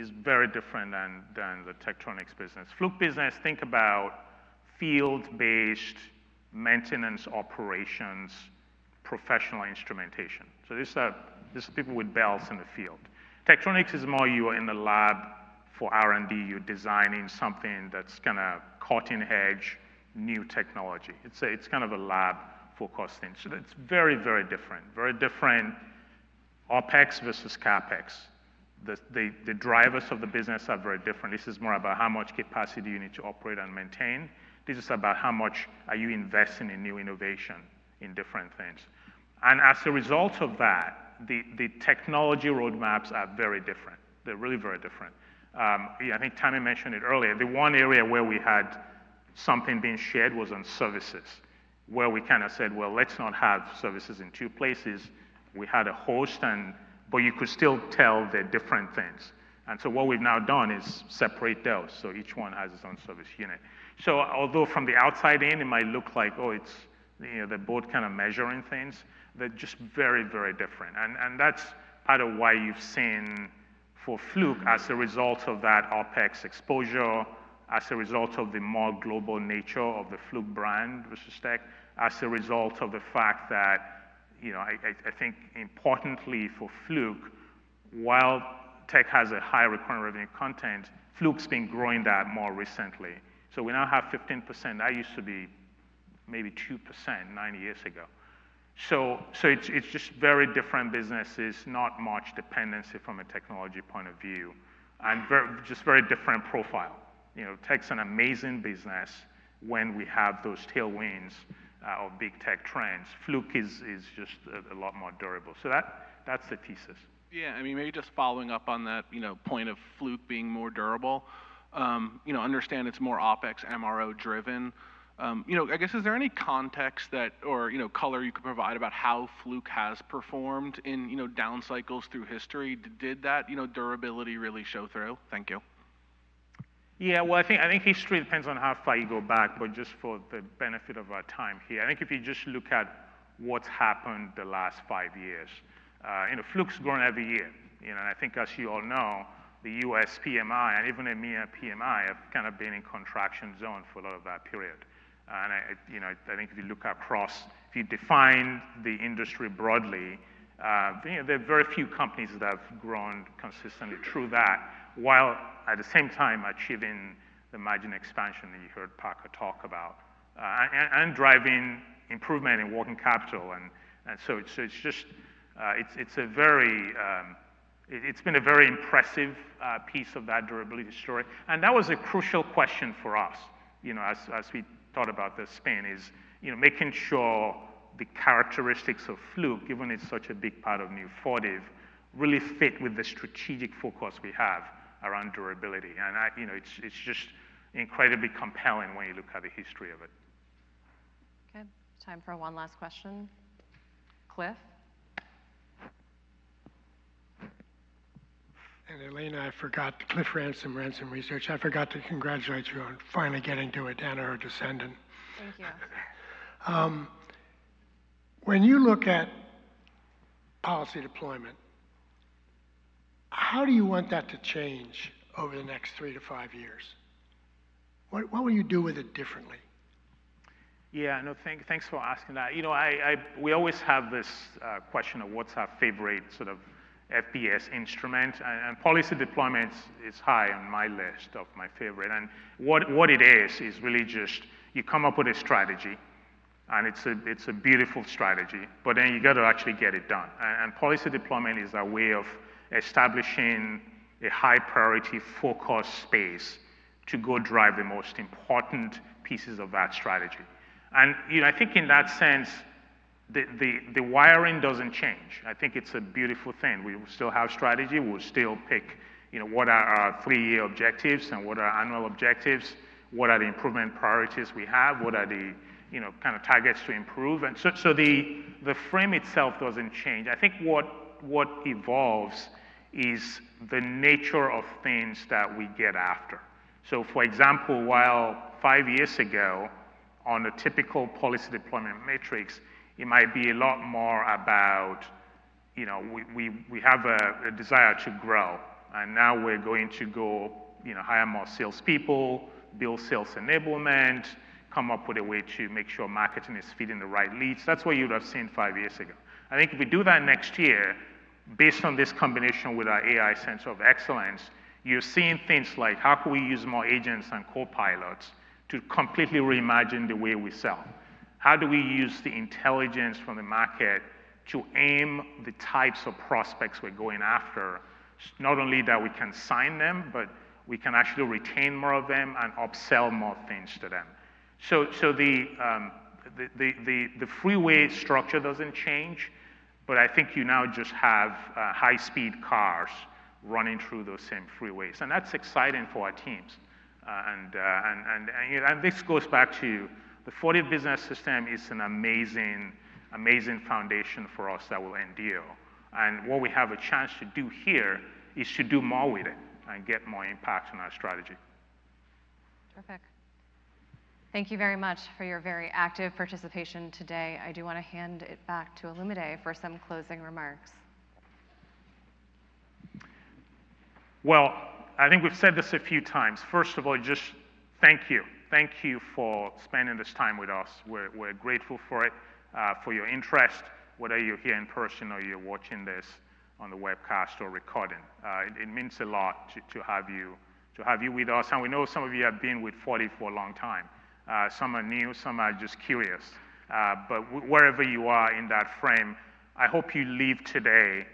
is very different than the Tektronix business. Fluke business, think about field-based maintenance operations, professional instrumentation. These are people with belts in the field. Tektronix is more you are in the lab for R&D. You're designing something that's kind of cutting-edge, new technology. It's kind of a lab focused thing. It’s very, very different, very different OpEx versus CapEx. The drivers of the business are very different. This is more about how much capacity you need to operate and maintain. This is about how much are you investing in new innovation in different things. As a result of that, the technology roadmaps are very different. They're really very different. I think Tammy mentioned it earlier. The one area where we had something being shared was on services, where we kind of said, "Let's not have services in two places." We had a host, but you could still tell they're different things. What we've now done is separate those. Each one has its own service unit. Although from the outside in, it might look like, "Oh, it's the board kind of measuring things," they're just very, very different. That is part of why you have seen for Fluke, as a result of that OpEx exposure, as a result of the more global nature of the Fluke brand versus tech, as a result of the fact that I think importantly for Fluke, while tech has a high recurring revenue content, Fluke's been growing that more recently. We now have 15%. That used to be maybe 2% nine years ago. It is just very different businesses, not much dependency from a technology point of view, and just very different profile. Tech is an amazing business when we have those tailwinds of big tech trends. Fluke is just a lot more durable. That is the thesis. Yeah. I mean, maybe just following up on that point of Fluke being more durable, understand it is more OpEx, MRO-driven. I guess, is there any context or color you could provide about how Fluke has performed in down cycles through history? Did that durability really show through? Thank you. Yeah. I think history depends on how far you go back, but just for the benefit of our time here, I think if you just look at what's happened the last five years, Fluke's grown every year. I think, as you all know, the U.S. PMI and even the EMEA PMI have kind of been in contraction zone for a lot of that period. I think if you look across, if you define the industry broadly, there are very few companies that have grown consistently through that while at the same time achieving the margin expansion that you heard Parker talk about and driving improvement in working capital. It's just, it's been a very impressive piece of that durability story. That was a crucial question for us as we thought about the spin is making sure the characteristics of Fluke, given it's such a big part of new Fortive, really fit with the strategic focus we have around durability. It's just incredibly compelling when you look at the history of it. Okay. Time for one last question. Cliff. And Elena, I forgot Cliff Ransom, Ransom Research. I forgot to congratulate you on finally getting to a Dana or a descendant. Thank you. When you look at policy deployment, how do you want that to change over the next three to five years? What will you do with it differently? Yeah. No, thanks for asking that. We always have this question of what's our favorite sort of FBS instrument. Policy deployment is high on my list of my favorite. What it is, is really just you come up with a strategy, and it's a beautiful strategy, but then you got to actually get it done. Policy deployment is a way of establishing a high-priority focus space to go drive the most important pieces of that strategy. I think in that sense, the wiring doesn't change. I think it's a beautiful thing. We will still have strategy. We will still pick what are our three-year objectives and what are our annual objectives, what are the improvement priorities we have, what are the kind of targets to improve. The frame itself doesn't change. I think what evolves is the nature of things that we get after. For example, while five years ago on a typical policy deployment matrix, it might be a lot more about we have a desire to grow. Now we're going to go hire more salespeople, build sales enablement, come up with a way to make sure marketing is feeding the right leads. That's what you would have seen five years ago. I think if we do that next year, based on this combination with our AI Center of Excellence, you're seeing things like how can we use more agents and copilots to completely reimagine the way we sell? How do we use the intelligence from the market to aim the types of prospects we're going after, not only that we can sign them, but we can actually retain more of them and upsell more things to them? The freeway structure does not change, but I think you now just have high-speed cars running through those same freeways. That is exciting for our teams. This goes back to the Fortive Business System, which is an amazing, amazing foundation for us that will endure. What we have a chance to do here is to do more with it and get more impact on our strategy. Terrific. Thank you very much for your very active participation today. I do want to hand it back to Olumide for some closing remarks. I think we have said this a few times. First of all, just thank you. Thank you for spending this time with us. We are grateful for it, for your interest. Whether you are here in person or you are watching this on the webcast or recording, it means a lot to have you with us. We know some of you have been with Fortive for a long time. Some are new. Some are just curious. Wherever you are in that frame, I hope you leave today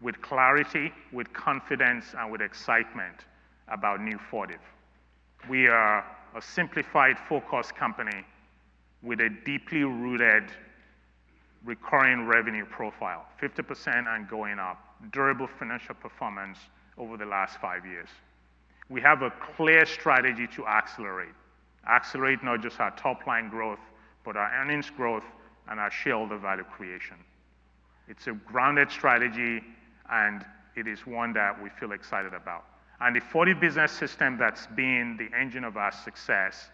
with clarity, with confidence, and with excitement about new Fortive. We are a simplified focus company with a deeply rooted recurring revenue profile, 50% and going up, durable financial performance over the last five years. We have a clear strategy to accelerate, accelerate not just our top-line growth, but our earnings growth and our shareholder value creation. It is a grounded strategy, and it is one that we feel excited about. The Fortive Business System that has been the engine of our success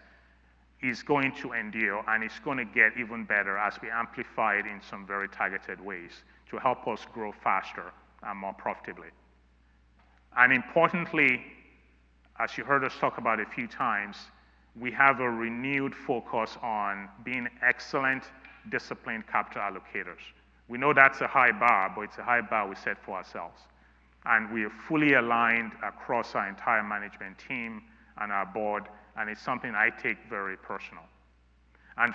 is going to endure, and it is going to get even better as we amplify it in some very targeted ways to help us grow faster and more profitably. Importantly, as you heard us talk about a few times, we have a renewed focus on being excellent, disciplined capital allocators. We know that's a high bar, but it's a high bar we set for ourselves. We are fully aligned across our entire management team and our board, and it's something I take very personal.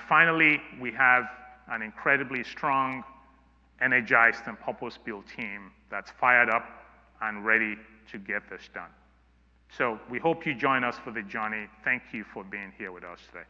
Finally, we have an incredibly strong, energized, and purpose-built team that's fired up and ready to get this done. We hope you join us for the journey. Thank you for being here with us today.